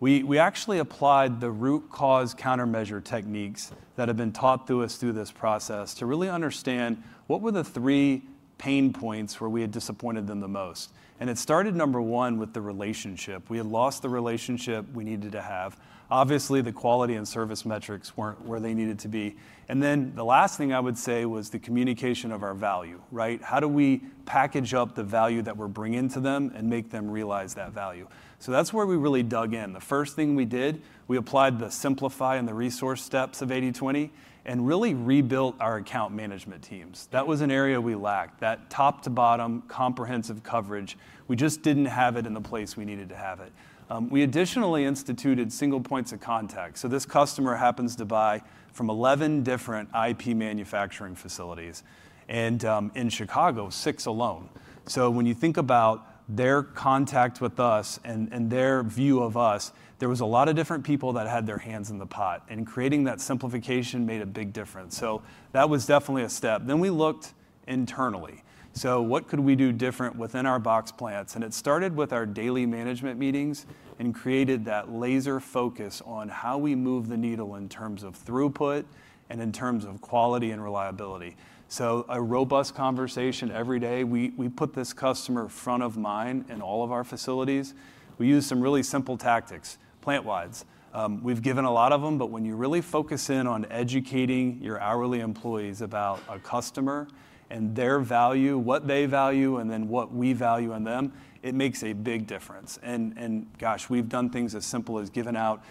S6: We actually applied the root cause countermeasure techniques that have been taught to us through this process to really understand what were the three pain points where we had disappointed them the most. It started, number one, with the relationship. We had lost the relationship we needed to have. Obviously, the quality and service metrics were not where they needed to be. The last thing I would say was the communication of our value, right? How do we package up the value that we're bringing to them and make them realize that value? That is where we really dug in. The first thing we did, we applied the simplify and the resource steps of 80/20 and really rebuilt our account management teams. That was an area we lacked that top to bottom, comprehensive coverage. We just did not have it in the place we needed to have it. We additionally instituted single points of contact. This customer happens to buy from 11 different IP manufacturing facilities and in Chicago, six alone. When you think about their contact with us and their view of us, there were a lot of different people that had their hands in the pot. Creating that simplification made a big difference. That was definitely a step. We looked internally. What could we do different within our box plants? It started with our daily management meetings and created that laser focus on how we move the needle in terms of throughput and in terms of quality and reliability. A robust conversation. Every day we put this customer front of mind in all of our facilities. We use some really simple tactics. Plant wise, we've given a lot of them. When you really focus in on educating your hourly employees about a customer and their value, what they value and then what we value in them, it makes a big difference. Gosh, we've done things as simple as giving out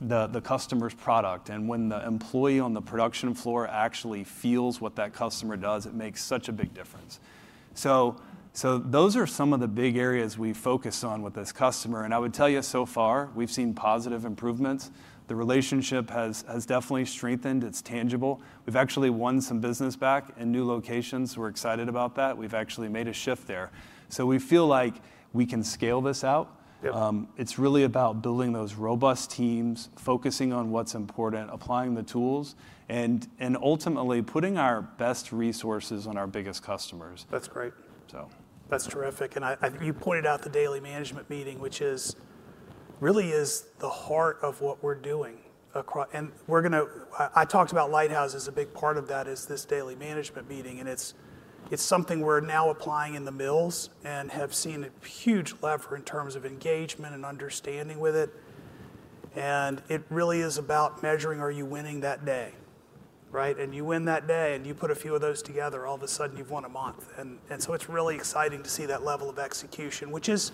S6: the customer's product. When the employee on the production floor actually feels what that customer does, it makes such a big difference. Those are some of the big areas we focus on with this customer. I would tell you, so far we've seen positive improvements. The relationship has definitely strengthened. It's tangible. We've actually won some business back in new locations. We're excited about that. We've actually made a shift there. We feel like we can scale this out. It's really about building those robust teams, focusing on what's important, applying the tools and ultimately putting our best resources on our biggest customers.
S3: That's great. That's terrific. You pointed out the daily management meeting, which really is the heart of what we're doing and we're going to. I talked about Lighthouse as a big part of that is this daily management meeting. It's something we're now applying in the mills and have seen a huge lever in terms of engagement and understanding with it. It really is about measuring are you winning that day? Right? You win that day and you put a few of those together, all of a sudden you've won a month. It is really exciting to see that level of execution, which is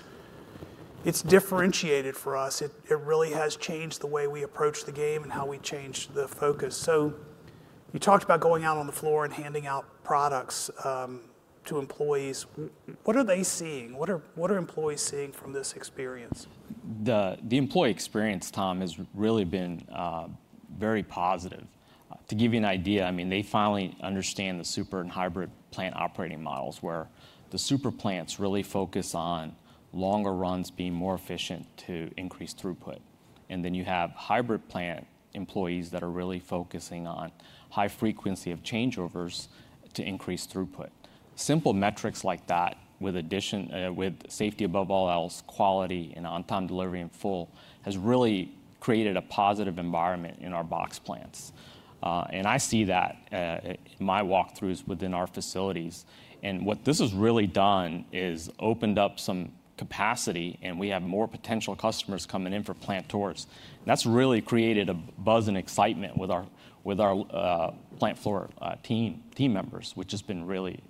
S3: differentiated for us. It really has changed the way we approach the game and how we change the focus. You talked about going out on the floor and handing out products to employees. What are they seeing? What are employees seeing from this experience?
S6: The employee experience, Tom, has really been very positive. To give you an idea, I mean, they finally understand the super and hybrid plant operating models where the super plants really focus on longer runs, being more efficient to increase throughput. You have hybrid plant employees that are really focusing on high frequency of changeovers to increase throughput. Simple metrics like that, with addition, with safety above all else, quality and on time delivery in full has really created a positive environment in our box plants. I see that in my walkthroughs within our facilities and what this has really done is opened up some capacity and we have more potential customers coming in for plant tours. That has really created a buzz and excitement with our plant floor team members, which has been really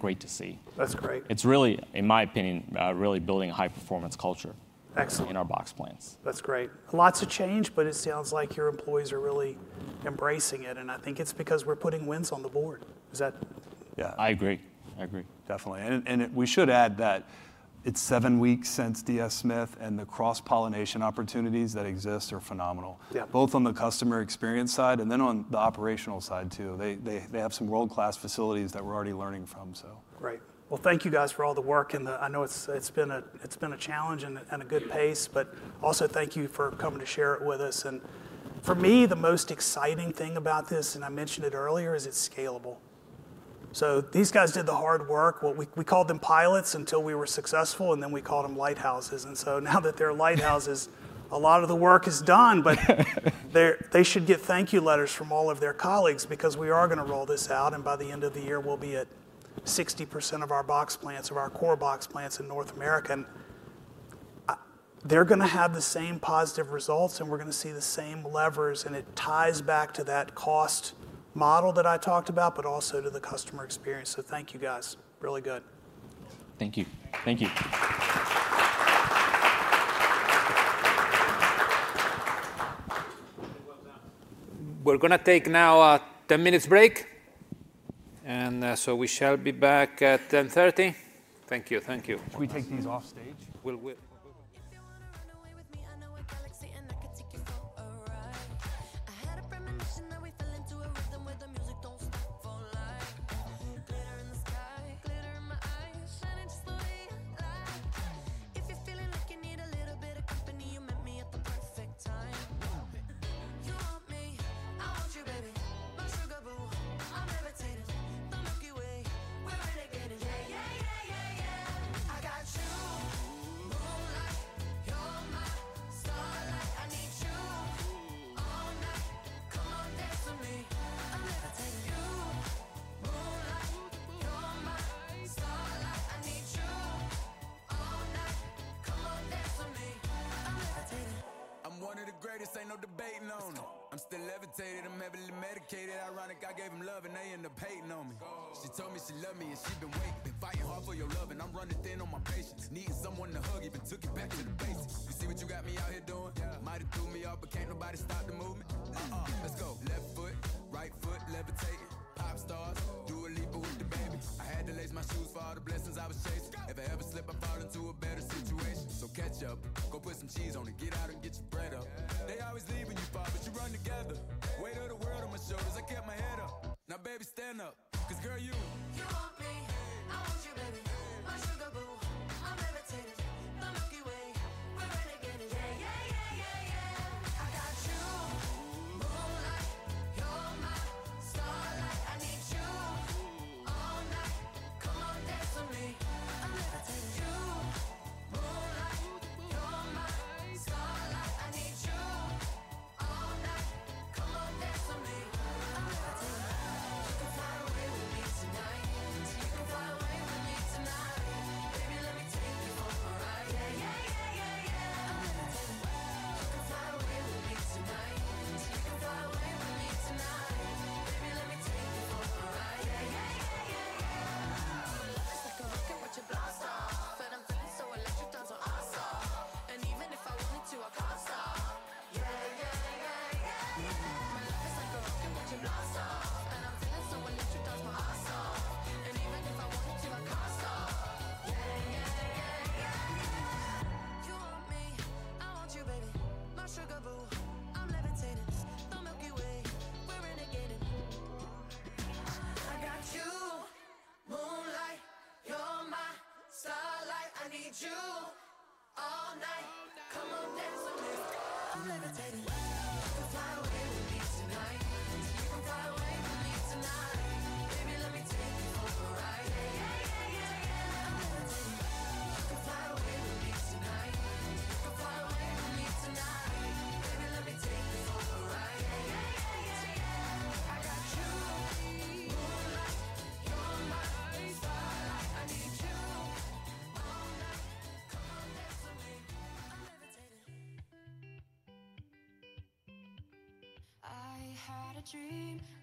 S6: great to see. That's great. It's really, in my opinion, really building a high performance culture in our box plants.
S3: That's great. Lots of change but it sounds like your employees are really embracing it and I think it's because we're putting wins on the board. Is that?
S6: Yeah, I agree. I agree, definitely. We should add that it's seven weeks since DS Smith and the cross pollination opportunities that exist are phenomenal both on the customer experience side and then on the operational side too. They have some world class facilities that we're already learning from.
S3: Right, thank you guys for all the work and I know it's been a challenge and a good pace, but also thank you for coming to share it with us. For me, the most exciting thing about this, and I mentioned it earlier, is it's scalable. These guys did the hard work. We called them pilots until we were successful and then we called them lighthouses. Now that they're lighthouses, a lot of the work is done. They should get thank you letters from all of their colleagues because we are going to roll this out and by the end of the year we'll be at 60% of our box plants, of our core box plants in North America. They're going to have the same positive results and we're going to see the same levers and it ties back to that cost model that I talked about, but also to the customer experience. Thank you guys. Really good.
S6: Thank you.
S2: Thank you.
S1: We're gonna take now a 10 minutes. Break and so we shall be back at 10:30. Thank you. Thank you. Should we take these off stage? fly away with me tonight. You can fly away from me tonight. Baby, let me take you over right. I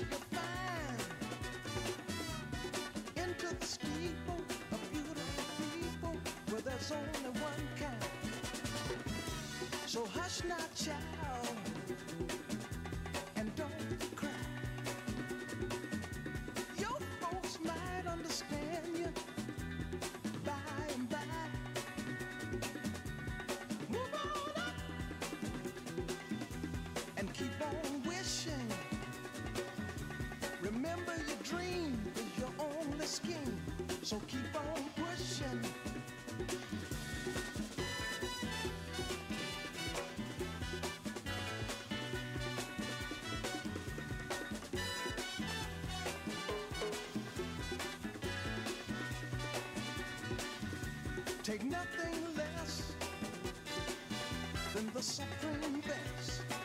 S3: up toward your destination. Though you may find from time to time complication. Bite your lip and take a trip. Though there may be wet road ahead and you cannot slip. Just move on up. More peace you can find into these people a beautiful people where there's only one kind. So hush not child and don't cry. Your folks might understand you by and by move on up and keep on wishing. Remember your dream is your own skin so keep on pushing. Take nothing less than the suffering best.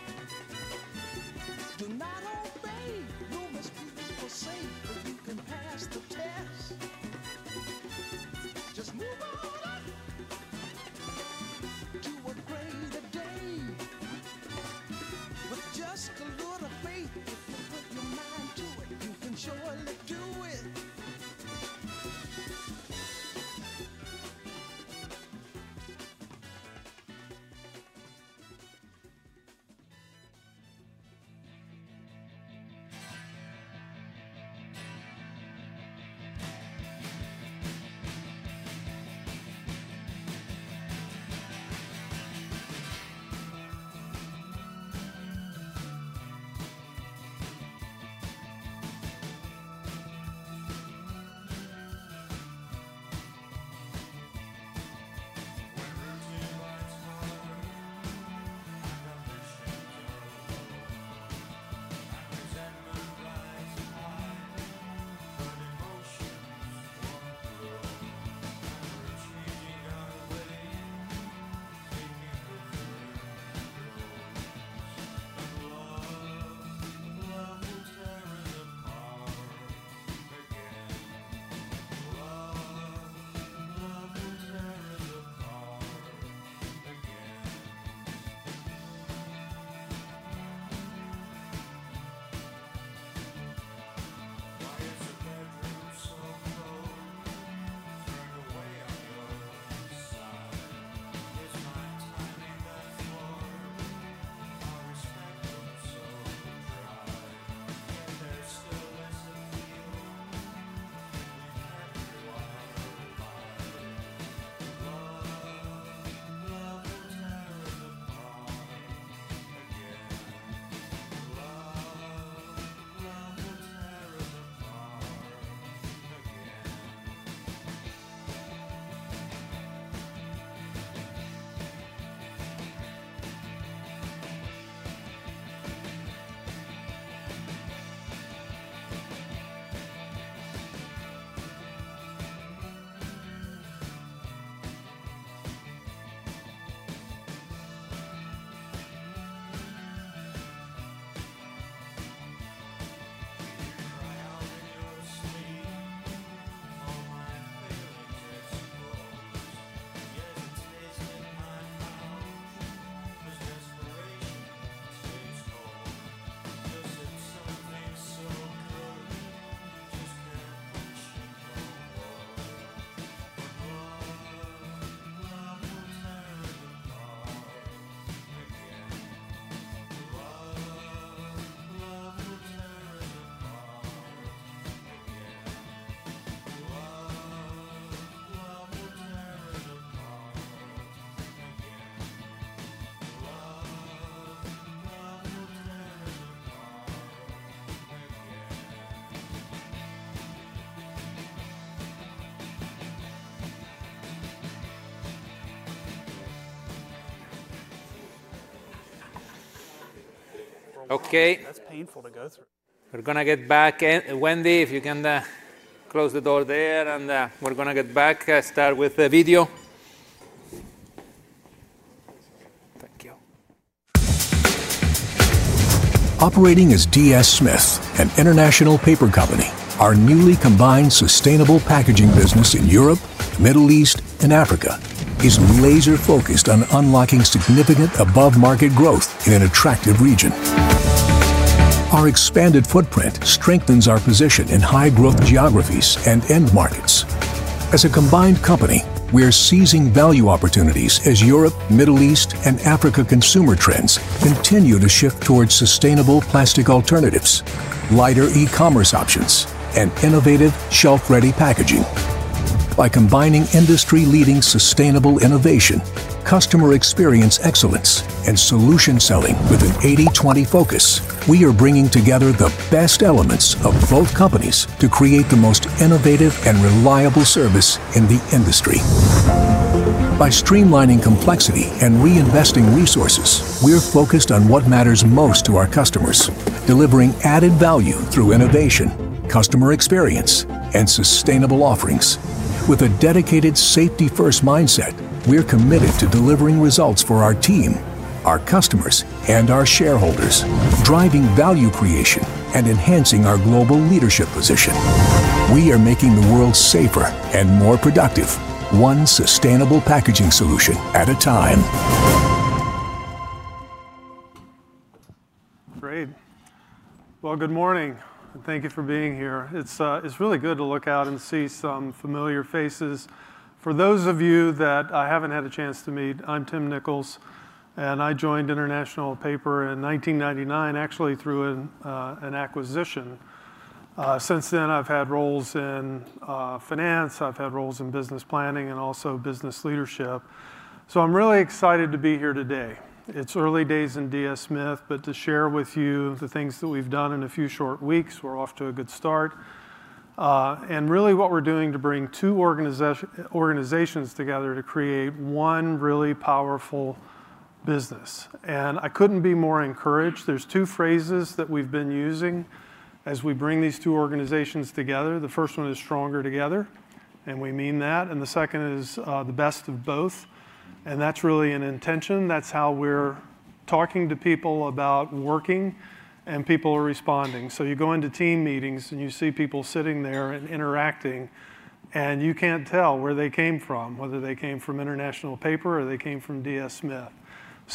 S2: Okay, that's painful to go through.
S1: We're gonna get back. Wendy, if you can close the door there. We're gonna get back. Start with the video.
S2: Thank you. Operating as DS Smith, an International Paper company, our newly combined sustainable packaging business in Europe, Middle East and Africa is laser focused on unlocking significant above market growth in an attractive region. Our expanded footprint strengthens our position in high growth geographies and end markets. As a combined company, we are seizing value opportunities as Europe, Middle East and Africa consumer trends continue to shift towards sustainable plastic alternatives, lighter e-commerce options and innovative shelf ready packaging. By combining industry leading, sustainable innovation, customer experience, excellence and solution selling with an 80/20 focus, we are bringing together the best elements of both companies to create the most innovative and reliable service in the industry. By streamlining complexity and reinvesting resources, we're focused on what matters most to our customers. Delivering added value through innovation, customer experience and sustainable offerings. With a dedicated safety first mindset, we're committed to delivering results for our team, our customers and our shareholders. Driving value creation and enhancing our global leadership position. We are making the world safer and more productive, one sustainable packaging solution at a time.
S5: Great. Good morning. Thank you for being here. It's really good to look out and see some familiar faces. For those of you that I haven't had a chance to meet, I'm Tim Nichols and I joined International Paper in 1999 actually through an acquisition. Since then I've had roles in finance, I've had roles in business planning and also business leadership. I'm really excited to be here today. It's early days in DS Smith, but to share with you the things that we've done in a few short weeks, we're off to a good start and really what we're doing to bring two organizations together to create one really powerful business and I couldn't be more encouraged. There are two phrases that we've been using as we bring these two organizations together. The first one is stronger together and we mean that and the second is the best of both. That is really an intention. That is how we are talking to people about working and people are responding. You go into team meetings and you see people sitting there and interacting and you cannot tell where they came from, whether they came from International Paper or they came from DS Smith.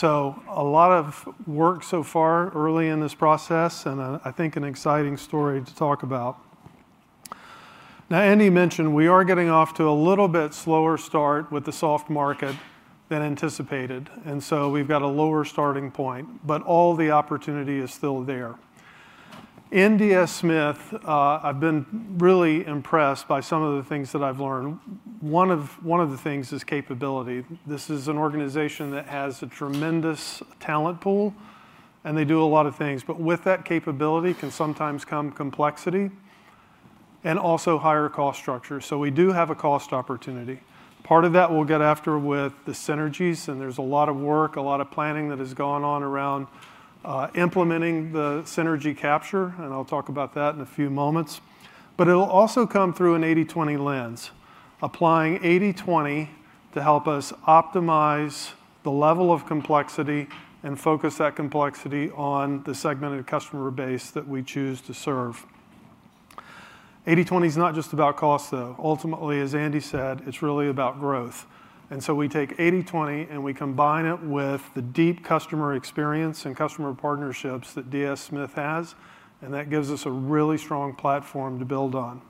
S5: A lot of work so far early in this process and I think an exciting story to talk about. Now, Andy mentioned we are getting off to a little bit slower start with the soft market than anticipated. We have got a lower starting point, but all the opportunity is still there in DS Smith. I have been really impressed by some of the things that I have learned. One of the things is capability. This is an organization that has a tremendous talent pool and they do a lot of things. With that capability can sometimes come complexity and also higher cost structure. We do have a cost opportunity. Part of that we'll get after with the synergies. There's a lot of work, a lot of planning that has gone on around implementing the synergy capture. I'll talk about that in a few moments. It'll also come through an 80/20 lens. Applying 80/20 to help us optimize the level of complexity and focus that complexity on the segmented customer base that we choose to serve. 80/20 is not just about cost, though. Ultimately, as Andy said, it's really about growth. We take 80/20 and we combine it with the deep customer experience and customer partnerships that DS Smith has. That gives us a really strong platform to build on.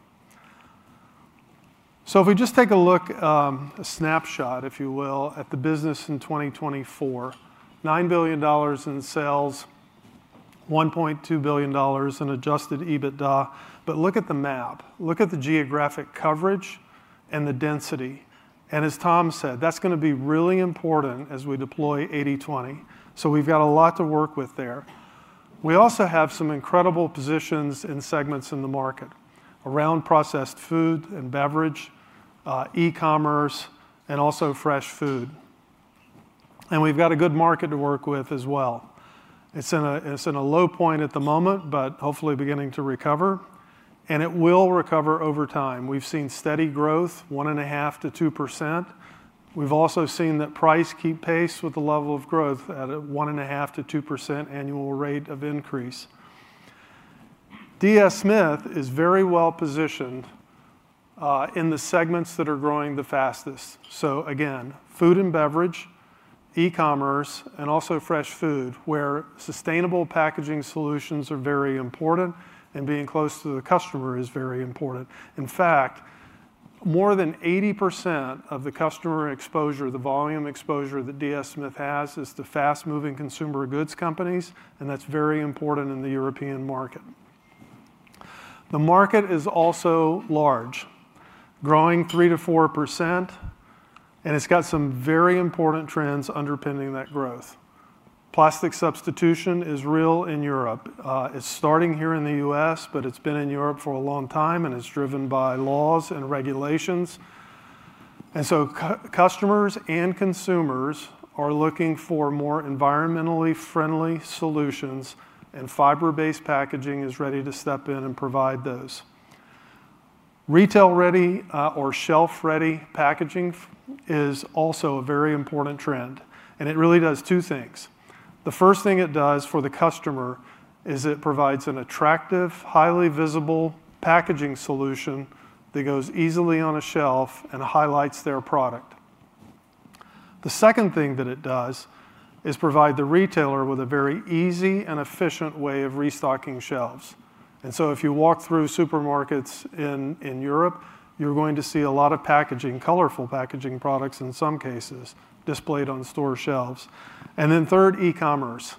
S5: If we just take a look, a snapshot, if you will, at the business in 2024, $9 billion in sales, $1.2 billion in adjusted EBITDA. Look at the map. Look at the geographic coverage and the density. As Tom said, that's going to be really important as we deploy 80/20. We have a lot to work with there. We also have some incredible positions in segments in the market around processed food and beverage, e-commerce, and also fresh food. We have a good market to work with as well. It's in a low point at the moment, but hopefully beginning to recover. It will recover over time. We've seen steady growth, 1.5-2%. We've also seen that price keep pace with the level of growth at a 1.5-2% annual rate of increase. DS Smith is very well positioned in the segments that are growing the fastest. Food and beverage, e-commerce, and also fresh food where sustainable packaging solutions are very important and being close to the customer is very important. In fact, more than 80% of the customer exposure, the volume exposure that DS Smith has is to fast moving consumer goods companies. That's very important in the European market. The market is also large, growing 3-4%. It's got some very important trends underpinning that growth. Plastic substitution is real in Europe. It's starting here in the U.S. but it's been in Europe for a long time and it's driven by laws and regulations and customers and consumers are looking for more environmentally friendly solutions and fiber based packaging is ready to step in and provide those. Retail ready or shelf ready packaging is also a very important trend and it really does two things. The first thing it does for the customer is it provides an attractive, highly visible packaging solution that goes easily on a shelf and highlights their product. The second thing that it does is provide the retailer with a very easy and efficient way of restocking shelves. If you walk through supermarkets in Europe, you're going to see a lot of packaging, colorful packaging products in some cases displayed on store shelves. Third, e-commerce,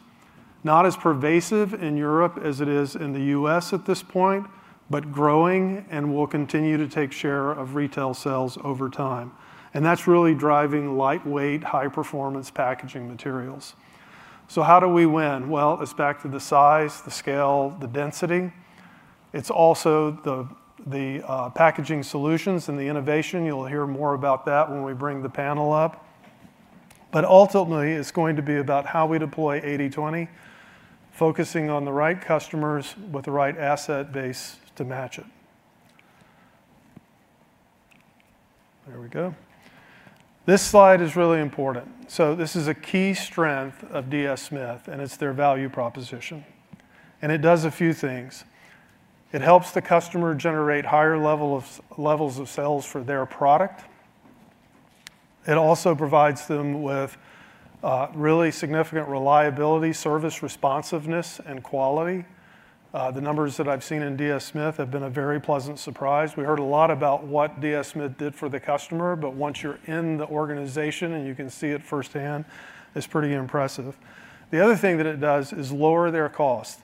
S5: not as pervasive in Europe as it is in the U.S. at this point, but growing and will continue to take share of retail sales over time. That is really driving lightweight, high performance packaging materials. How do we win? It is back to the size, the scale, the density. It is also the packaging solutions and the innovation. You will hear more about that when we bring the panel up. Ultimately it is going to be about how we deploy 80/20, focusing on the right customers with the right asset base to match it. There we go. This slide is really important. This is a key strength of DS Smith and it is their value proposition. It does a few things. It helps the customer generate higher levels of sales for their product. It also provides them with really significant reliability, service responsiveness, and quality. The numbers that I've seen in DS Smith have been a very pleasant surprise. We heard a lot about what DS Smith did for the customer. Once you're in the organization and you can see it firsthand, it's pretty impressive. The other thing that it does is lower their cost.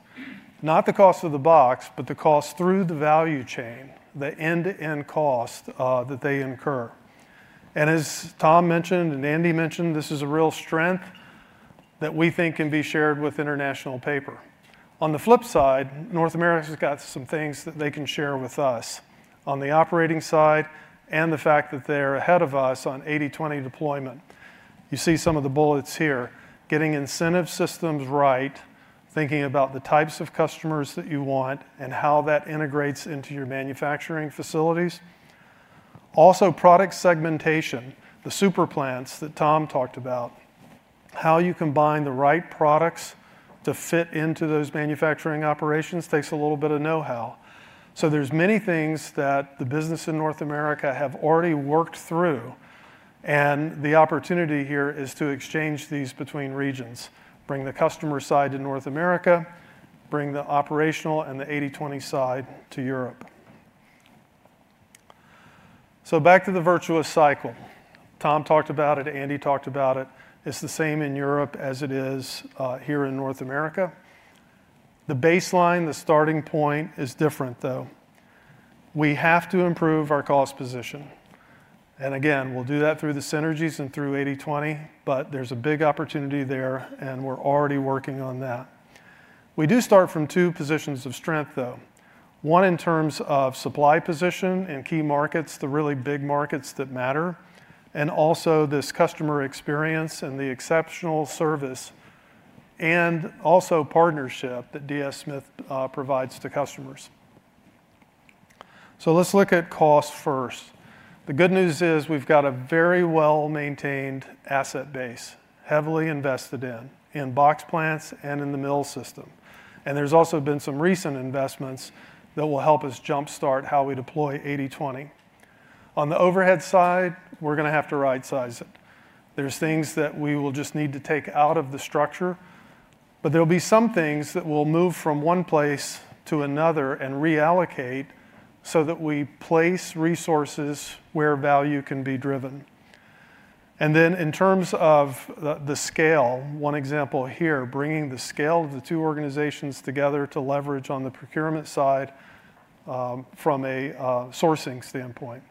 S5: Not the cost of the box, but the cost through the value chain, the end-to-end cost that they incur. As Tom mentioned and Andy mentioned, this is a real stream that we think can be shared with International Paper. On the flip side, North America's got some things that they can share with us on the operating side and the fact that they're ahead of us on 80/20 deployment. You see some of the bullets here. Getting incentive systems right, thinking about the types of customers that you want and how that integrates into your manufacturing facilities. Also product segmentation, the super plants that Tom talked about, how you combine the right products to fit into those manufacturing operations takes a little bit of know how. There are many things that the business in North America have already worked through and the opportunity here is to exchange these between regions, bring the customer side to North America, bring the operational and the 80/20 side to Europe. Back to the virtuous cycle. Tom talked about it, Andy talked about it. It is the same in Europe as it is here in North America. The baseline, the starting point is different though. We have to improve our cost position and again we will do that through the synergies and through 80/20. There's a big opportunity there and we're already working on that. We do start from two positions of strength though. One, in terms of supply position in key markets, the really big markets that matter, and also this customer experience and the exceptional service and also partnership that DS Smith provides to customers. Let's look at cost first. The good news is we've got a very well maintained asset barrier, heavily invested in in box plants and in the mill system. There's also been some recent investments that will help us jumpstart how we deploy 80/20. On the overhead side, we're going to have to right size it. There are things that we will just need to take out of the structure, but there will be some things that will move from one place to another and reallocate so that we place resources where value can be driven. In terms of the scale, one example here, bringing the scale of the two organizations together to leverage on the procurement side from a sourcing standpoint.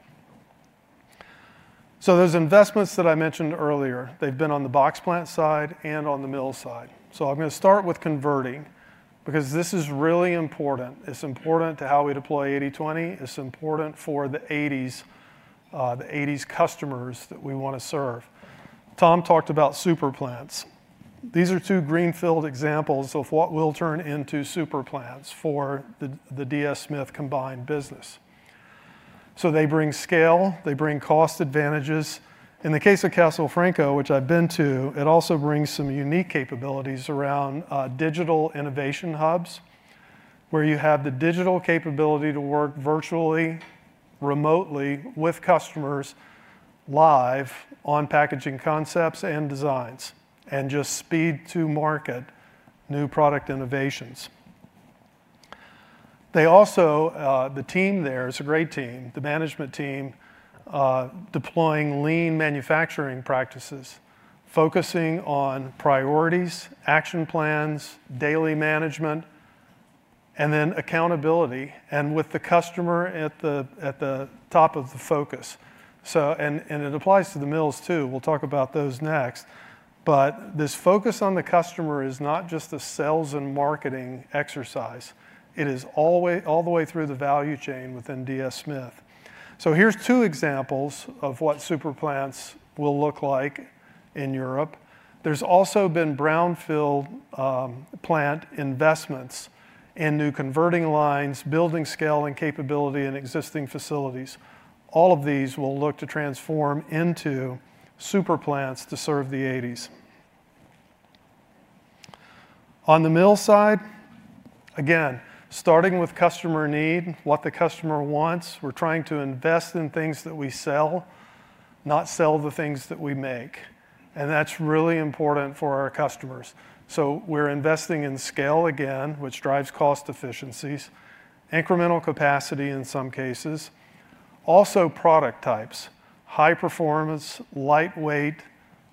S5: Those investments that I mentioned earlier, they've been on the box plant side and on the mill side. I'm going to start with converting because this is really important, is important to how we deploy 80/20. It's important for the 80s, the 80s customers that we want to serve. Tom talked about super plants. These are two greenfield examples of what will turn into super plants for the DS Smith combined business. They bring scale, they bring cost advantages. In the case of Castelfranco, which I've been to, it also brings some unique capabilities around digital innovation hubs where you have the digital capability to work virtually remotely with customers, live on packaging concepts and designs and just speed to market new product innovations. The team there is a great team, the management team, deploying lean manufacturing process practices, focusing on priorities, action plans, daily management and then accountability and with the customer at the top of the focus. It applies to the mills too. We'll talk about those next. This focus on the customer is not just the sales and marketing exercise. It is all the way through the value chain within DS Smith. Here are two examples of what super plants will look like. In Europe, there's also been brownfield plant investments in new converting lines, building scale and capability in existing facilities. All of these will look to transform into super plants to serve the 80s on the mill side, again, starting with customer need, what the customer wants. We're trying to invest in things that we sell, not sell the things that we make. That's really important for our customers. We're investing in scale again, which drives cost efficiencies, incremental capacity in some cases, also product types, high performance, lightweight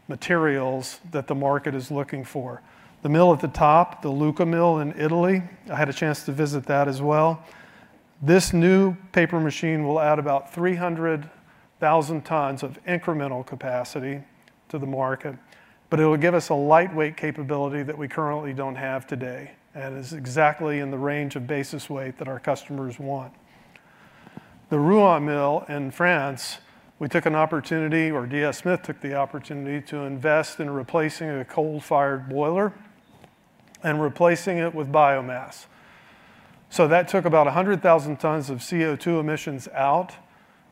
S5: materials that the market is looking for. The mill at the top. The Lucca mill in Italy, I had a chance to visit that as well. This new paper machine will add about 300,000 tons of incremental capacity to the market. It will give us a lightweight capability that we currently do not have today and is exactly in the range of basis weight that our customers want. The Rouen mill in France, we took an opportunity, or DS Smith took the opportunity to invest in replacing a coal fired boiler and replacing it with biomass. That took about 100,000 tons of CO2 emissions out.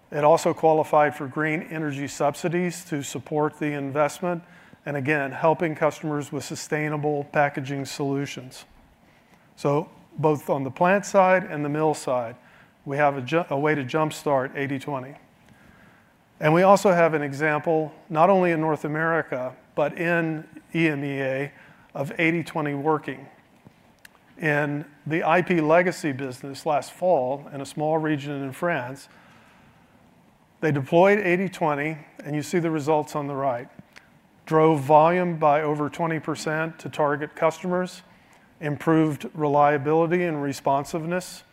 S5: It also qualified for green energy subsidies to support the investment and again helping customers with sustainable packaging solutions. Both on the plant side and the mill side, we have a way to jumpstart 80/20. We also have an example, not only in North America, but in EMEA, of 80/20 working in the IP legacy business. Last fall in a small region in France, they deployed 80/20 and you see the results on the right drove volume by over 20% to target customers. Improved reliability and responsiveness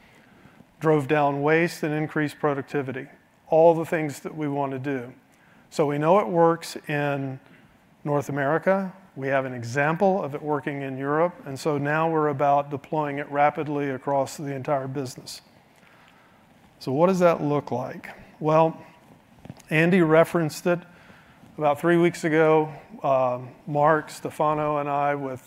S5: drove down waste and increased productivity. All the things that we want to do. We know it works in North America, we have an example of it working in Europe. Now we're about deploying it rapidly across the entire business. What does that look like? Andy referenced it about three weeks ago. Marc, Stefano and I, with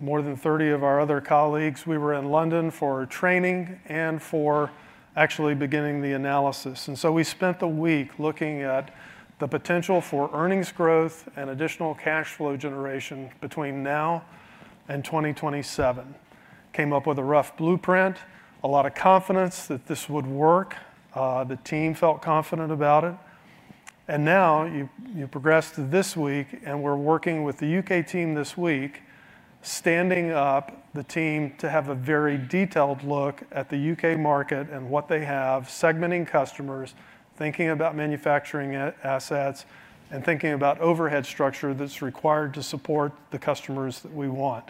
S5: more than 30 of our other colleagues, we were in London for training and for actually beginning the analysis. We spent the week looking at the potential for earnings growth and additional cash flow generation between now and 2027. Came up with a rough blueprint, a lot of confidence that this would work. The team felt confident about it. Now you progress to this week. We're working with the U.K. team this week, standing up the team to have a very detailed look at the U.K. market and what they have, segmenting customers, thinking about manufacturing assets and thinking about overhead structure that's required to support the customers that we want.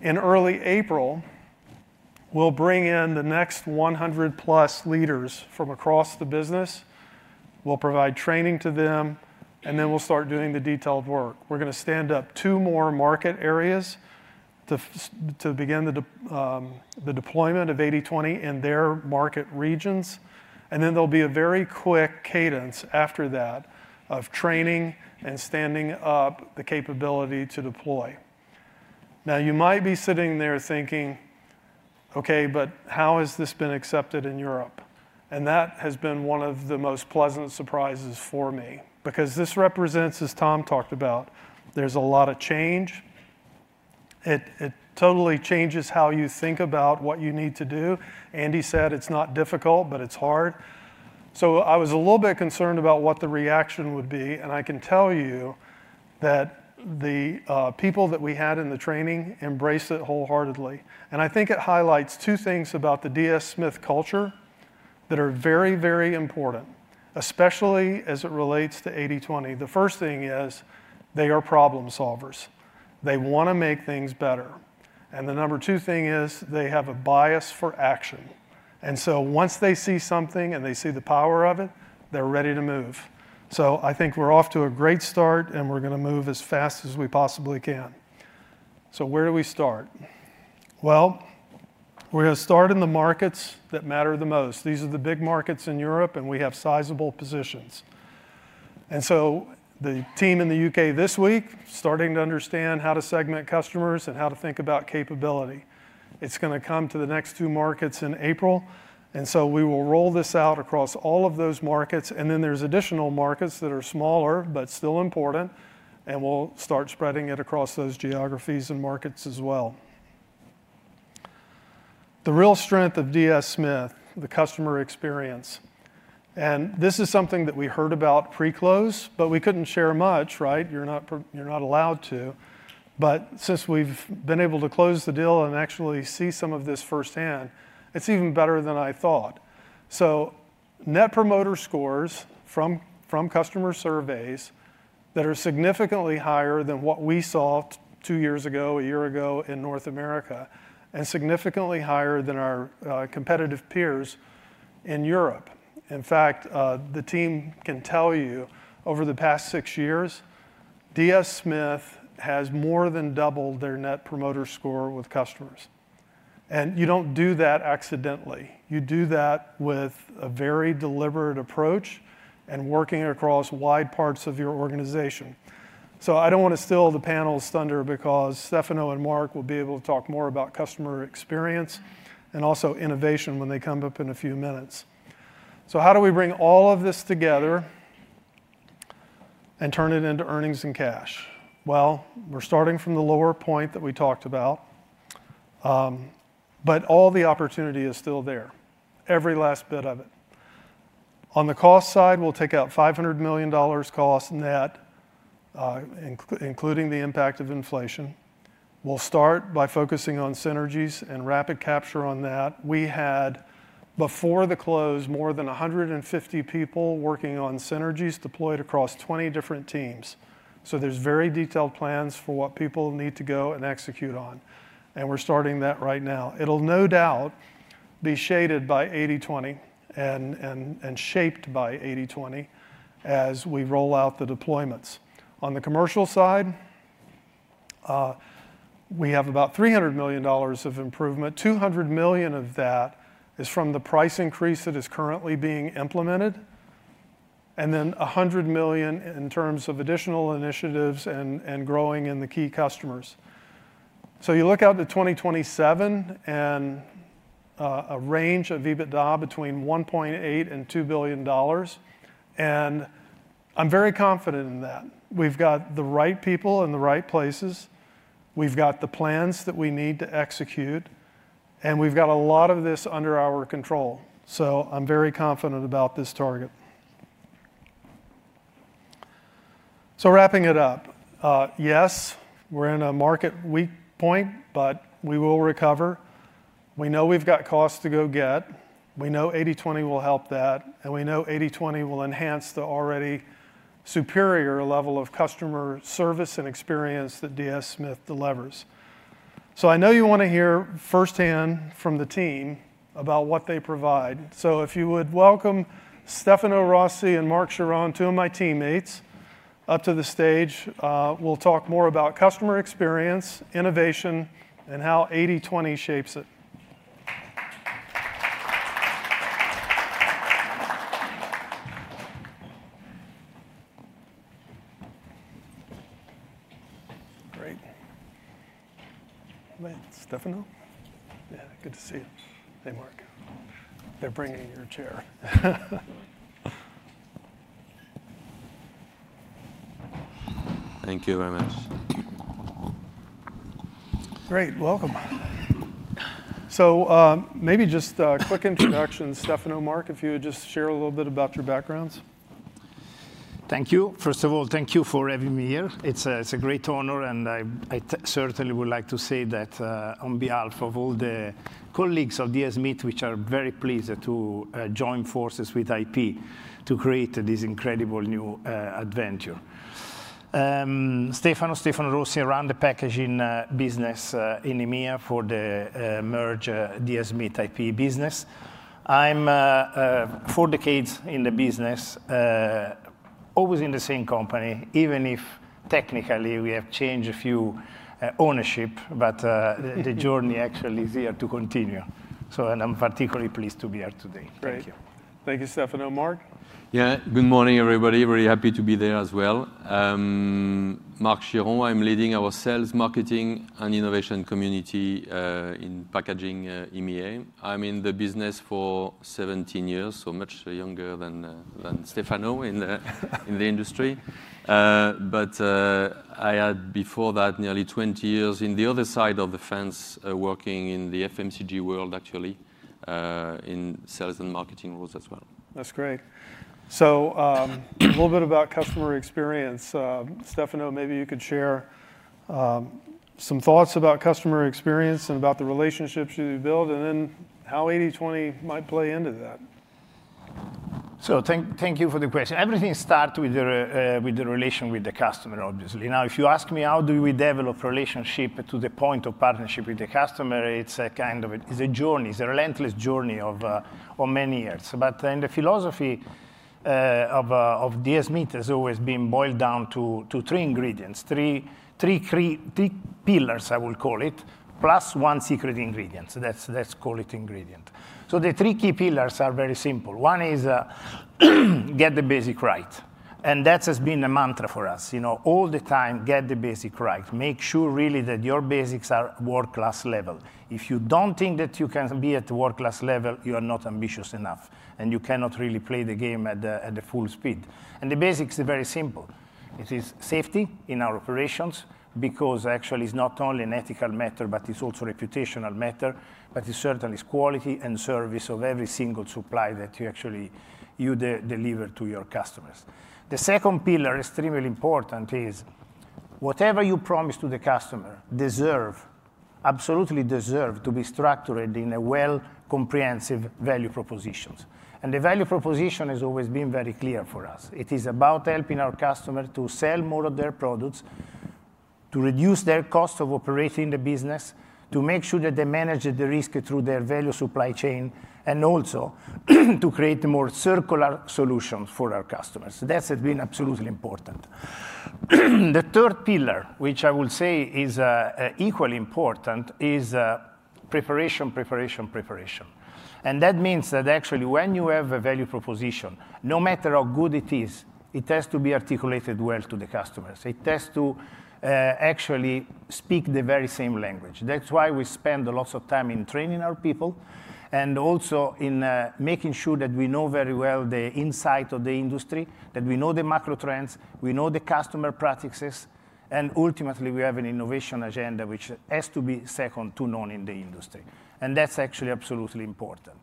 S5: In early April, we'll bring in the next 100+ leaders from across the business. We'll provide training to them and then we'll start doing the detailed work. We're gonna stand up two more market areas to begin the deployment of 80/20 in their market regions. There'll be a very quick cadence after that of training and standing up the capability to deploy. Now, you might be sitting there thinking, okay, but how has this been accepted in Europe? That has been one of the most pleasant surprises for me because this represents, as Tom talked about, there is a lot of change. It totally changes how you think about what you need to do. Andy said it is not difficult, but it is hard. I was a little bit concerned about what the reaction would be. I can tell you that the people that we had in the training embraced it wholeheartedly. I think it highlights two things about the DS Smith culture that are very, very important, especially as it relates to 80/20. The first thing is they are problem solvers, they want to make things better. The number two thing is they have a bias for action. Once they see something and they see the power of it, they are ready to move. I think we're off to a great start and we're going to move as fast as we possibly can. Where do we start? We're going to start in the markets that matter the most. These are the big markets in Europe and we have sizable positions. The team in the U.K. this week is starting to understand how to segment customers and how to think about capability. It's going to come to the next two markets in April and we will roll this out across all of those markets. Then there are additional markets that are smaller but still important and we'll start spreading it across those geographies and markets as well. The real strength of DS Smith is the customer experience. This is something that we heard about pre-close, but we couldn't share much. Right? You're not allowed to. Since we've been able to close the deal and actually see some of this firsthand, it's even better than I thought. Net Promoter Scores from customer surveys are significantly higher than what we saw two years ago, a year ago in North America, and significantly higher than our competitive peers in Europe. In fact, the team can tell you over the past six years, DS Smith has more than doubled their Net Promoter Score with customers. You don't do that accidentally. You do that with a very deliberate approach and working across wide parts of your organization. I don't want to steal the panel's thunder because Stefano and Marc will be able to talk more about customer experience and also innovation when they come up in a few minutes. How do we bring all of this together and turn it into earnings and cash? We're starting from the lower point that we talked about, but all the opportunity is still there, every last bit of it. On the cost side, we'll take out $500 million cost net, including the impact of inflation. We'll start by focusing on synergies and rapid capture on that. We had before the close more than 150 people working on synergies deployed across 20 different teams. There are very detailed plans for what people need to go and execute on. We're starting that right now. It'll no doubt be shaded by 80/20 and shaped by 80/20 as we roll out the deployments. On the commercial side, we have about $300 million of improvement. $200 million of that is from the price increase that is currently being implemented, and then $100 million in terms of additional initiatives and growing in the key customers. You look out to 2027 and a range of EBITDA between $1.8 billion and $2 billion. I'm very confident in that. We've got the right people in the right places. We've got the plans that we need to execute, and we've got a lot of this under our control. I'm very confident about this target. Wrapping it up, yes, we're in a market weak point, but we will recover. We know we've got costs to go get. We know 80/20 will help that, and we know 80/20 will enhance the already superior level of customer service and experience that DS Smith delivers. I know you want to hear firsthand from the team about what they provide. If you would welcome Stefano Rossi and Marc Chiron, two of my teammates, up to the stage. We'll talk more about customer experience, innovation, and how 80/20 shapes it.
S3: Great.
S5: Stefano. Yeah. Good to see you. Hey Marc, they're bringing your chair.
S8: Thank you very much.
S1: Great.
S5: Welcome. Maybe just quick introduction. Stefano. Marc, if you would just share a little bit about your backgrounds.
S4: Thank you. First of all, thank you for having me here. It's a great honor. I certainly would like to say that on behalf of all the colleagues of DS Smith, which are very pleased to join forces with IP to create this incredible new adventure. Stefano. Stefano Rossi run the packaging business in EMEA for the merged DS Smith IP business. I'm four decades in the business, always in the same company, even if technically we have changed a few ownership. The journey actually is here to continue. I am particularly pleased to be here today.
S5: Thank you. Thank you. Stefano. Marc.
S8: Yeah, good morning everybody. Very happy to be there as well. Marc Chiron. I'm leading our sales, marketing and innovation community in packaging EMEA. I'm in the business for 17 years. So much younger than Stefano in the industry. But I had before that nearly 20 years in the other side of the fence working in the FMCG world actually in sales and marketing roles as well.
S5: That's great. A little bit about customer experience. Stefano, maybe you could share some thoughts about customer experience and about the relationships you build and then how 80/20 might play into that.
S4: Thank you for the question. Everything starts with the relation with the customer, obviously. Now if you ask me, how do we develop relationship to the point of partnership with the customer? It's a kind of, is a journey. It's a relentless journey of many years. The philosophy of DS Smith has always been boiled down to three ingredients. Three pillars I will call it, plus one secret ingredient. Let's call it ingredient. The three key pillars are very simple. One is get the basic right. That has been the mantra for us all the time. Get the basic right. Make sure really that your basics are world class level. If you don't think that you can be at the world class level, you are not ambitious enough and you cannot really play the game at the full speed. The basics are very simple. It is safety in our operations because actually it's not only an ethical matter, but it's also a reputational matter. It certainly is quality and service of every single supply that you deliver to your customer. The second pillar, extremely important, is whatever you promise to the customer deserve, absolutely deserve to be structured in a well, comprehensive value proposition. The value proposition has always been very clear. For us, it is about helping our customer to sell more of their products, to reduce their cost of operating the business, to make sure that they manage the risk through their value supply chain, and also to create more circular solutions for our customers that have been absolutely important. The third pillar, which I will say is equally important, is preparation, preparation, preparation. That means that actually when you have a value proposition, no matter how good it is, it has to be articulated well to the customers. It has to actually speak the very same language. That is why we spend lots of time in training our people and also in making sure that we know very well the insight of the industry, that we know the macro trends, we know the customer practices and ultimately we have an innovation agenda which has to be second to none in the industry. That is actually absolutely important.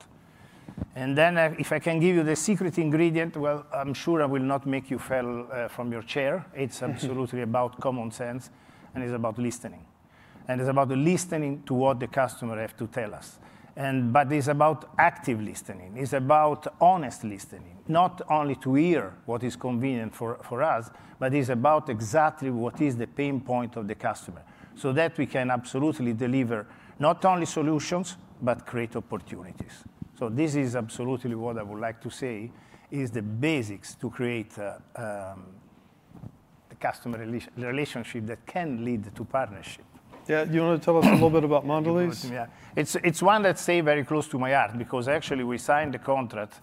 S4: If I can give you the secret ingredient, I am sure I will not make you fall from your chair. It is absolutely about common sense and it is about listening and it is about listening to what the customers have to tell us. It is about active listening, it is about honest listening, not only to hear what is convenient for us, but it is about exactly what is the pain point of the customer, so that we can absolutely deliver not only solutions, but create opportunities. This is absolutely what I would like to say is the basics to create the customer relationship that can lead to partnership.
S5: Do you want to tell us a little bit about Mondelēz?
S4: It's one that stays very close to my heart because actually we signed a contract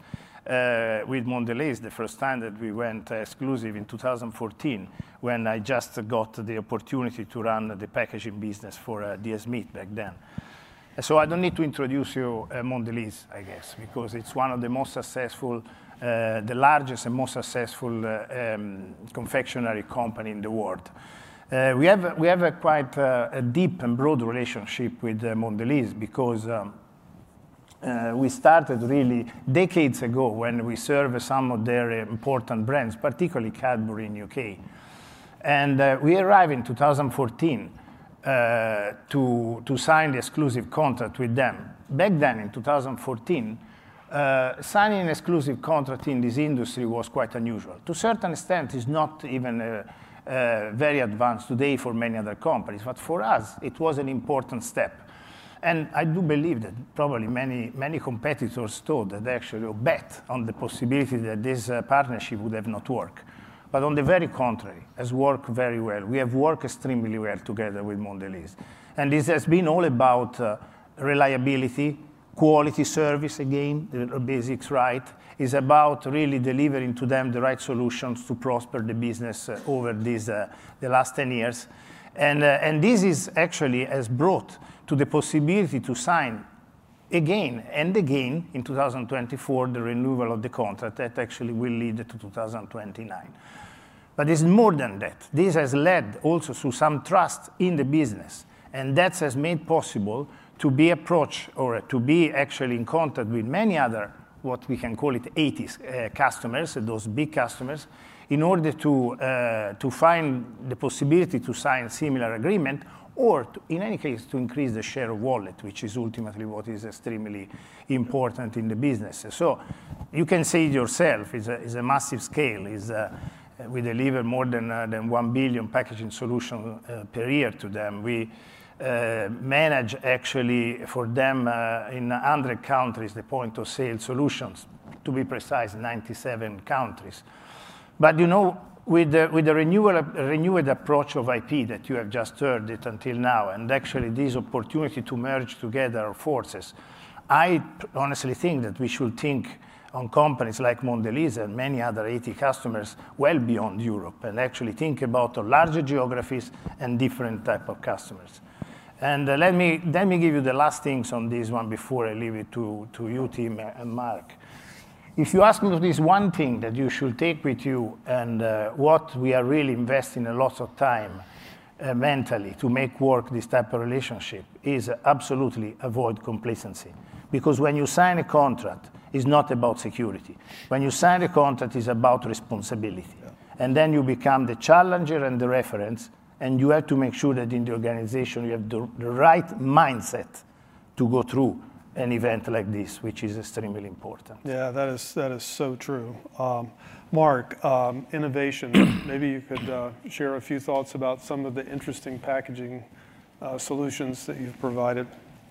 S4: with Mondelēz the first time that we went exclusive in 2014, when I just got the opportunity to run the packaging business for DS Smith back then. I don't need to introduce you to Mondelēz, I guess, because it's one of the largest and most successful confectionery companies in the world. We have quite a deep and broad relationship with Mondelēz because we started really decades ago when we served some of their important brands, particularly Cadbury in the U.K., and we arrived in 2014 to sign the exclusive contract with them. Back then, in 2014, signing exclusive contract in this industry was quite unusual to a certain extent, is not even very advanced today for many other companies, but for us it was an important step and I do believe that probably many competitors thought that they actually bet on the possibility that this partnership would have not worked, but on the very contrary, has worked very well. We have worked extremely well together with Mondelēz and this has been all about reliability, quality, service. Again, basics, right. Is about really delivering to them the right solutions to prosper the business over the last 10 years. And this is actually has brought to the possibility to sign again and again in 2024 the renewal of the contract that actually will lead to 2029. But it's more than that. This has led also to some trust in the business and that has made possible to be approached or to be actually in contact with many other, what we can call it, 80s customers, those big customers, in order to find the possibility to sign similar agreement or in any case to increase the share of wallet, which is ultimately what is extremely important in the business. You can see yourself it is a massive scale. We deliver more than 1 billion packaging solutions per year to them. We manage actually for them in 100 countries. The point of sale solutions, to be precise, 97 countries. You know, with the renewed approach of IP that you have just until now, and actually this opportunity to merge together forces, I honestly think that we should think on companies like Mondelēz and many other IT customers well beyond Europe and actually think about larger geographies and different type of customers. Let me give you the last things on this one before I leave it to you, Tim and Marc. If you ask me this one thing that you should take with you and what we are really investing a lot of time mentally to make work this type of relationship is absolutely avoid complacency. Because when you sign a contract, it's not about security. When you sign a contract, it's about responsibility. Then you become the challenger and the reference. You have to make sure that in the organization you have the right mindset to go through an event like this, which is extremely important.
S5: Yeah, that is so true, Marc. Innovation. Maybe you could share a few thoughts about some of the interesting packaging solutions that you've provided.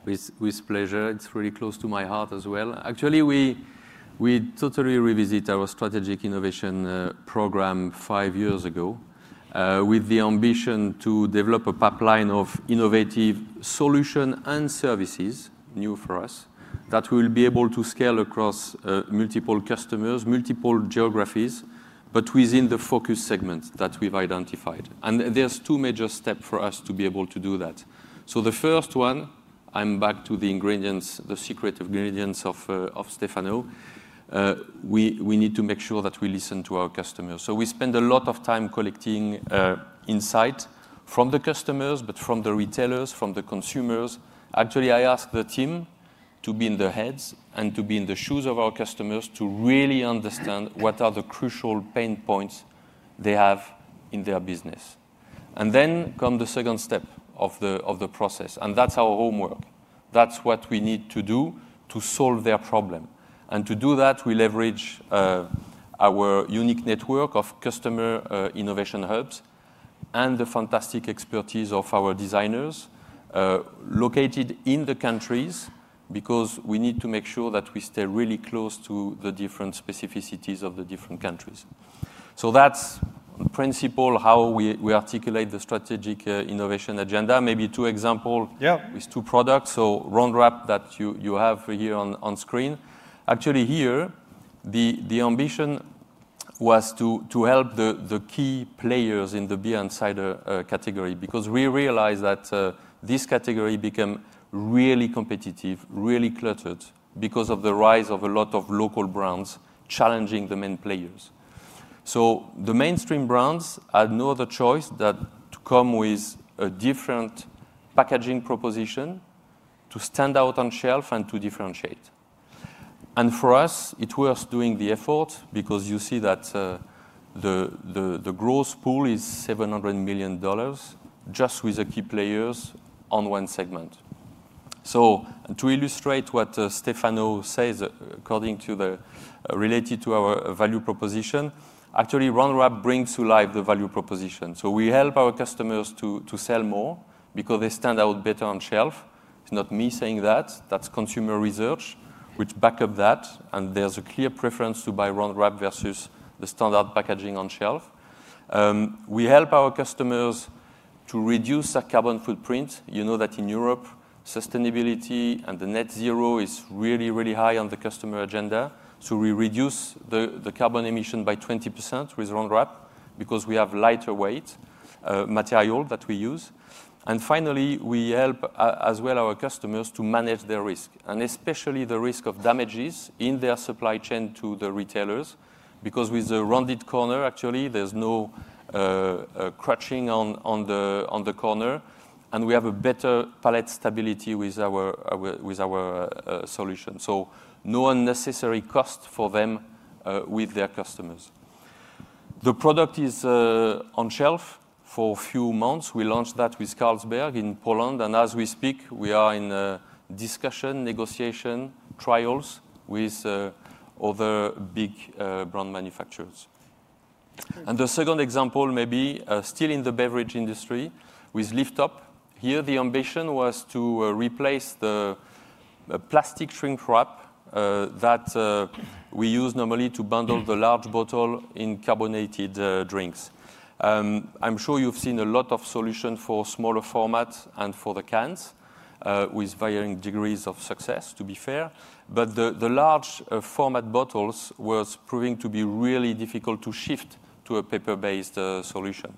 S8: With pleasure. It's really close to my heart as well. Actually, we totally revisit our strategic innovation program five years ago with the ambition to develop a pipeline of innovative solution and services new for us that will be able to scale across multiple customers, multiple geographies, but within the focus segments that we've identified. There's two major steps for us to be able to do that. The first one, I'm back to the ingredients, the secret ingredients of Stefano. We need to make sure that we listen to our customers. We spend a lot of time collecting insight from the customers, from the retailers, from the consumers. Actually, I ask the team to be in the heads and to be in the shoes of our customers to really understand what are the crucial pain points they have in their business. Then comes the second step of the process. That is our homework. That is what we need to do to solve their problem. To do that, we leverage our unique network of customer innovation hubs and the fantastic expertise of our designers located in the countries. We need to make sure that we stay really close to the different specificities of the different countries. That is in principle how we articulate the strategic innovation agenda. Maybe two examples with two products. Round Wrap that you have here on screen. Actually, here the ambition was to help the key players in the beer and cider category because we realized that this category became really competitive, really cluttered because of the rise of a lot of local brands challenging the main players. The mainstream brands had no other choice than to come with a different packaging proposition to stand out on shelf and to differentiate. For us it was doing the effort because you see that the growth pool is $700 million just with the key players on one segment. To illustrate what Stefano says related to our value proposition, actually Round Wrap brings to life the value proposition. We help our customers to sell more because they stand out better on shelf. It's not me saying that, that's consumer research which backs up that. There's a clear preference to buy Round Wrap versus the standard packaging on-shelf. We help our customers to reduce their carbon footprint. You know that in Europe sustainability and the net-zero is really, really high on the customer agenda. We reduce the carbon emission by 20% with Round Wrap because we have lighter weight material that we use. Finally, we help as well our customers to manage their risk and especially the risk of damages in their supply chain to the retailers. Because with the rounded corner, actually there's no crutching on the corner and we have a better pallet stability with our solution. No unnecessary cost for them with their customers. The product is on shelf for a few months. We launched that with Carlsberg in Poland. As we speak, we are in discussion, negotiation, trials with other big brand manufacturers. The second example may be still in the beverage industry with Lift Up. Here the ambition was to replace the plastic shrink wrap that we use normally to bundle the large bottle in carbonated drinks. I'm sure you've seen a lot of solutions for smaller formats and for the cans with varying degrees of success, to be fair. The large format bottles was pretty to be really difficult to shift to a paper-based solution.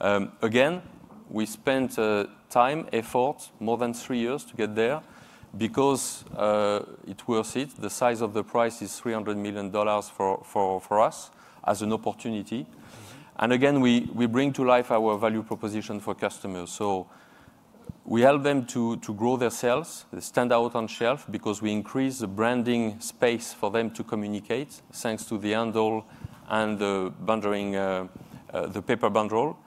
S8: Again, we spent time, effort, more than three years to get there because it was it. The size of the prize is $300 million for us as an opportunity. We bring to life our value proposition for customers. We help them to grow their sales. They stand out on shelf because we increase the branding space for them to communicate. Thanks to the handle and the paper bundle,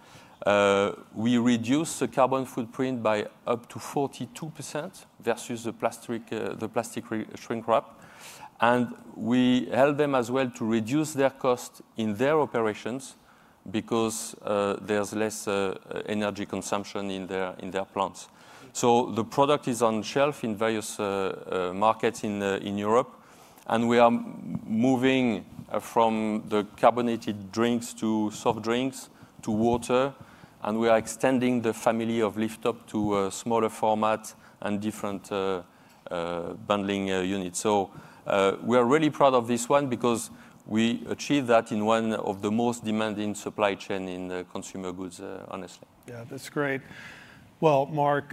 S8: we reduce the carbon footprint by up to 42% versus the plastic shrink wrap. We help them as well to reduce their cost in their operations because there's less energy consumption in their plants. The product is on shelf in various markets in Europe and we are moving from the carbonated drinks to soft drinks to water and we are extending the family of Lift Up to smaller format and different bundling units. We are really proud of this one because we achieved that in one of the most demanding service supply chains in the consumer goods, honestly.
S5: Yeah, that's great. Marc,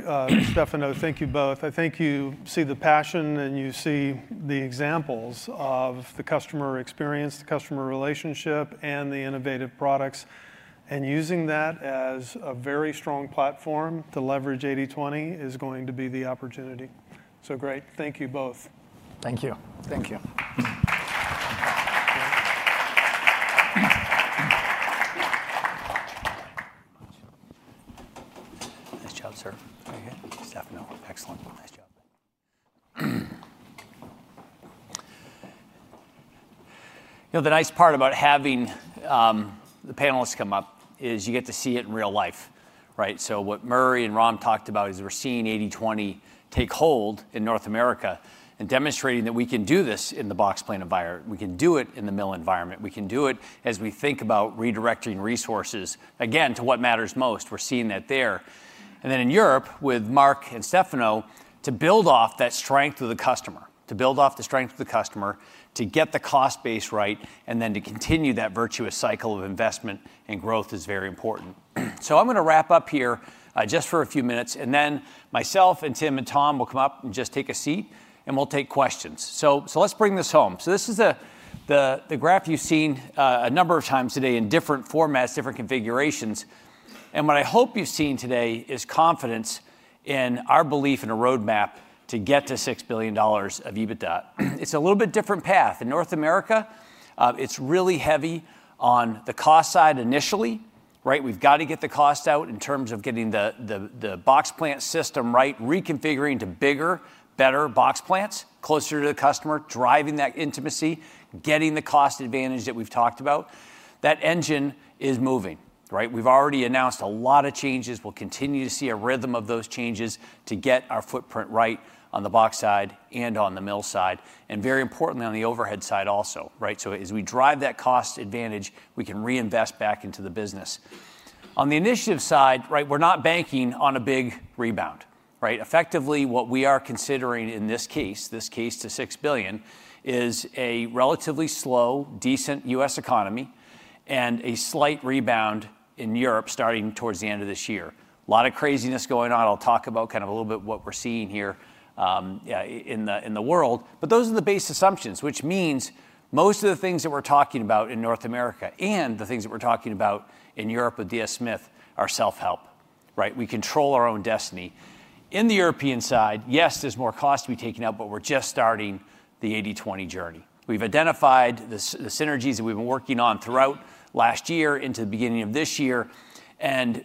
S5: Stefano, thank you both. I think you see the passion and you see the examples of the customer experience, the customer relationship and the innovative products and using that as a very strong platform to leverage 80/20 is going to be the opportunity. Great. Thank you both.
S4: Thank you. Thank you.
S1: Nice job, sir.
S3: Excellent. Nice job.
S2: You know, the nice part about having the panelists come up is you get to see it in real life. Right. What Murry and Ram talked about is we're seeing 80/20 take hold in North America and demonstrating that we can do this in the box plant environment, we can do it in the mill environment. We can do it as we think about redirecting resources again to what matters most. We're seeing that there and then in Europe with Marc and Stefano. To build off that strength of the customer, to build off the strength of the customer, to get the cost base right. Then to continue that virtuous cycle of investment and growth is very important. I'm going to wrap up here just for a few minutes and then myself and Tim and Tom will come up and just take a seat and we'll take questions. Let's bring this home. This is the graph you've seen a number of times today in different formats, different configurations. What I hope you've seen today is confidence in our belief in a roadmap to get to $6 billion of EBITDA. It's a little bit different path in North America. It's really heavy on the cost side initially. Right. We've got to get the cost out in terms of getting the box plant system right. Reconfiguring to bigger, better box plants, closer to the customer, driving that intimacy, getting the cost advantage that we've talked about. That engine is moving. Right. We've already announced a lot of changes. We'll continue to see a rhythm of those changes to get our footprint right on the box side and on the mill side and very importantly on the overhead side also. Right. As we drive that cost advantage, we can reinvest back into the business on the initiative side. Right. We're not banking on a big rebound. Right. Effectively what we are considering in this case, this case to $6 billion, is a relatively slow, decent U.S. economy and a slight rebound in Europe starting towards the end of this year. A lot of craziness going on. I'll talk about kind of a little bit what we're seeing here in the world, but those are the base assumptions, which means most of the things that we're talking about in North America and the things that we're talking about in Europe with DS Smith are self help. Right. We control our own destiny. In the European side, yes, there's more cost to be taken out, but we're just starting the 80/20 journey. We've identified the synergies that we've been working on throughout last year into the beginning of this year.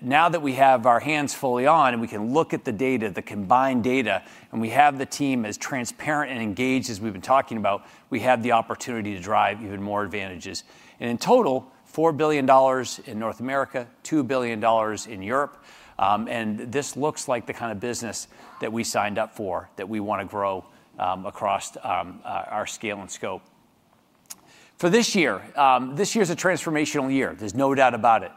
S2: Now that we have our hands fully on and we can look at the data, the combined data, and we have the team as transparent and engaged as we've been talking about, we have the opportunity to drive even more advantages. In total, $4 billion in North America, $2 billion in Europe, and this looks like the kind of business that we signed up for, that we want to grow across our scale and scope for this year. This year is a transformational year, there is no doubt about it.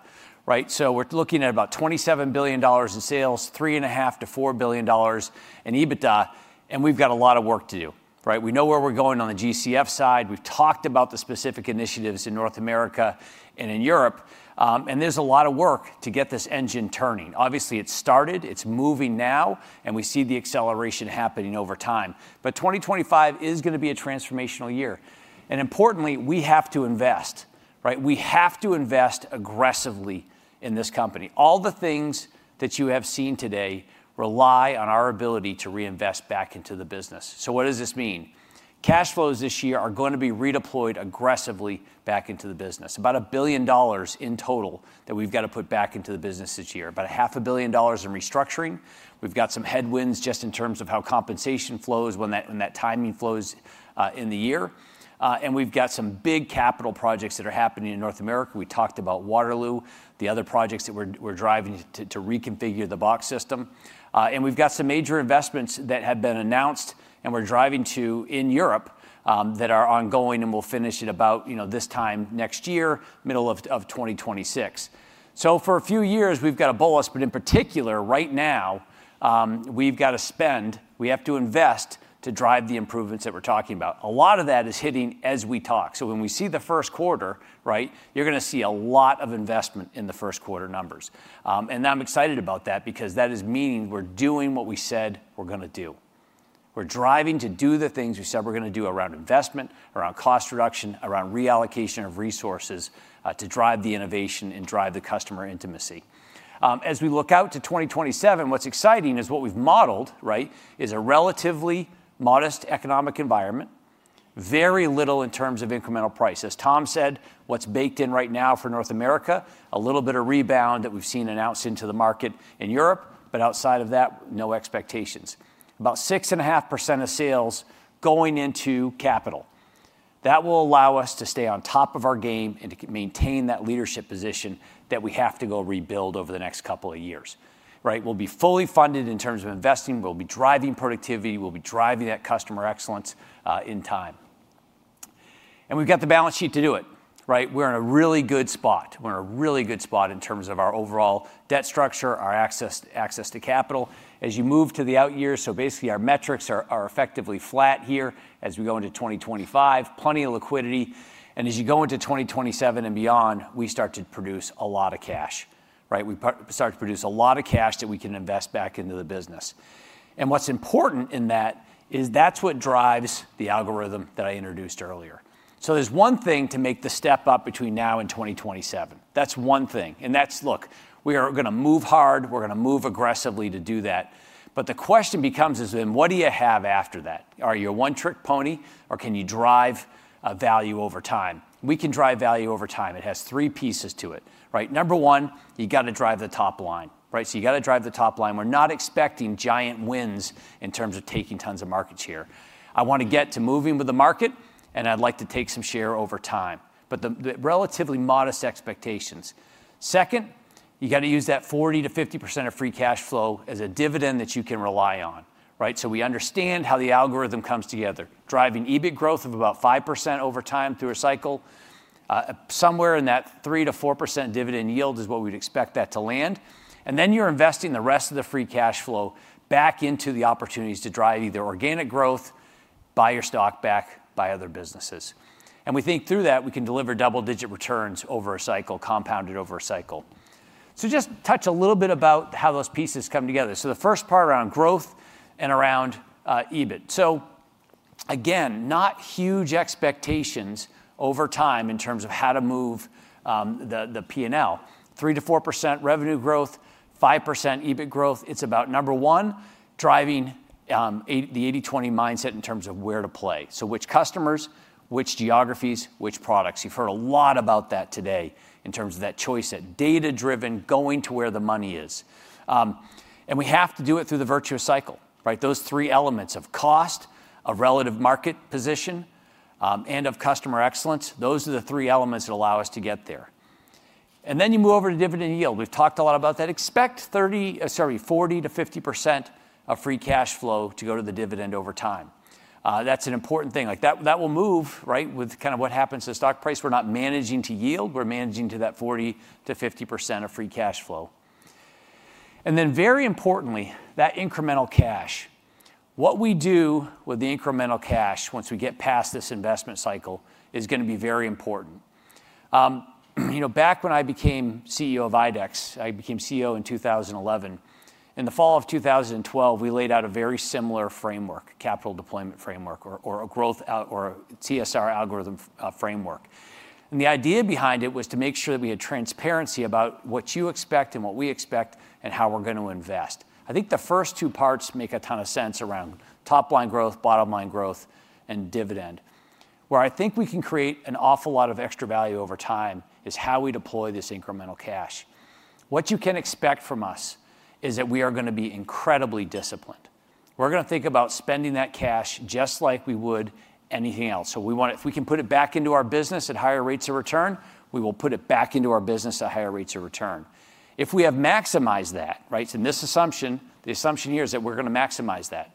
S2: Right. We are looking at about $27 billion in-sales, $3.5 billion-$4 billion in EBITDA. We have a lot of work to do. Right. We know where we're going on the GCF side. We've talked about the specific initiatives in North America and in Europe, and there's a lot of work to get this engine turning. Obviously, it started, it's moving now, and we see the acceleration happening over-time. 2025 is going to be a transformational year. Importantly, we have to invest. Right? We have to invest aggressively in this company. All the things that you have seen today rely on our ability to reinvest back into the business. What does this mean? Cash flows this year are going to be redeployed aggressively back into the business. About a-billion dollar in total that we've got to put back into the business this year, about $500,000,000 in restructuring. We've got some headwinds just in terms of how compensation flows when that timing flows in the year. We've got some big capital projects that are happening in North America. We talked about Waterloo, the other projects that we're driving to reconfigure the box system. We've got some major investments that have been announced and we're driving to in Europe that are ongoing and we'll finish at about, you know, this time next year, middle of 2026. For a few years we've got a bolus, but in particular right now we've got to spend, we have to invest to drive the improvements that we're talking about. A lot of that is hitting as we talk. When we see the first quarter, right, you're going to see a lot of investment in the first quarter numbers. I'm excited about that because that is meaning we're doing what we said we're going to do. We're driving to do the things we said we're going to do around investment, around cost reduction, around reallocation of resources to drive the innovation and drive the customer intimacy. As we look out to 2027, what's exciting is what we've modeled, right, is a relatively modest economic environment, very little in terms of incremental price. As Tom said, what's baked in right now for North America, a little bit of rebound that we've seen announced into the market in Europe. Outside of that, no expectations, about 6.5% of sales going into capital that will allow us to stay on top of our game and to maintain that leadership position that we have to go rebuild over the next couple of years, right, we'll be fully funded in terms of investing, we'll be driving productivity, we'll be driving that customer excellence in time. We've got the balance sheet to do it, right? We're in a really good spot. We're in a really good spot in terms of our overall debt structure, our access to capital as you move to the out year. Basically our metrics are effectively flat here. As we go into 2025, plenty of liquidity, and as you go into 2027 and beyond, we start to produce a lot of cash, right? We start to produce a lot of cash that we can invest back into the business and what's important in that is that's what drives the algorithm that I introduced earlier. There is one thing to make the step up between now and 2027, that's one thing. That is, look, we are going to move hard, we're going to move aggressively to do that. The question becomes is then what do you have after that? Are you a one trick pony or can you drive value over time? We can drive value over time. It has three pieces to it, right? Number one, you got to drive the top line, right? So you got to drive the top line. We're not expecting giant wins in terms of taking tons of market share. I want to get to moving with the market and I'd like to take some share over time, but the relatively modest expectations. Second, you got to use that 40%-50% of free cash flow as a dividend that you can rely on. Right? So we understand how the algorithm comes together driving EBIT growth of about 5% over time through a cycle. Somewhere in that 3%-4% dividend yield is what we'd expect that to land. And then you're investing the rest of the free cash flow back into the opportunities to drive either organic growth, buy your stock back, buy other businesses. We think through that we can deliver double digit returns over a cycle, compounded over a cycle. Just touch a little bit about how those pieces come together. The first part, around growth and around EBIT. Again, not huge expectations over time in terms of how to move the P&L 3%-4% revenue growth, 5% EBIT growth. It's about, number one, driving the 80/20 mindset in terms of where to play so which customers, which geographies, which products. You've heard a lot about that today in terms of that choice at data driven, going to where the money is. And we have to do it through the virtuous cycle. Right? Those three elements of cost, a relative market position and of customer excellence, those are the three elements that allow us to get there. And then you move over to dividend yield. We've talked a lot about that. Expect 30%, sorry, 40%-50% of free cash flow to go to the dividend over time. That's an important thing like that, that will move right with kind of what happens to the stock price. We're not managing to yield, we're managing to that 40%-50% of free cash flow. And then very importantly, that incremental cash. What we do with the incremental cash, once we get past this investment cycle is going to be very important. You know, back when I became CEO of IDEX, I became CEO in 2011. In the fall of 2012, we laid out a very similar framework capital deployment framework or a growth or TSR algorithm for framework. And the idea behind it was to make sure that we had transparency about what you expect and what we expect and how we're going to invest. I think the first two parts make a ton of sense around top line growth, bottom line growth and dividend, where I think we can create an awful lot of extra value over time is how we deploy this incremental cash. What you can expect from us is that we are going to be incredibly disciplined. We're going to think about spending that cash just like we would anything else. We want, if we can put it back into our business at higher rates of return, we will put it back into our business at higher rates of return. If we have maximized that right in this assumption. The assumption here is that we're going to maximize that.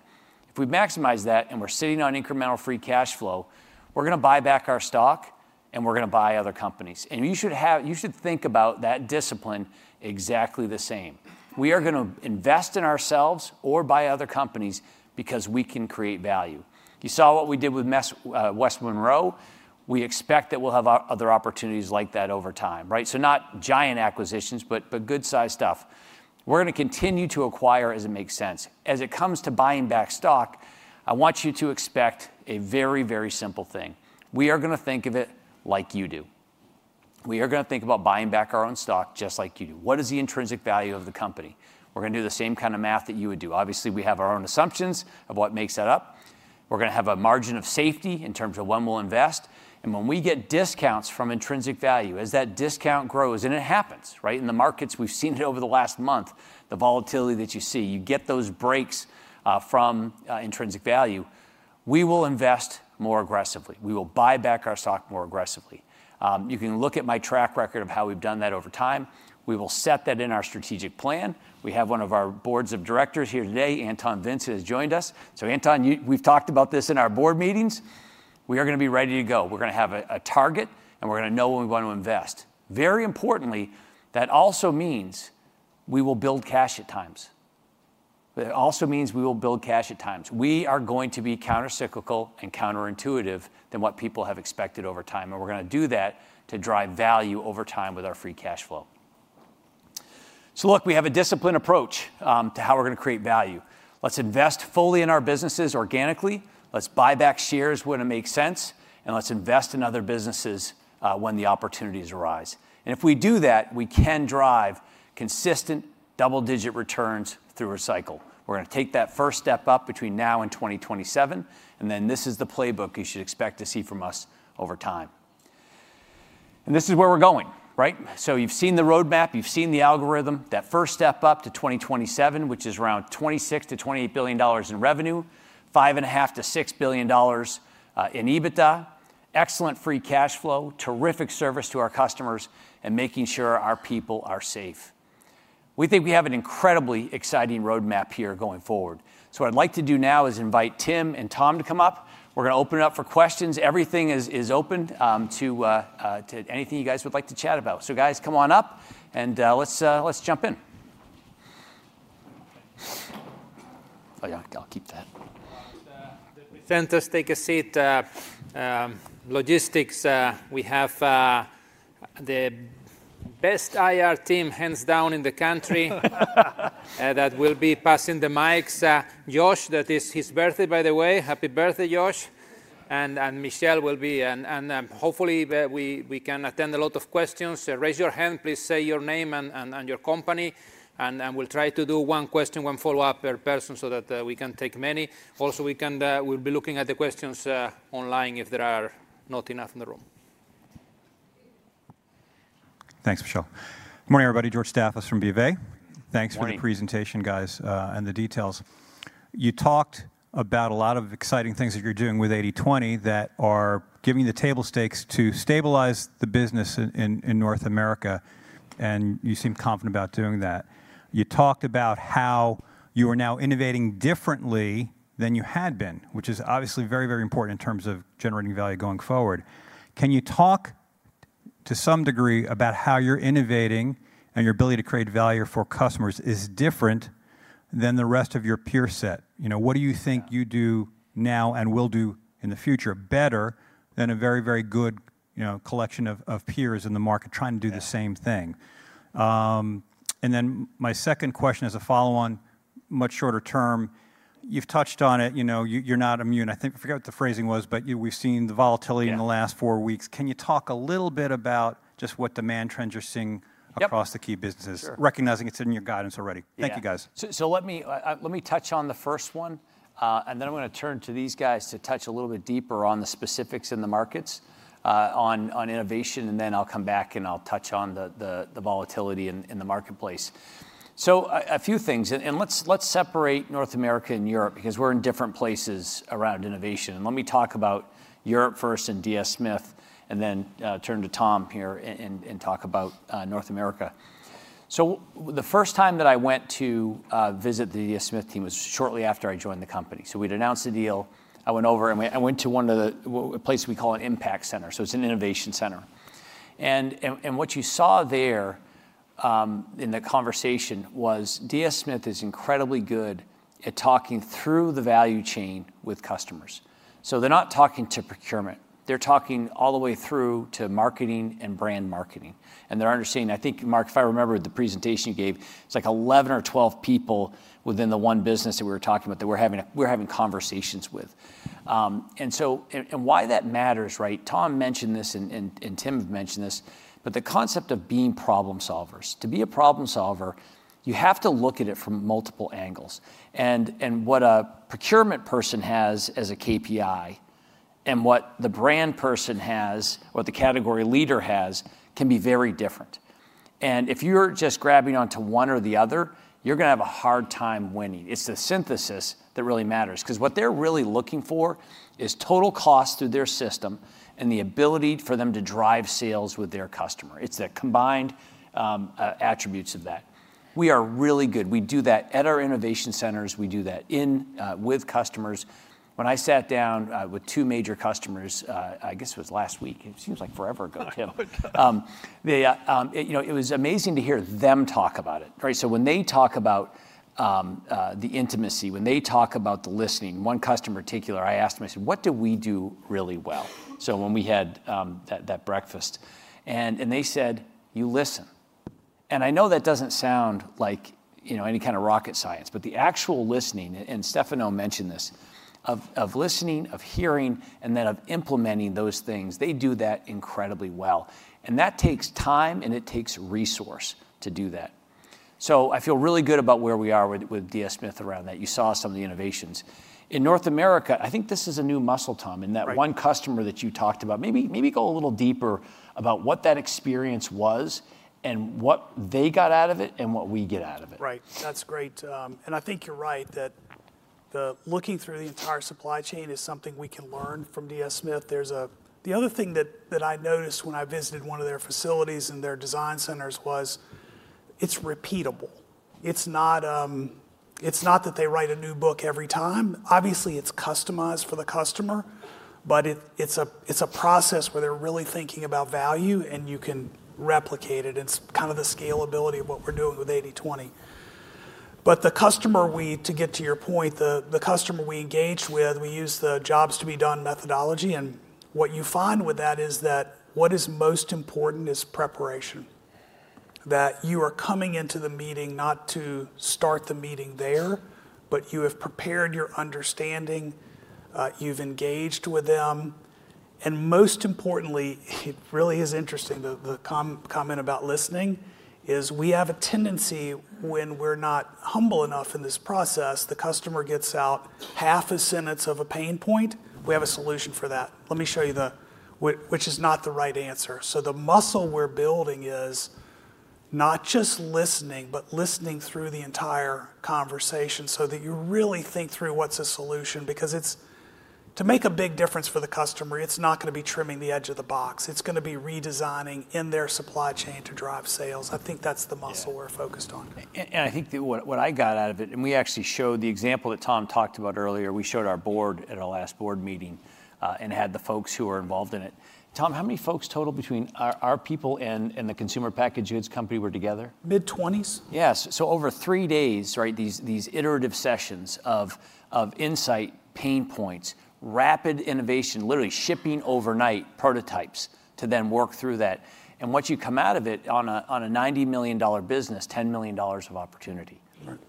S2: If we maximize that and we're sitting on incremental free cash flow, we're going to buy back our stock and we're going to buy other companies. You should think about that discipline exactly the same. We are going to invest in ourselves or buy other companies because we can create value. You saw what we did with West Monroe. We expect that we'll have other opportunities like that over time. Right. So not giant acquisitions, but good sized stuff. We're going to continue to acquire as it makes sense. As it comes to buying back stock, I want you to expect a very, very simple thing. We are going to think of it like you do. We are going to think about buying back our own stock just like you do. What is the intrinsic value of the company? Company. We're going to do the same kind of math that you would do. Obviously we have our own assumptions of what makes that up. We're going to have a margin of safety in terms of when we'll invest and when we get discounts from intrinsic value as that discount grows and it happens right in the markets. We've seen it over the last month. The volatility that you see, you get those breaks from intrinsic value. We will invest more aggressively. We will buy back our stock more aggressively. You can look at my track record of how we've done that over time. We will set that in our strategic plan. We have one of our boards of directors here today. Anton Vincent has joined us. So Anton, we've talked about this in our board meetings. We are going to be ready to go. We're going to have a target and we're going to know when we want to invest. Very importantly, that also means we will build cash at times, but it also means we will build cash at times. We are going to be countercyclical and counterintuitive than what people have expected over time. We are going to do that to drive value over time with our free cash flow. Look, we have a disciplined approach to how we're going to create value. Let's invest fully in our businesses organically, let's buy back shares when it makes sense and let's invest in other businesses when the opportunities arise. If we do that, we can drive consistent double digit returns through recycle. We're going to take that first step up between now and 2027 and then this is the playbook you should expect to see from us over time. And this is where we're going. Right, so you've seen the roadmap, you've seen the algorithm that first step up to 2027, which is around $26 billion-$28 billion in revenue, $5.5 billion-$6 billion in EBITDA, excellent free cash flow, terrific service to our customers and making sure our people are safe. We think we have an incredibly exciting roadmap here going forward. So what I'd like to do now is invite Tim and Tom to come up. We're going to open it up for questions. Everything is open to anything you guys would like to chat about. So guys, come on up and let's jump in. I'll keep that.
S1: Presenters, take a seat. Logistics. We have the best IR team hands. Down in the country that will be passing the mics. Josh. That is his birthday by the way. Happy birthday, Josh, and Michelle will be, and hopefully we can answer a lot of questions. Raise your hand, please say your name and your company, and we'll try to do one question, one follow-up per person so that we can take many. Also, we'll be looking at the questions online if there are not enough in the room.
S9: Thanks, Michele. Morning, everybody. George Staphos from BofA Securities. Thanks for the presentation guys and the details You talked about a lot of exciting. Things that you're doing with 80/20 that are giving the table stakes to stabilize the business in North America and you seem confident about doing that. You talked about how you are now innovating differently than you had been, which is obviously very, very important in terms of generating value going forward. Can you talk to some degree about. How you're innovating and your ability to create value for customers is different than the rest of your peer set. You know, what do you think you do now and will do in the future better than a very, very good collection of peers in the market trying to do the same thing? And then my second question as a. Follow on much shorter term, you've touched on it. You know, you're not immune. I think I forget what the phrasing was. But we've seen the volatility in the last four weeks. Can you talk a little bit about just what demand trends you're seeing across the key businesses, recognizing it's in your guidance already. Thank you guys.
S2: So let me touch on the first one and then I'm going to turn to these guys to touch a little bit deeper on the specifics in the markets on innovation and then I'll come back and I'll touch on the volatility in the marketplace place. So a few things and let's, let's separate North America and Europe because we're in different places around innovation. And let me talk about Europe first and DS Smith and then turn to Tom here and talk about North America. So the first time that I went to visit the Smith team was shortly after I joined the company. So we'd announced the deal. I went over and I went to one of the places we call an impact center. So it's an innovation center center. And what you saw there in the conversation was DS Smith is incredibly good at talking through the value chain with customers. So they're not talking to procurement, they're talking all the way through to marketing and brand marketing. And they're understanding. I think Marc, if I remember the presentation you gave, it's like 11 or 12 people within the one business that we were talking about that we're having, we're having conversations with and so. And why that matters. Right. Tom mentioned this and Tim mentioned this. But the concept of being problem solvers, to be a problem solver you have to look at it from multiple angles. And what a procurement person has as a KPI and what the brand person has, what the category leader has can be very different. And if you're just grabbing onto one or the other, you're going to have a hard time winning. And it's the synthesis that really matters. Cause what they're really looking for is total cost through their system and the ability for them to drive sales with their customer. It's that combined attributes of that we are really good. We do that at our innovation centers. We do that with customers. When I sat down with two major customers, I guess it was last week, it seems like forever ago. Tim, it was amazing to hear that them talk about it. Right. So when they talk about the intimacy, when they talk about the listening, one customer particular, I asked him, I said, what do we do really well. So when we had that breakfast and they said, you listen. And I know that doesn't sound like, you know, any kind of rocket science, but the actual listening, and Stefano mentioned this of listening, of hearing and then of implementing those things, they do that incredibly well. And that takes time and it takes resource to do that. So I feel really good about where we are with DS Smith around that you saw some of the innovations in North America. I think this is a new muscle, Tom, and that one customer that you talked about maybe, maybe go a little deeper about what that experience was and what they got out of it and what we get out of it.
S3: Right. That's great. And I think you're right that the looking through the entire supply chain is something we can learn from DS Smith. The other thing that I noticed when I visited one of their facilities and their design centers was it's repeatable. It's not that they write a new book every time. Obviously it's customized for the customer, but it's a process where they're really thinking about value and you can replicate it. It's kind of the scalability of what we're doing with 80/20. But the customer we. To get to your point, the customer we engaged with, we use the jobs to be done methodology. And what you find with that is that what is most important is preparation, that you are coming into the meeting not to start the meeting there, but you have prepared your understanding, you've engaged with them. Most importantly, it really is interesting, the comment about listening is we have a tendency when we're not humble enough in this process, the customer gets out half a sentence of a pain point. We have a solution for that. Let me show you the. Which is not the right answer. So the muscle we're building is not just listening, but listening through the entire conversation so that you really think through what's a solution, because it's to make a big difference for the customer. Marie. It's not going to be trimming the edge of the box. It's going to be redesigning in their supply chain to drive sales. I think that's the muscle we're focused on.
S2: And I think what I got out of it, and we actually showed the example that Tom talked About earlier, we showed our board at our last board meeting and had the folks who are involved in it. Tom, how many folks total between our people and the consumer packaged goods company were together
S3: mid-20s?
S2: Yes. So over three days, right. These, these iterative sessions of insight, pain points, rapid innovation, literally shipping overnight prototypes to then work through that. And once you come out of it on a $90 million business, $10 million of opportunity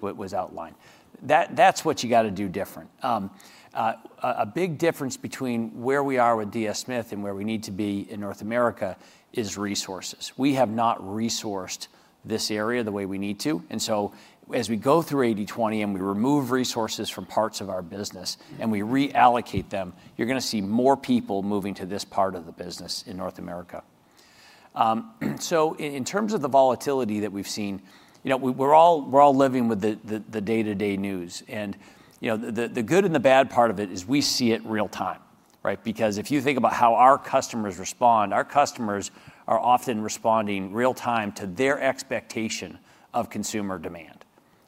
S2: was outlined. That's what you got to do different. A big difference between where we are with DS Smith and where we need to be in North America is resources. We have not resourced this area the way we need to. And so as we go through 80/20 and we remove resources from parts of our business and we reallocate them, you're going to see more people moving to this part of the business in North America. So in terms of the volatility that we've seen, you know, we're all living with the day to day news and you know, the good and the bad part of it is we see it real time, right? Because if you think about how our customers respond, our customers are often responding real time to their expectations, expectation of consumer demand.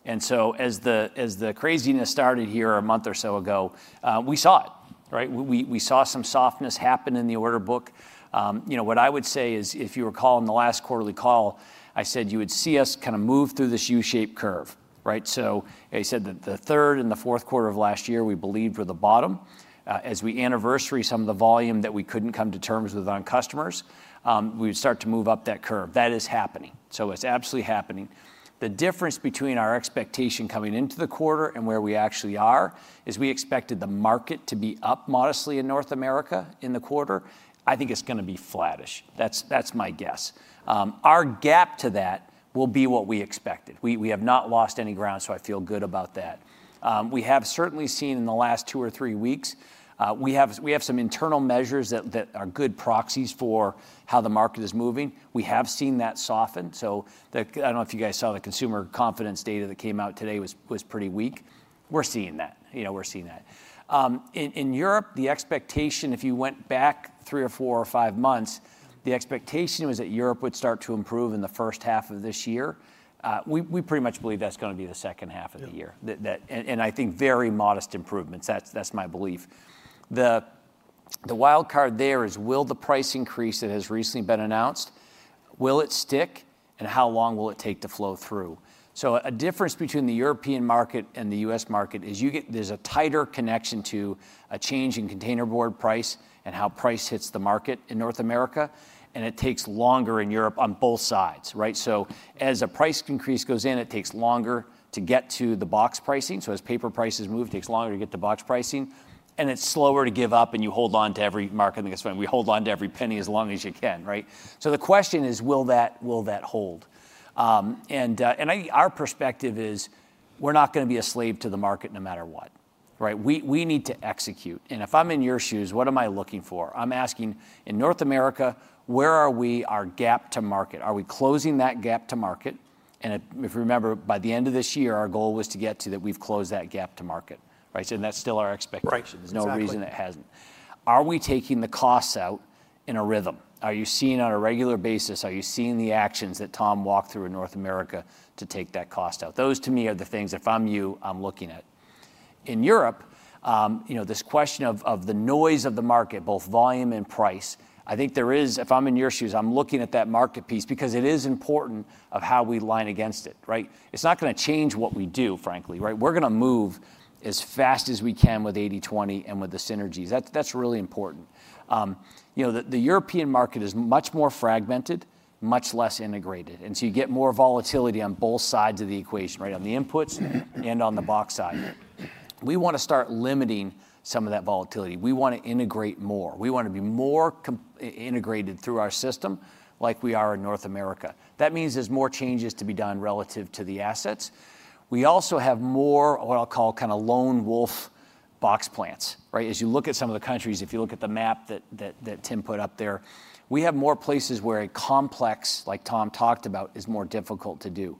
S2: And so as the, as the craziness started here a month or so ago, we saw it, right? We, we saw some softness happen in the order book. You know, what I would say is, if you recall in the last quarterly call, I said you would see us kind of move through this U shaped curve, right? So I said that the third and the fourth quarter of last year we believed were the bottom. As we anniversary some of the volume that we couldn't come to terms with on cut customers, we start to move up that curve. That is happening. So it's absolutely happening. The difference between our expectation coming into the quarter and where we actually are is we expected the market to be up modestly in North America in the quarter. I think it's going to be flattish. That's, that's my guess. Our gap to that will be what we expected. We have not lost any ground, so I feel good about that. We have certainly seen in the last two or three weeks, we have, we have some internal measures that are good proxies for how the market is moving. We have seen that soften. So I don't know if you guys saw the consumer confidence data that came out today was pretty weak. We're seeing that, you know, we're seeing that in Europe, the expectation, if you went back three or four or five months, the expectation was that Europe would start to improve in the first half of this year, we pretty much believe that's going to be the second half of the year. And I think very modest improvements. That's, that's my belief. The, the wild card there is will the price increase that has recently been announced, will it stick and how long will it take to flow through? So a difference between the European market and the U.S. Market is you get there's a tighter connection to a change in containerboard price and how price hits the market in North America. And it takes longer in Europe on both sides. Right. So as a price increase goes in, it takes longer to get to the box pricing. So as paper prices move, takes longer to get to box pricing and it's slower to give up. And you hold on to every marketing. That's when we hold on to every penny as long as you can. Right. So the question is, will that, will that hold? And, and our perspective is we're not going to be a slave to the market no matter what. Right. We need to execute. And if I'm in your shoes, what am I looking for? I'm asking in North America, where are we our gap to market? Are we closing that gap to market? And if you remember, by the end of this year, our goal was to get to that. We've closed that gap to market. Right. And that's still our expectation. There's no reason it hasn't. Are we taking the costs out in a rhythm? Are you seeing on a regular basis, Are you seeing the actions that Tom walked through in North America to take that cost out? Those to me are the things, if I'm you, I'm looking at in Europe, you know, this question of the noise of the market, both volume and price, I think there is. If I'm in your shoes, I'm looking at that market piece because it is important of how we line against it. Right. It's not going to change what we do, frankly. Right. We're going to move as fast as we can with 80/20 and with the synergies, that's really important. You know, the European market is much more fragmented, much less integrated. And so you get more volatility on both sides of the equation. Right. On the inputs and on the box side, we want to start limiting some of that volatility. We want to integrate more. We want to be more integrated through our system like we are in North America. That means there's more changes to be done relative to the assets. We also have more what I'll call kind of lone wolf box plants. Right. As you look at some of the countries. If you look at the map that Tim put up there, we have more places where a complex like Tom talked about is more difficult to do.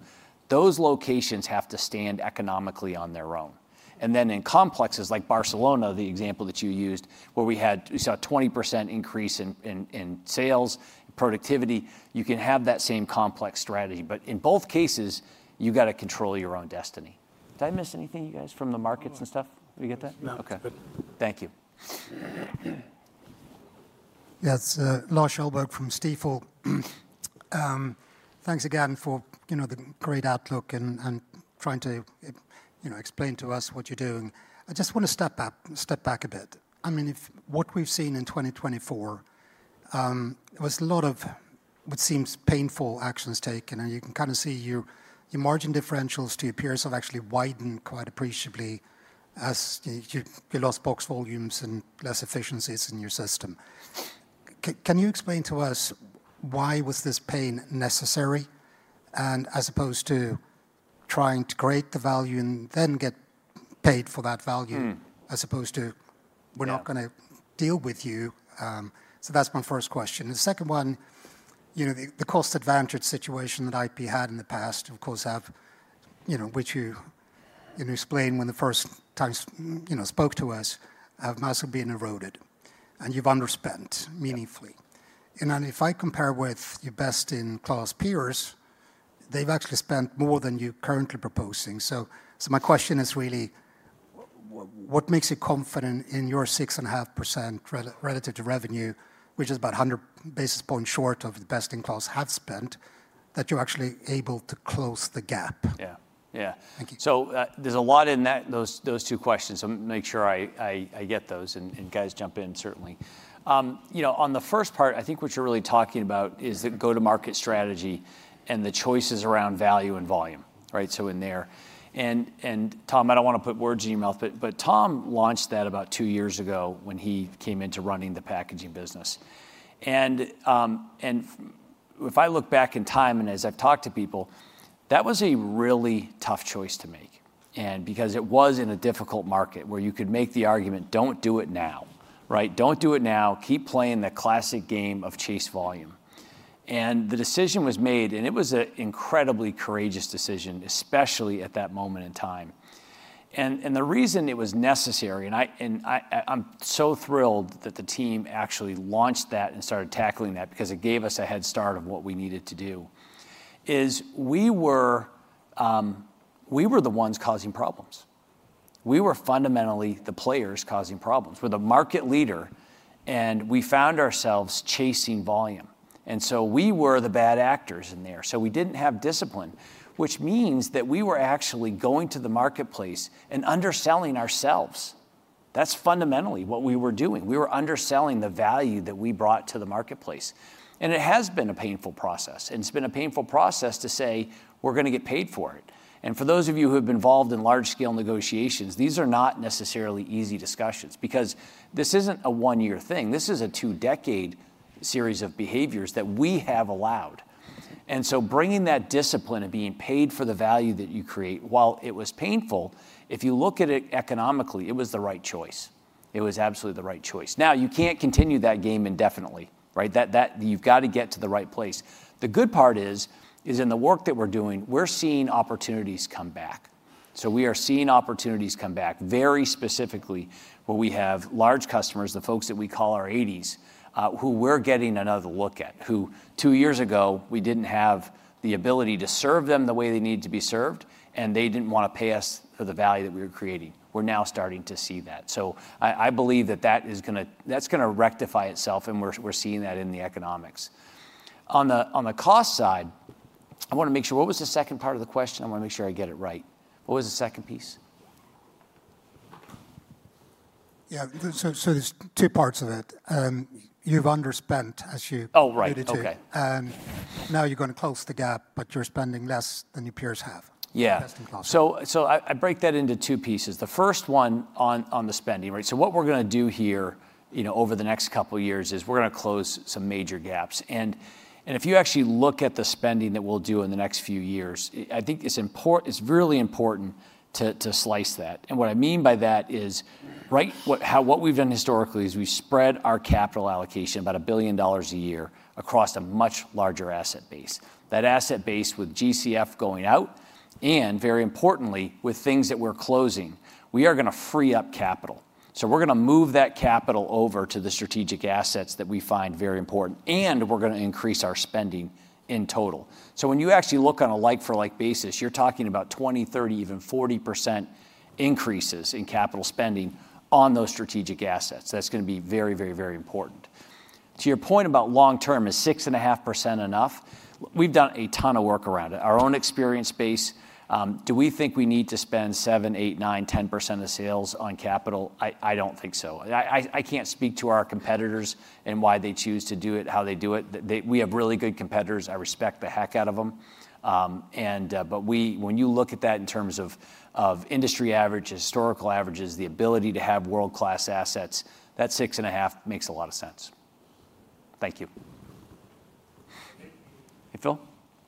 S2: Those locations have to stand economically on their own. Then in complexes like Barcelona, the example that you used where we had saw a 20% increase in sales productivity, you can have that same complex strategy. In both cases, you got to control your own destiny. Did I miss anything? You guys from the markets and stuff. We get that. Okay, thank you.
S10: Yes. Lars Kjellberg from Stifel, thanks again for, you know, the great outlook and trying to, you know, explain to us what you're doing. I just want to step back a bit. I mean, if what we've seen in. 2024 was a lot of what seems. Painful actions taken and you can kind. Of see your margin differentials to your. Peers have actually widened quite appreciably as. You lost box volumes and less efficiencies in your system. Can you explain to us why was. This pain necessary, as opposed to trying to create the value and then get paid for that value, as opposed to. We'Re not going to deal with you. So that's my first question. The second one, you know, the cost advantage situation that IP had in the. Past, of course have, which you explained. When the first time spoke to us. Have massively been eroded and you've underspent meaningfully. If I compare with your best in. Class peers, they've actually spent more than you currently proposing. So my question is really what makes you confident in your six and a. Half percent relative to revenue, which is about 100 basis points point short of. The best in class have spent that. You'Re actually able to close the gap.
S2: Yeah. Yeah. Thank you. So there's a lot in that, those, those two questions, I'm make sure I get those and guys jump in. Certainly, you know, on the first part, I think what you're really talking about is that go to market strategy and the choices around value and volume. Right. So in there and, and Tom, I don't want to put words in your mouth but, but Tom launched that about two years ago ago when he came into running the packaging business. And if I look back in time and as I've talked to people, that was a really tough choice to make because it was in a difficult market where you could make the argument don't do it now. Right, don't do it now. Keep playing the classic game of chase volume. And the decision was made and it was an incredibly courageous decision, especially at that moment in time. And the reason it was necessary and I'm so thrilled that the team actually launched that and started tackling that because it gave us a head start of what we needed to do, is we were the ones causing problems. We were fundamentally the players causing problems. We're the market leader and we found ourselves chasing volume. And so we were the bad actors in there. So we didn't have discipline, which means that we were actually going to the marketplace and underselling ourselves. That's fundamentally what we were doing. We were underselling the value that we brought to the marketplace. And it has been a painful process, and it's been a painful process to say we're going to get paid for it. And for those of you who have been involved in large scale negotiations, these are not necessarily easy discussions because this isn't a one year thing. This is a two old year decade series of behaviors that we have allowed. And so bringing that discipline and being paid for the value that you create, while it was painful, if you look at it economically, it was the right choice. It was absolutely the right choice. Now you can't continue that game indefinitely. Right. That, that you've got to get to the right place. The good part is, is in the work that we're doing, we're seeing opportunities come back. So we are seeing opportunities come back very specifically where we have large customers, the folks that we call our 80s who. We're getting another look at who two years ago we didn't have the ability to serve them the way they need to be served and they didn't want to pay us for the value that we were creating. We're now starting to see that. So I believe that that's going to rectify itself. And we're seeing that in the economics. On the cost side, I want to make sure. What was the second part of the question? I want to make sure I get it right. Right. What was the second piece?
S10: Yeah, so, so there's two parts of it you've underspent as you.
S2: Oh, right.
S10: Okay. Now you're going to close the gap. But you're spending less than your peers have.
S2: Yeah. So. So I, I break that into two pieces. The first one on, on the spending. Right. So what we're going to do here, you know, over the next couple years is we're going to close some major gaps. And, and if you actually look at the spending, spending that we'll do in the next few years, I think it's important, it's really important to slice that. And what I mean by that is Right. How what we've done historically is we spread our capital allocation about a billion dollars a year across a much larger asset base. That asset base with GCF going out and very importantly with things that we're closing, we are going to free up capital. So we're going to move that capital over to the strategic assets that we find very important and we're going to increase our spending in total. So when you actually look on a like for like basis, you're talking about 20, 30, even 40% increases in capital spending on those strategic assets, that's going to be very, very, very important. To your point about long term, is 6.5% enough? We've done a ton of work around it. Our own experience base. Do we think we need to spend 7, 8, 9, 10% of sales on capital? I don't think so. I can't speak to our competitors and why they choose to do it, how they do it. We have really good competitors. I respect the heck out of them and but we when you look at that in terms of of industry average historical averages, the ability to have world class assets that six and a half makes a lot of sense. Thank you.
S11: Hey Phil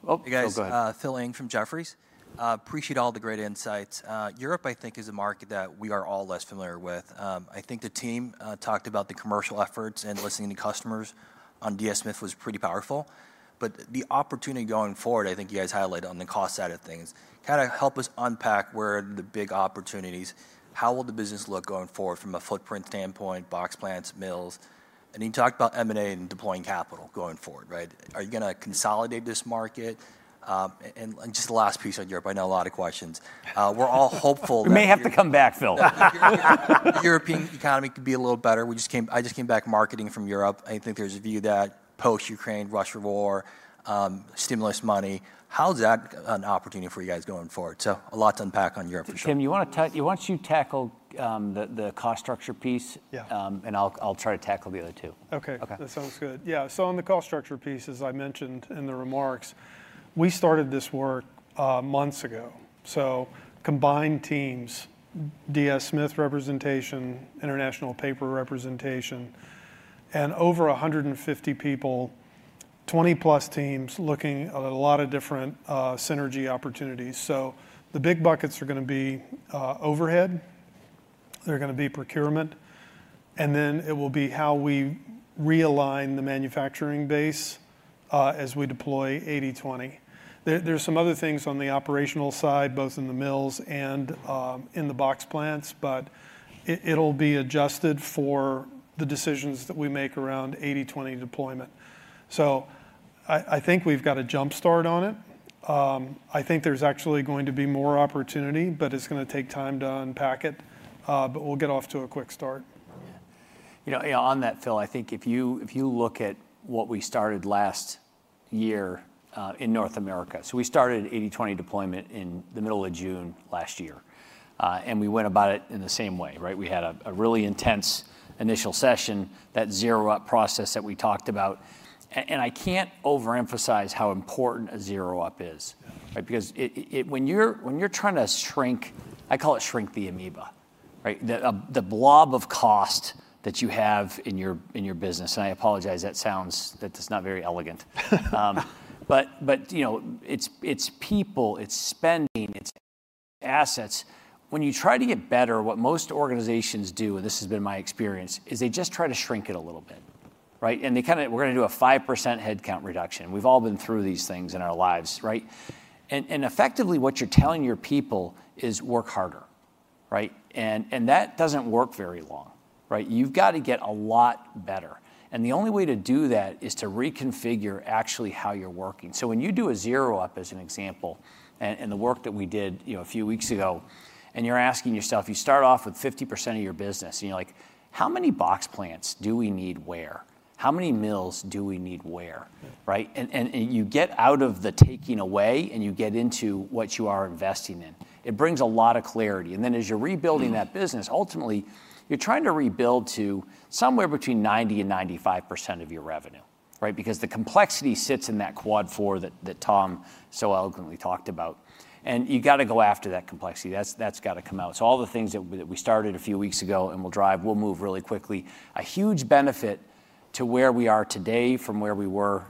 S11: Ng, you guys filling from Jefferies. Appreciate all the great insights. Europe I think is a market that we are all less familiar with. I think the team talked about the commercial efforts and listening to customers on dsmith was pretty powerful. But the opportunity going forward, I think you guys highlighted on the cost side of things kind of help us unpack where the big opportunities. How will the business look going forward from a footprint standpoint. Box plants, mills. And you talked about M and A and deploying capital going forward. Right. Are you going to consolidate this market? And just the last piece on Europe. I know a lot of questions we're all hopeful
S2: may have to come back. Phil,
S11: European economy could be a little better. We just came, I just came back marketing from Europe. I think there's a view that post Ukraine, Russia, war, stimulus money. How's that an opportunity for you guys going forward? So a lot to unpack on Europe.
S2: Tim, you want to once you tackle the cost structure piece and I'll try to tackle the other two.
S5: Okay, that sounds good. Yeah. So on the cost structure piece, as I mentioned in the remarks we started this work months ago. So combined teams, DS Smith representation, international paper representation and over 150 people, 20+ teams looking at a lot of different synergy opportunities. So the big buckets are to going, going to be overhead, they're going to be procurement and then it will be how we realign the manufacturing base as we deploy 80/20. There's some other things on the operational side, both in the mills and in the box plants, but it'll be adjusted for the decisions that we make around 80/20 deployment. So I think we've got a jump start on it. I think there's actually going to be more opportunity, but it's going to take time to unpack it. But we'll get off to a quick start on that.
S2: Phil. I think if you look at what we started last year in North America, so we started 80/20 deployment in the middle of June last year and we went about it in the same way. We had a really intense initial session, that zero up process that we talked about. And I can't overemphasize how important a zero up is, right? Because when you're trying to shrink, I call it shrink the amoeba, right? The blob of cost that you have in your, in your business. And I apologize, that sounds, that's not very elegant. But you know, it's people, it's spending, it's assets. When you try to get better, what most organizations do, and this has been my experience, is they just try to shrink it a little bit, right? And they kind of we're going to do a 5% headcount reduction. We've all been through these things in our lives, right? And effectively what you're telling your people is work harder, right? And that doesn't work very long, right? You've got to get a lot better. And the only way to do that is to reconfigure actually how you're working. So when you do a zero up as an example, and the work that we did a few weeks ago, and you're asking yourself, you start off with 50% of your business and you're like, how many box plants do we need where? How many mills do we need where? Right? And you get out of the taking away and you get into what you are investing in, it brings a lot of clarity. And then as you're rebuilding that business, ultimately you're trying to rebuild to somewhere between 90% and 95% of your revenue, right? Because the complexity sits in that quad four that Tom so eloquently talked about. You got to go after that complexity that's got to come out. So all the things that we started a few weeks ago and we'll drive, we'll move really quickly. A huge benefit to where we are today from where we were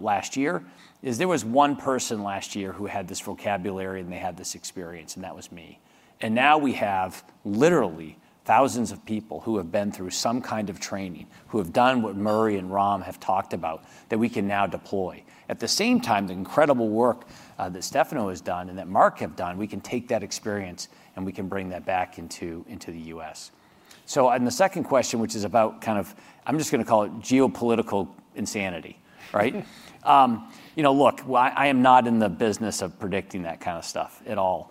S2: last year is there was one person last year who had this vocabulary and they had this experience, and that was me. Now we have literally thousands of people who have been through some kind of training, who have done what Murry and Ram have talked about that we can now deploy at the same time, the incredible work that Stefano has done and that Marc have done. We can take that experience and we can bring that back into. Into the U.S. So on the second question, which is about kind of, I'm just going to call it geopolitical insanity. Right. You know, look, I am not in the business of predicting that kind of stuff at all.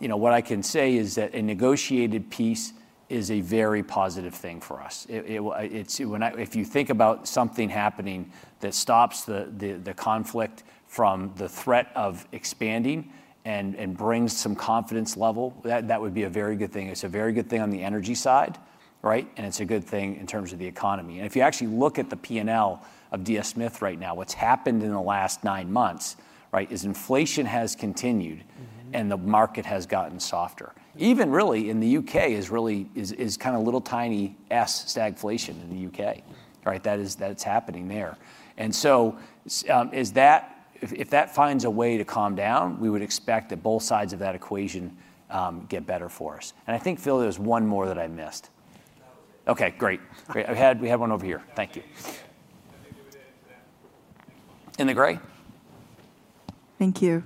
S2: You know, what I can say is that a negotiated piece is a very positive thing for us. It's when, if you think about something happening that stops the conflict from the threat of expanding and brings some confidence level, that would be a very good thing. It's a very good thing on the energy side. Right. And it's a good thing in terms of the economy. And if you actually look at the P&L of DS Smith right now, what's happened in the last nine months, right. Is inflation has continued and the market has gotten softer. Even really in the U.K. is really is kind of little tiny stagflation in the U.K. Right. That is. That's happening there. So if that finds a way to calm down, we would expect that both sides of that equation get better for us. I think, Phil, there's one more that I missed. Okay, great. We had one over here. Thank you. In the gray. Thank you.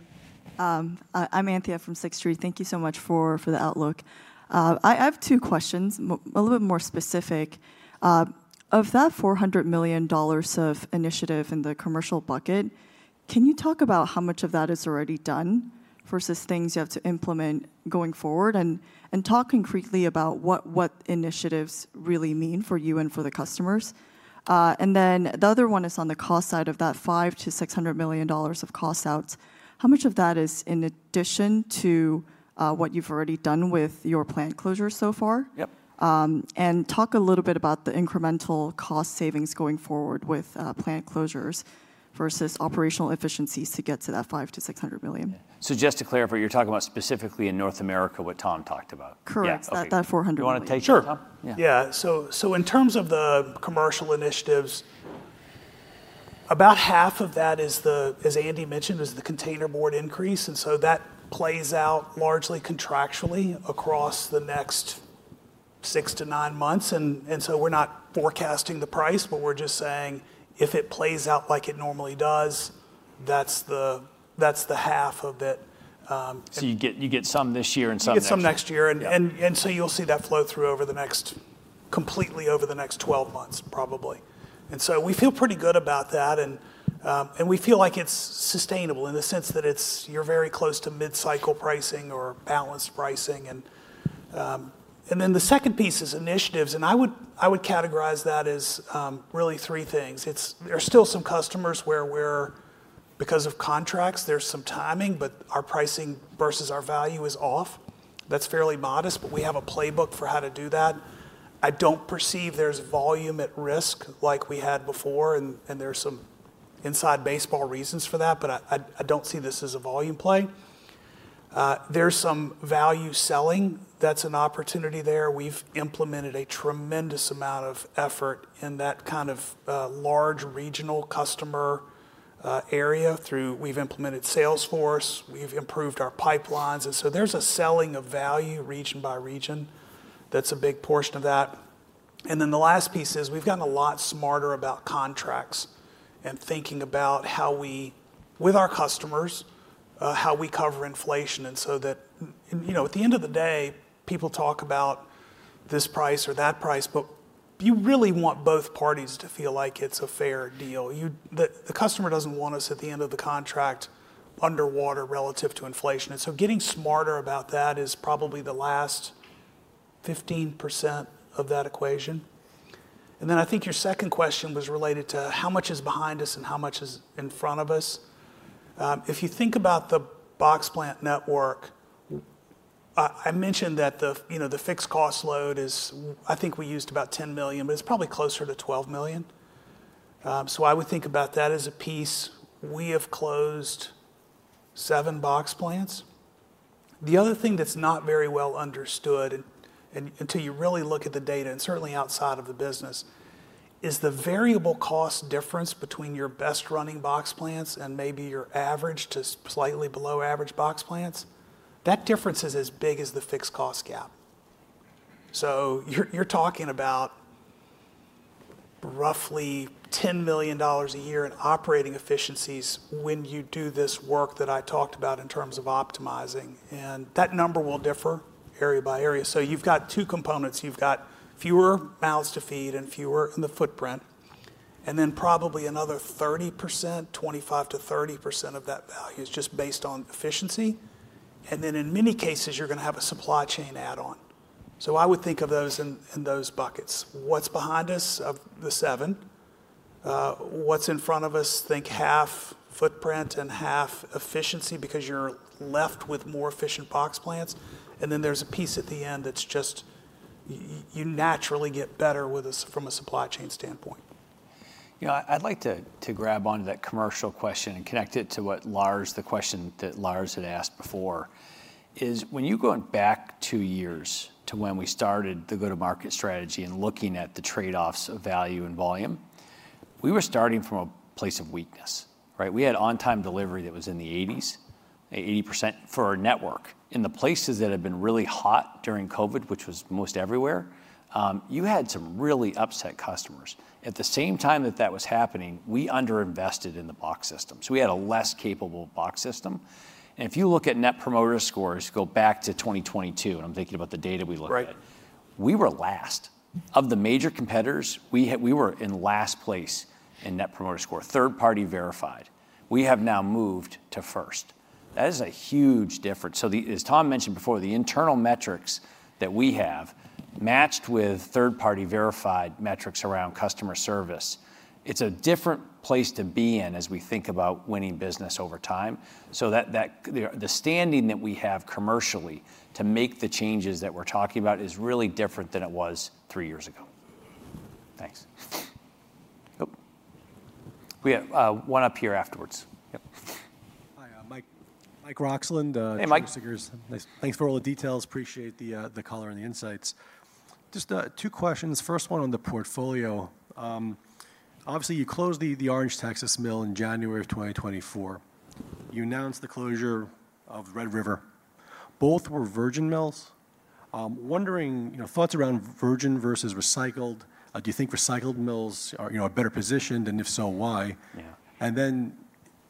S12: I'm Anthea from Six Street. Thank you so much for the outlook. I have two questions a little bit more specific of that $400 million of initiative in the commercial bucket. Can you talk about how much of. That is already done versus things you have to implement going forward and talk concretely about what initiatives really mean for you and for the customers. The other one is on the cost side of that $500 million-$600 million of cost outs. How much of that is in addition to what you've already done with your plant closures so far? Yep. Talk a little bit about the incremental cost savings going forward with plant closures versus operational efficiencies to get to that $500 million-$600 million.
S2: So just to clarify, you're talking about specifically in North America, what Tom talked about, correct? That $400 million you want to take. Sure.
S3: Yeah. So in terms of the commercial initiatives, about half of that as Andy mentioned, is the Containerboard increase. That plays out largely contractually across the next six to nine months. We're not forecasting the price, but we're just saying if it plays out like it normally does, that's the half-of-it. You get some this year and some next year. Get some next year. So you'll see the, that flow through over the next, completely over the next 12 months probably. So we feel pretty good about that. We feel like it's sustainable in the sense that it's, you're very close to mid cycle pricing or balanced pricing. Then the second piece is initiatives. I would, I would categorize that as really three things. It's, there's still some customers where we're. Because of contracts. There's some timing, but our pricing versus our value is off. That's fairly modest. We have a playbook for how to do that. I don't perceive there's volume at risk like we had before and there's some inside baseball reasons for that, but I don't see this as a volume play. There's some value selling. That's an opportunity there. We've implemented a tremendous amount of effort in that kind of large regional customer area through, we've implemented Salesforce, we've improved our pipelines. And so there's a selling of value region by region. That's a big portion of that. The last piece is we've gotten a lot smarter about contracts and thinking about how we with our customers, how we cover inflation. And so that, you know, at the end of the day, people talk about this price or that price, but you really want both parties to feel like it's a fair deal. The customer doesn't want us at the end of the contract underwater relative to inflation. And so getting smarter about that is probably the last 15% of that equation. I think your second question was related to how much is behind us and how much is in front of us. If you think about the box plant network, I mentioned that the fixed cost load is, I think we used about $10 million, but it's probably closer to $12 million. I would think about that as a piece. We have closed seven box plants. The other thing that's not very well understood until you really look at the data and certainly outside of the business is the variable cost difference between your best running box plants and maybe your average to slightly below average box plants. That difference is as big as the fixed cost gap. You're talking about roughly $10 million a year in operating efficiencies when you do this work that I talked about in terms of optimizing. That number will differ area by area. You've got two components. You've got fewer mouths to feed and fewer in the footprint and then probably another 30% feed, 25%-30% of that value is just based on efficiency. And then in many cases you're going to have a supply chain add on. So I would think of those in those buckets. What's behind us of the seven, what's in front of us? Think half footprint and half efficiency because you're left with more efficient box plants. And then there's a piece at the end that's just. You naturally get better with a certain. From a supply chain standpoint.
S2: You know, I'd like to, to grab onto that commercial question and connect it to what Lars. The question that Lars had asked before is when you go back two years to when we started the go to market strategy and looking at the trade offs of value and volume, we were starting from a place of weakness, right? We had on time delivery that was in the 80s, 80% for our network. In the places that have been really hot during COVID which was most everywhere, you had some really upset customers at the same time that that was happening. We underinvested in the box system. So we had a less capable box system. And if you look at net promoter scores, go back to 2022 and I'm thinking about the data we looked at, we were last of the major competitors, we were in last place in net promoter score, third party verified, we have now moved to first. That is a huge difference. So as Tom mentioned before, the internal metrics that we have matched with third party verified metrics around customer service, it's a different place to be in as we think about winning business over time. So the standing that we have commercially to make, the changes that we're talking about is really different than it was three years ago. Thanks. We have one up here afterwards.
S13: Hi, Michael Roxland. Thanks for all the details. Appreciate the color and the insights. Just two questions. First one on the portfolio. Obviously you closed the Orange Texas mill in January of 2024. You announced the closure of Red River. Both were virgin mills. Wondering thoughts around Virginia Virgin versus recycled. Do you think recycled mills are better. Positioned and if so, why? And then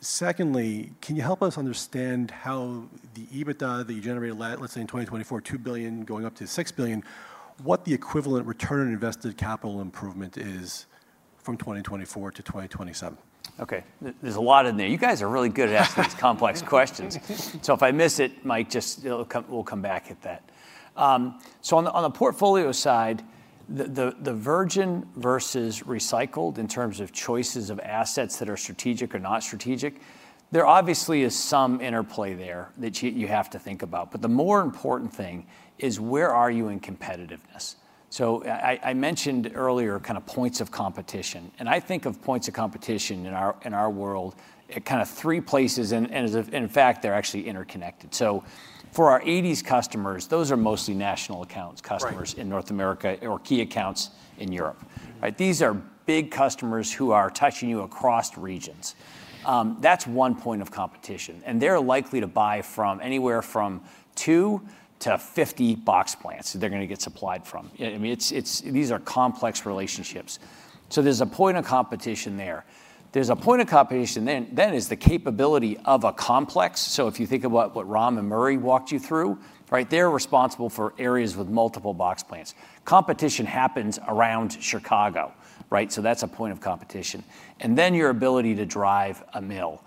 S13: secondly, can you help us. Understand how the EBITDA that you generated, let's say in 2024, $2 billion going up to $6 billion, what the equivalent return on invested capital improvement is from. 2024 to 2027, okay.
S2: There's a lot in there. You guys are really good at asking these complex questions. So if I miss it, Mike, just. We'll come back at that. So on the portfolio side, the virgin versus recycled, in terms of choices of assets that are strategic or not strategic, there obviously is some interplay there that you have to think about. But the more important thing is where are you in competitiveness? So I mentioned earlier kind of points of competition, and I think of points of competition in our, in our world at kind of three places. And in fact, they're actually interconnected. So for our 80s customers, those are mostly national accounts, customers in North America or key accounts in Europe. These are big customers who are touching you across regions. That's one point of competition. And they're likely to buy from anywhere from two to 50 box plants that they're going to get supplied from. I mean, these are complex relationships. So there's a point of competition there. There's a point of competition then is the capability of a complex. So if you think about what Ram and Murry walked you through, right, they're responsible for areas with multiple box plants. Competition happens around Chicago, right? So that's a point of competition. And then your ability to drive a mill.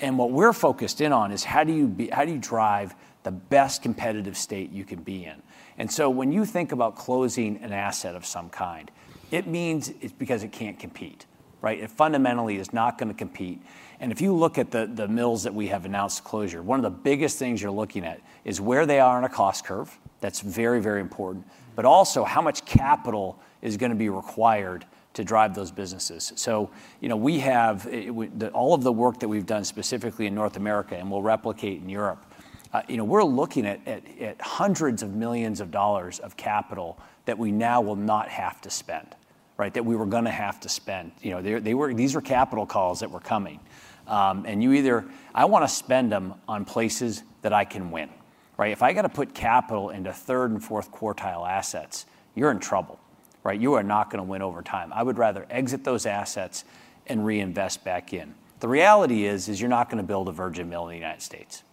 S2: And what we're focused in on is how do you be, how do you drive the best competitive state you can be in, in. And so when you think about closing an asset of some kind, it means it's because it can't compete, right? It fundamentally is not going to compete. And if you look at the mills that we have announced closure, one of the biggest things you're looking at is where they are in a cost curve that's very, very important. But also how much capital is going to be required to drive those businesses. So, you know, we have all of the work that we've done specifically in North America will replicate in Europe. You know, we're looking at hundreds of millions of dollars of capital that we now will not have to spend. Right. That we were going to have to spend. You know, they were. These are capital calls that were coming and you either. I want to spend them on places that I can win, right. If I got to put capital into third and fourth quartile assets, you're in trouble, right? You are not going to win over time. I would rather exit those assets and reinvest back in. The reality is, is you're not going to build a virgin mill in the United States, right?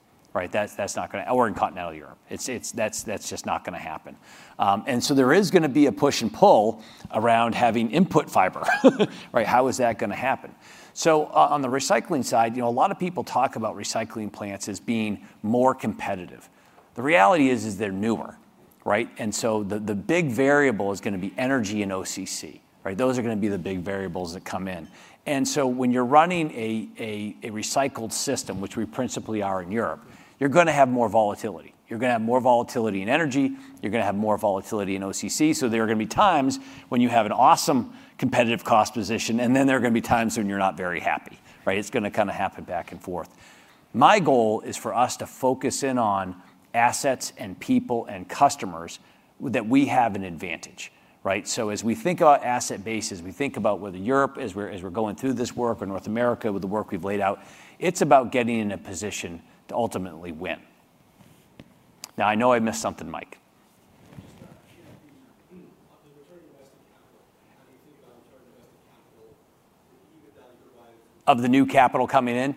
S2: That's, that's not going to. Or in continental Europe. It's, it's that's, that's just not going to happen. And so there is going to be a push and pull around having input fiber. Right. How is that going to happen? So on the recycling side, you know, a lot of people talk about recycling plants as being more competitive. The reality is, is they're newer. Right. And so the big variable is going to be energy in oc, right? Those are going to be the big variables that come in. And so when you're running a recycled system, which we principally are in Europe, you're going to have more volatility, you're going to have more volatility in energy, you're going to have more volatility in occ. So there are going to be times when you have an awesome competitive cost position and then there are going to be times when you're not very happy. Right. It's going to kind of happen back and forth. My goal is for us to focus in on assets and people, people and customers that we have an advantage. Right. So as we think about asset bases, we think about whether Europe, as we're, as we're going through this work, or North America with the work we've laid out, it's about getting in a position to ultimately win. Now, I know I missed something, Mike, Of the new capital coming in.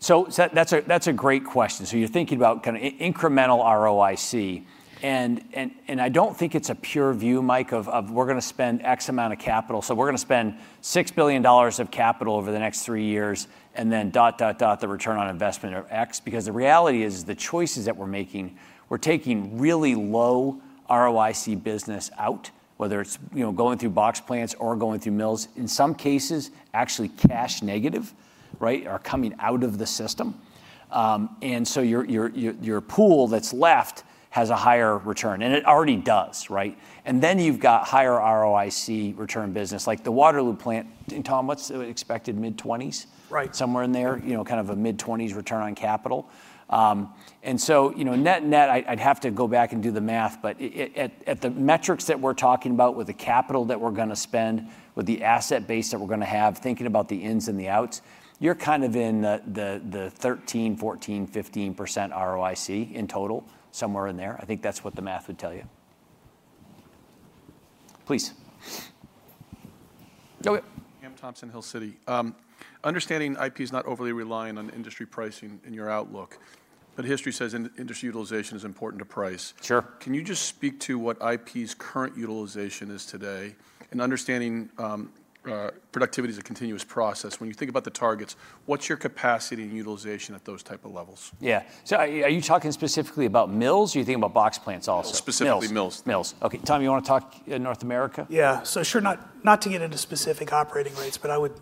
S2: So that's a, that's a great question. So, so you're thinking about kind of incremental roic, and I don't think it's a pure view, Mike, of we're going to spend X amount of capital. So we're going to spend $6 billion of capital over the next three years and then dot, dot, dot, the return on investment X, because the reality is the choices that we're making, we're taking really low ROIC business out, whether it's going through box plants or going through mills in some cases actually cash, negative. Right. Are coming out of the system. And so your pool that's left has a higher return and it already does. Right. And then you've got higher ROIC return business like the Waterloo plant. Tom, what's expected? Mid 20s.
S3: Right.
S2: Somewhere in there, you know, kind of a mid-20s return on capital. And so, you know, net net. I'd have to go back and do the math. But at the metrics that we're talking about, with the capital that we're going to spend, spend with the asset base that we're going to have, thinking about the ins and the outs, you're kind of in the 13%, 14%, 15% ROIC in total. Somewhere in there, I Think that's what the math would tell you. Please go ahead.
S14: Thompson, Hill City. Understanding IP is not overly relying on industry pricing in your outlook, but history says industry utilization is important to price.
S2: Sure. Customers, can you just speak to what IP's current utilization is today and understanding productivity as a continuous process. When you think about the targets, what's your capacity and utilization at those type of levels? Yeah. So are you talking specifically about mills or are you thinking about box plants also?
S14: Specifically mills.
S2: Mills. Okay. Tom, you want to talk in North America?
S3: Yeah, so sure. Not, not to get into specific operating rates, but I would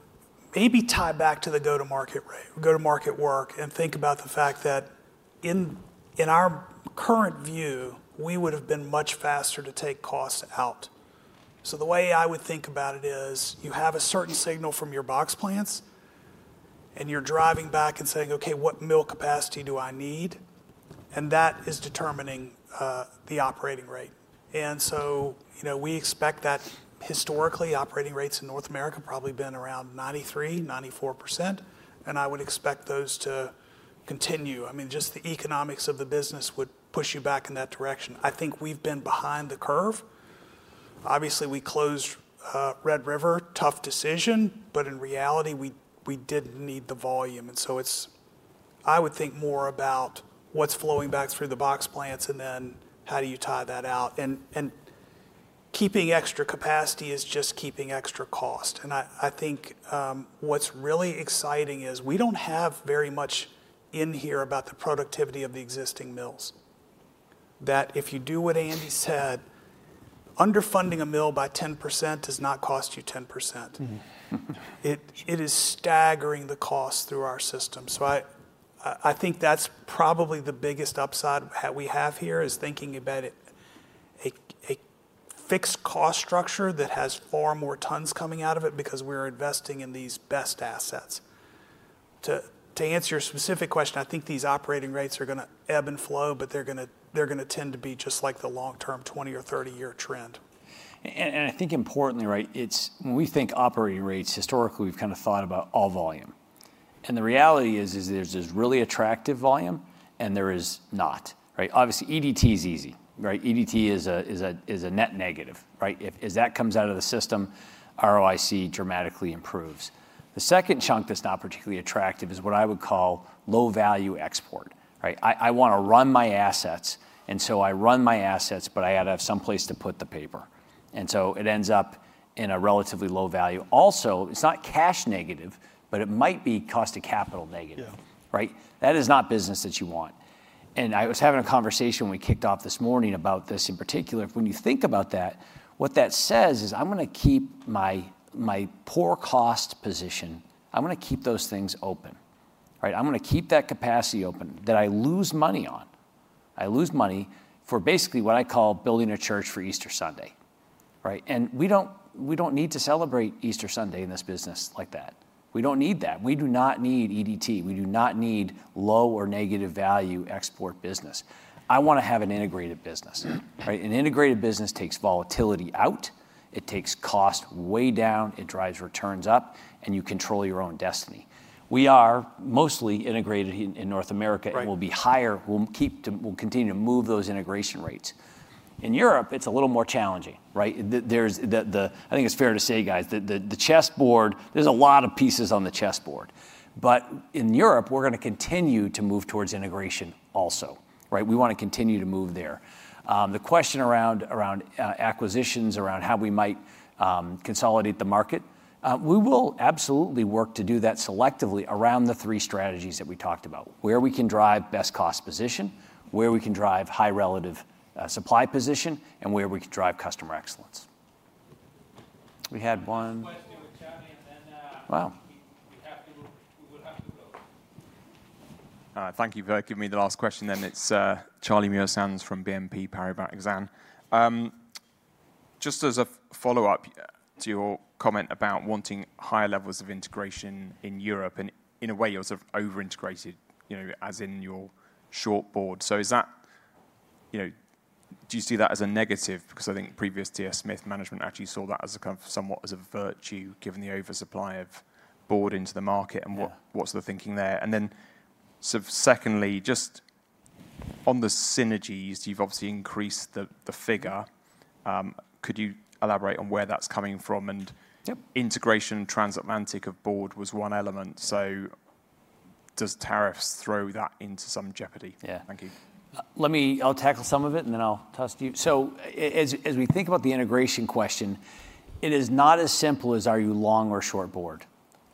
S3: maybe tie back to the go to market rate, go to market work and think about the fact that in, in our current view, we would have been much faster to take costs out. So the way I would think about it is you have a certain signal from your box plants and you're driving back and saying, okay, what mill capacity do I need? And that is determining the operating rate. And so, you know, we expect that historically operating rates in North America probably been around 93%, 94%. And I would expect those to continue. I mean, just the economics of the business would push you back in that direction. I think we've been behind the curve. Obviously we closed Red river, tough decision. But in reality we, we did need the volume. And so it's, I would think more about what's flowing back through the box plants and then how do you tie that out? And keeping extra capacity is just keeping extra cost. And I think what's really exciting is we don't have very much in here about the productivity of the existing mills that if you do what Andy said, underfunding a mill by 10% does not cost you 10%. It is staggering the cost through our system. So I think that's probably the biggest upside we have here is thinking about a fixed cost structure that has far more tons coming out of it because we're investing in these best assets. To answer your specific question, I think these operating rates are going to ebb and flow, but they're going to. They're going to tend to be just like the long -, 20 or 30 year trend.
S2: And I think importantly, right. It's when we think operating rates historically we've kind of thought about all volume. And the reality is, is there's this really attractive volume and there is not. Right. Obviously EDT is easy, right? EDT is a, is a net negative. Right. As that comes out of the system, ROIC dramatically improves. The second chunk that's not particularly attractive is what I would call Low value export, right. I want to run my assets and so I run my assets but I have to have someplace to put the paper and so it ends up in a relatively low value also. It's not cash negative, but it might be cost of capital-negative. Right? That is not business that you want. And I was having a conversation, we kicked off this morning about this in particular, when you think about that, what that says is I'm going to keep my, my poor cost position. I'm going to keep those things open, right? I'm going to keep that capacity open that I lose money on. I lose money for basically what I call building a church for Easter Sunday. Right? And we don't, we don't need to celebrate Easter Sunday in this business like that. We don't need that. We do not need edt. We do not need low or negative value export business. I want to have an integrated business. An integrated business takes volatility out, it takes cost way down, it drives returns up and you control your own destiny. We are mostly integrated in North America. Will be higher. We'll keep to, will continue to move those integration rates. In Europe it's a little more challenging. Right. There's the. I think it's fair to say guys, that the chessboard, there's a lot of pieces on the chessboard. But in Europe we're going to continue to move towards integration also, right? We want to continue to move there. The question around acquisitions, around how we might consolidate the market. We will absolutely work to do that selectively aroundthe three strategies that we talked about. Where we can drive best cost position, where we can drive high relative supply position and where we can drive customer excellence. We had one.
S15: Thank you for giving me the last question. Then it's Charlie Muir-Sands from BNP Paribas Exame. Just as a follow up to your comment about wanting higher levels of integration in Europe. And in a way you're sort of over integrated, you know, as in your short board. So is that, you know, do you see that as a negative? Because I think previous TS Smith management. Actually saw that as a kind of. Somewhat as a virtue given the oversupply of board into the market. And what, what's the thinking there? And then sort of secondly just on the synergies, you've obviously increased the, the figure. Could you elaborate on where that's coming from? And integration transatlantic of board was one element. So does tariffs throw that into some jeopardy? Yeah, thank you.
S2: Let me, I'll tackle some of it and then I'll toss to you. So as we think about the integration question. It is not as simple as are you long or short board?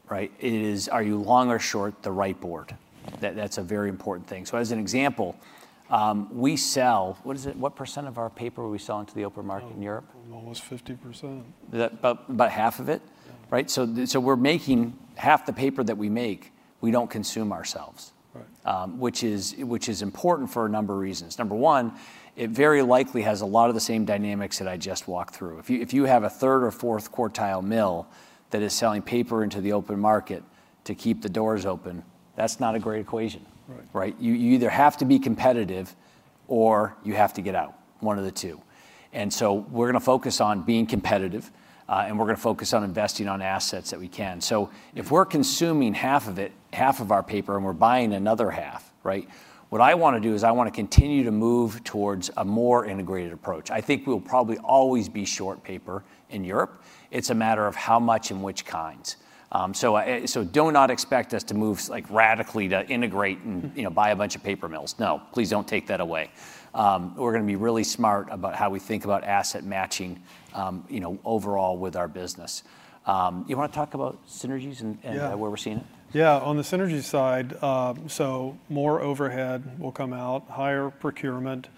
S2: Right. It is, are you long or short the right board? That's a very important thing. So as an example, we sell. What is it, what percent of our paper are we selling to the open market in Europe?
S5: Almost 50%.
S2: About half of it. Right. So we're making half the paper that we make. We don't consume ourselves, which is important for a number of reasons. Number one, it very likely has a lot of the same dynamics that I just walked through. If you have a third or fourth quartile mill that is selling paper into the open market to keep the doors open, that's not a great equation. Right. You either have to be competitive or you have to get out one of the two. And so we're going to focus on being competitive and we're going to focus on investing on assets that we can. So if we're consuming half of it, half of our paper, and we're buying another half. Right. What I want to do is I want to continue to move towards a more integrated approach. I think we'll probably always be short paper in Europe. It's a matter of how much in which kinds. So do not expect us to move like radically to integrate and buy a bunch of paper mills. No, please don't take that away. We're going to be really smart about how we think about asset matching overall with our business. You want to talk about synergies and where we're seeing it.
S5: Yeah. On the synergy side. So more overhead will come out, higher procurement.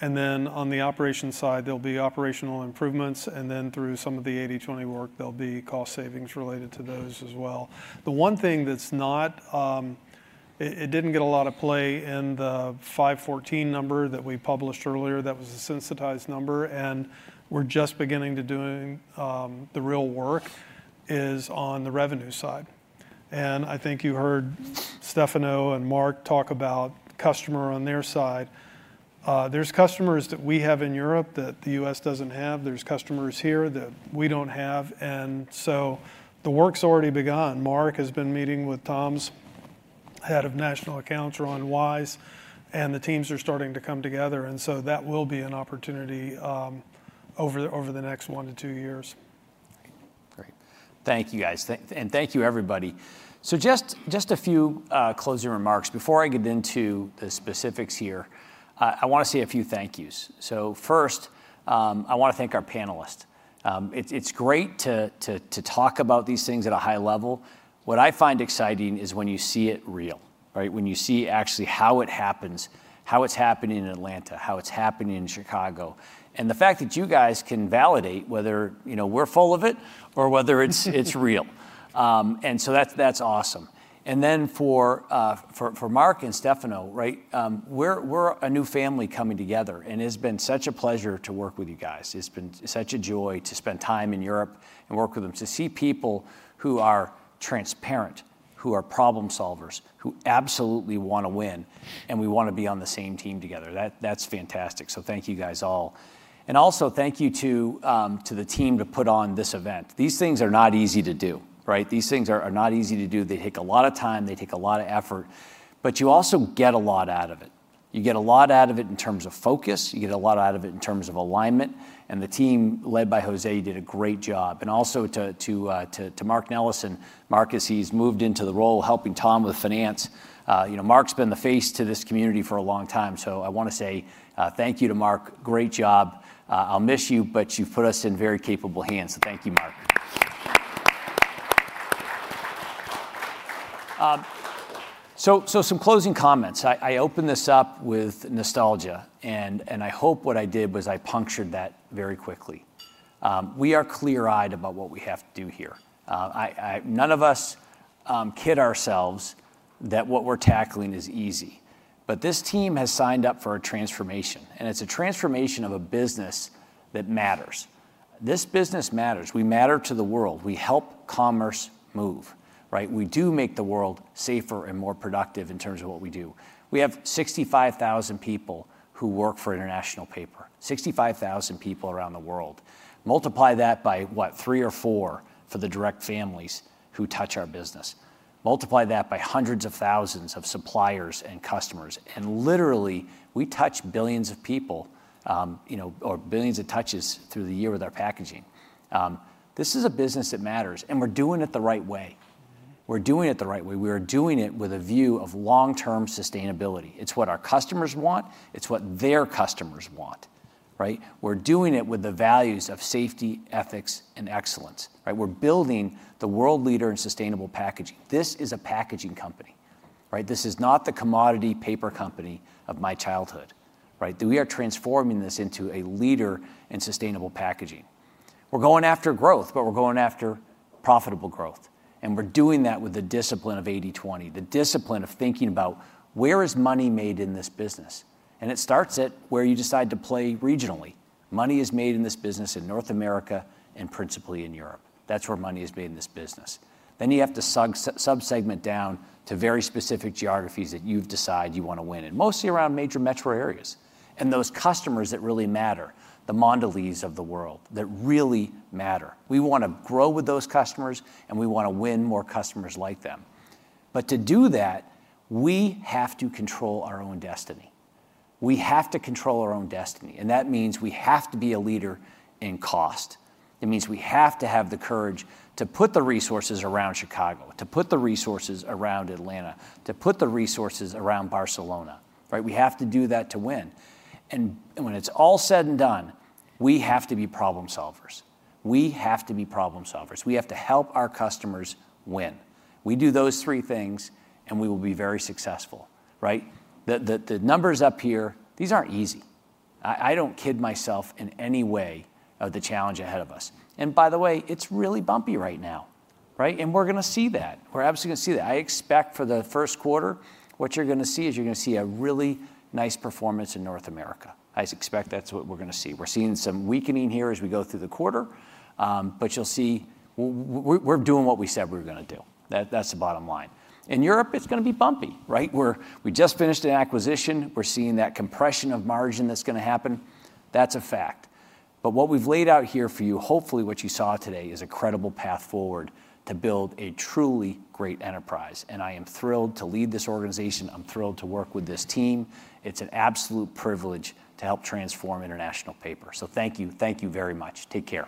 S5: And then on the operations side, there'll be operational improvements. And then through some of the 80/20 work, there'll be cost savings related to those as well. The one thing that's not, it didn't get a lot of play in the $514 millionHnumber that we published earlier. That was a sensitized number. And we're just beginning to doing the real work is on the revenue side. And I think you heard Stefano and Marc talk about customer on their side. There's customers that we have in Europe that the U.S. doesn't have. There's customers here that we don't have. And so the work's already begun. Marc has been meeting with Tom's Head of National Accounts, Ron Wise, and the teams are starting to come together. And so that will be an opportunity over the next one to two years.
S2: Thank you guys. And thank you, everybody. So just a few closing remarks. Before I get into the specifics here, I want to say a few thank yous. So first I want to thank our panelists. It's great to talk about these things at a high level. What I find exciting is when you see it real, right? When you see actually how it happens, how it's happening in Atlanta, how it's happening in Chicago, and the fact that you guys can validate whether, you know, we're full of it or whether it's real. And so that's awesome. And then for Marc and Stefano, right, we're a new family coming together and it's been such a pleasure to work with you guys. It's been such a joy to spend time in Europe and work with them. To see people who are transparent, who are problem solvers, who absolutely want to win and we want to be on the same team together. That's fantastic. So thank you guys all and also thank you to, to the team to put on this event. These things are not easy to do, right? These things are not easy to do. They take a lot of time, they take a lot of effort, but you also get a lot out of it. You get a lot out of it in terms of focus. You get a lot out of it in terms of alignment. And the team led by Jose did a great job. And also to Mark Nellessen, Mark, he's moved into the role, helping Tom with finance. Mark's been the face to this community for a long time. So I want to say thank you to Mark. Great job. I'll miss you, but you've put us in very capable hands. So thank you, Mark. So, some closing comments. I open this up with nostalgia and I hope what I did was I punctured that very quickly. We are clear eyed about what we have to do here. None of us kid ourselves that what we're tackling is easy. But this team has signed up for a transformation. And it's a transformation of a business that matters. This business matters. We matter to the world. We help commerce move right. We do make the world safer and more productive. In terms of what we do. We have 65,000 people who work for International Paper, 65,000 people around the world. Multiply that by what, three or four? For the direct families who touch our business, multiply that by hundreds of thousands of suppliers and customers and literally we touch billions of people, you know, or billions of touches through the year with our packaging. This is a business that matters and we're doing it the right way. We're doing it the right way. We are doing it with a view of long term sustainability. It's what our customers want. It's what their customers want. Right. We're doing it with the values of safety, ethics and excellence. Right. We're building the world leader in sustainable packaging. This is a packaging company, Right. This is not the commodity paper company of my childhood. Right. We are transforming this into a leader in sustainable packaging. We're going after growth, but we're going after profitable growth. And we're doing that with the discipline of 80/20, the discipline of thinking about where is money made in this process business and it starts it where you decide to play regionally. Money is made in this business in North America and principally in Europe. That's where money is made in this business. Then you have to sub segment down to very specific geographies that you've decided you want to win. And mostly around major metro areas and those customers that really matter, the Mondelēz of the world that really matter. We want to grow with those customers and we want to win more customers like that them. But to do that, we have to control our own destiny. We have to control our own destiny. And that means we have to be a leader in cost. It means we have to have the courage to put the resources around Chicago, to put the resources around Atlanta, to put the resources around Barcelona. Right? We have to do that to win. And when it's all said and done, we have to be problem solvers. We have to be problem solvers. We have to help our customers win. We do those three things and we will be very successful. Right? The numbers up here, these aren't easy. I don't kid myself in any way of the challenge ahead of us. And by the way, it's really bumpy right now, right? And we're going to see that. We're absolutely going to see that. I expect for the first quarter, what you're going to see is you're going to see a really nice performance in North America. I expect that's what we're going to see. We're seeing some weakening here as we go through the quarter. But you'll see we're doing what we said we were going to do. That's the bottom line in Europe. It's going to be bumpy. Right where we just finished an acquisition. We're seeing that compression of margin. That's going to happen. That's a fact. But what we've laid out here for you, hopefully what you saw today is a credible path forward to build a truly great enterprise. And I am thrilled to lead this organization. I'm thrilled to work with this team. It's an absolute privilege to help transform International Paper. So thank you. Thank you very much. Take care.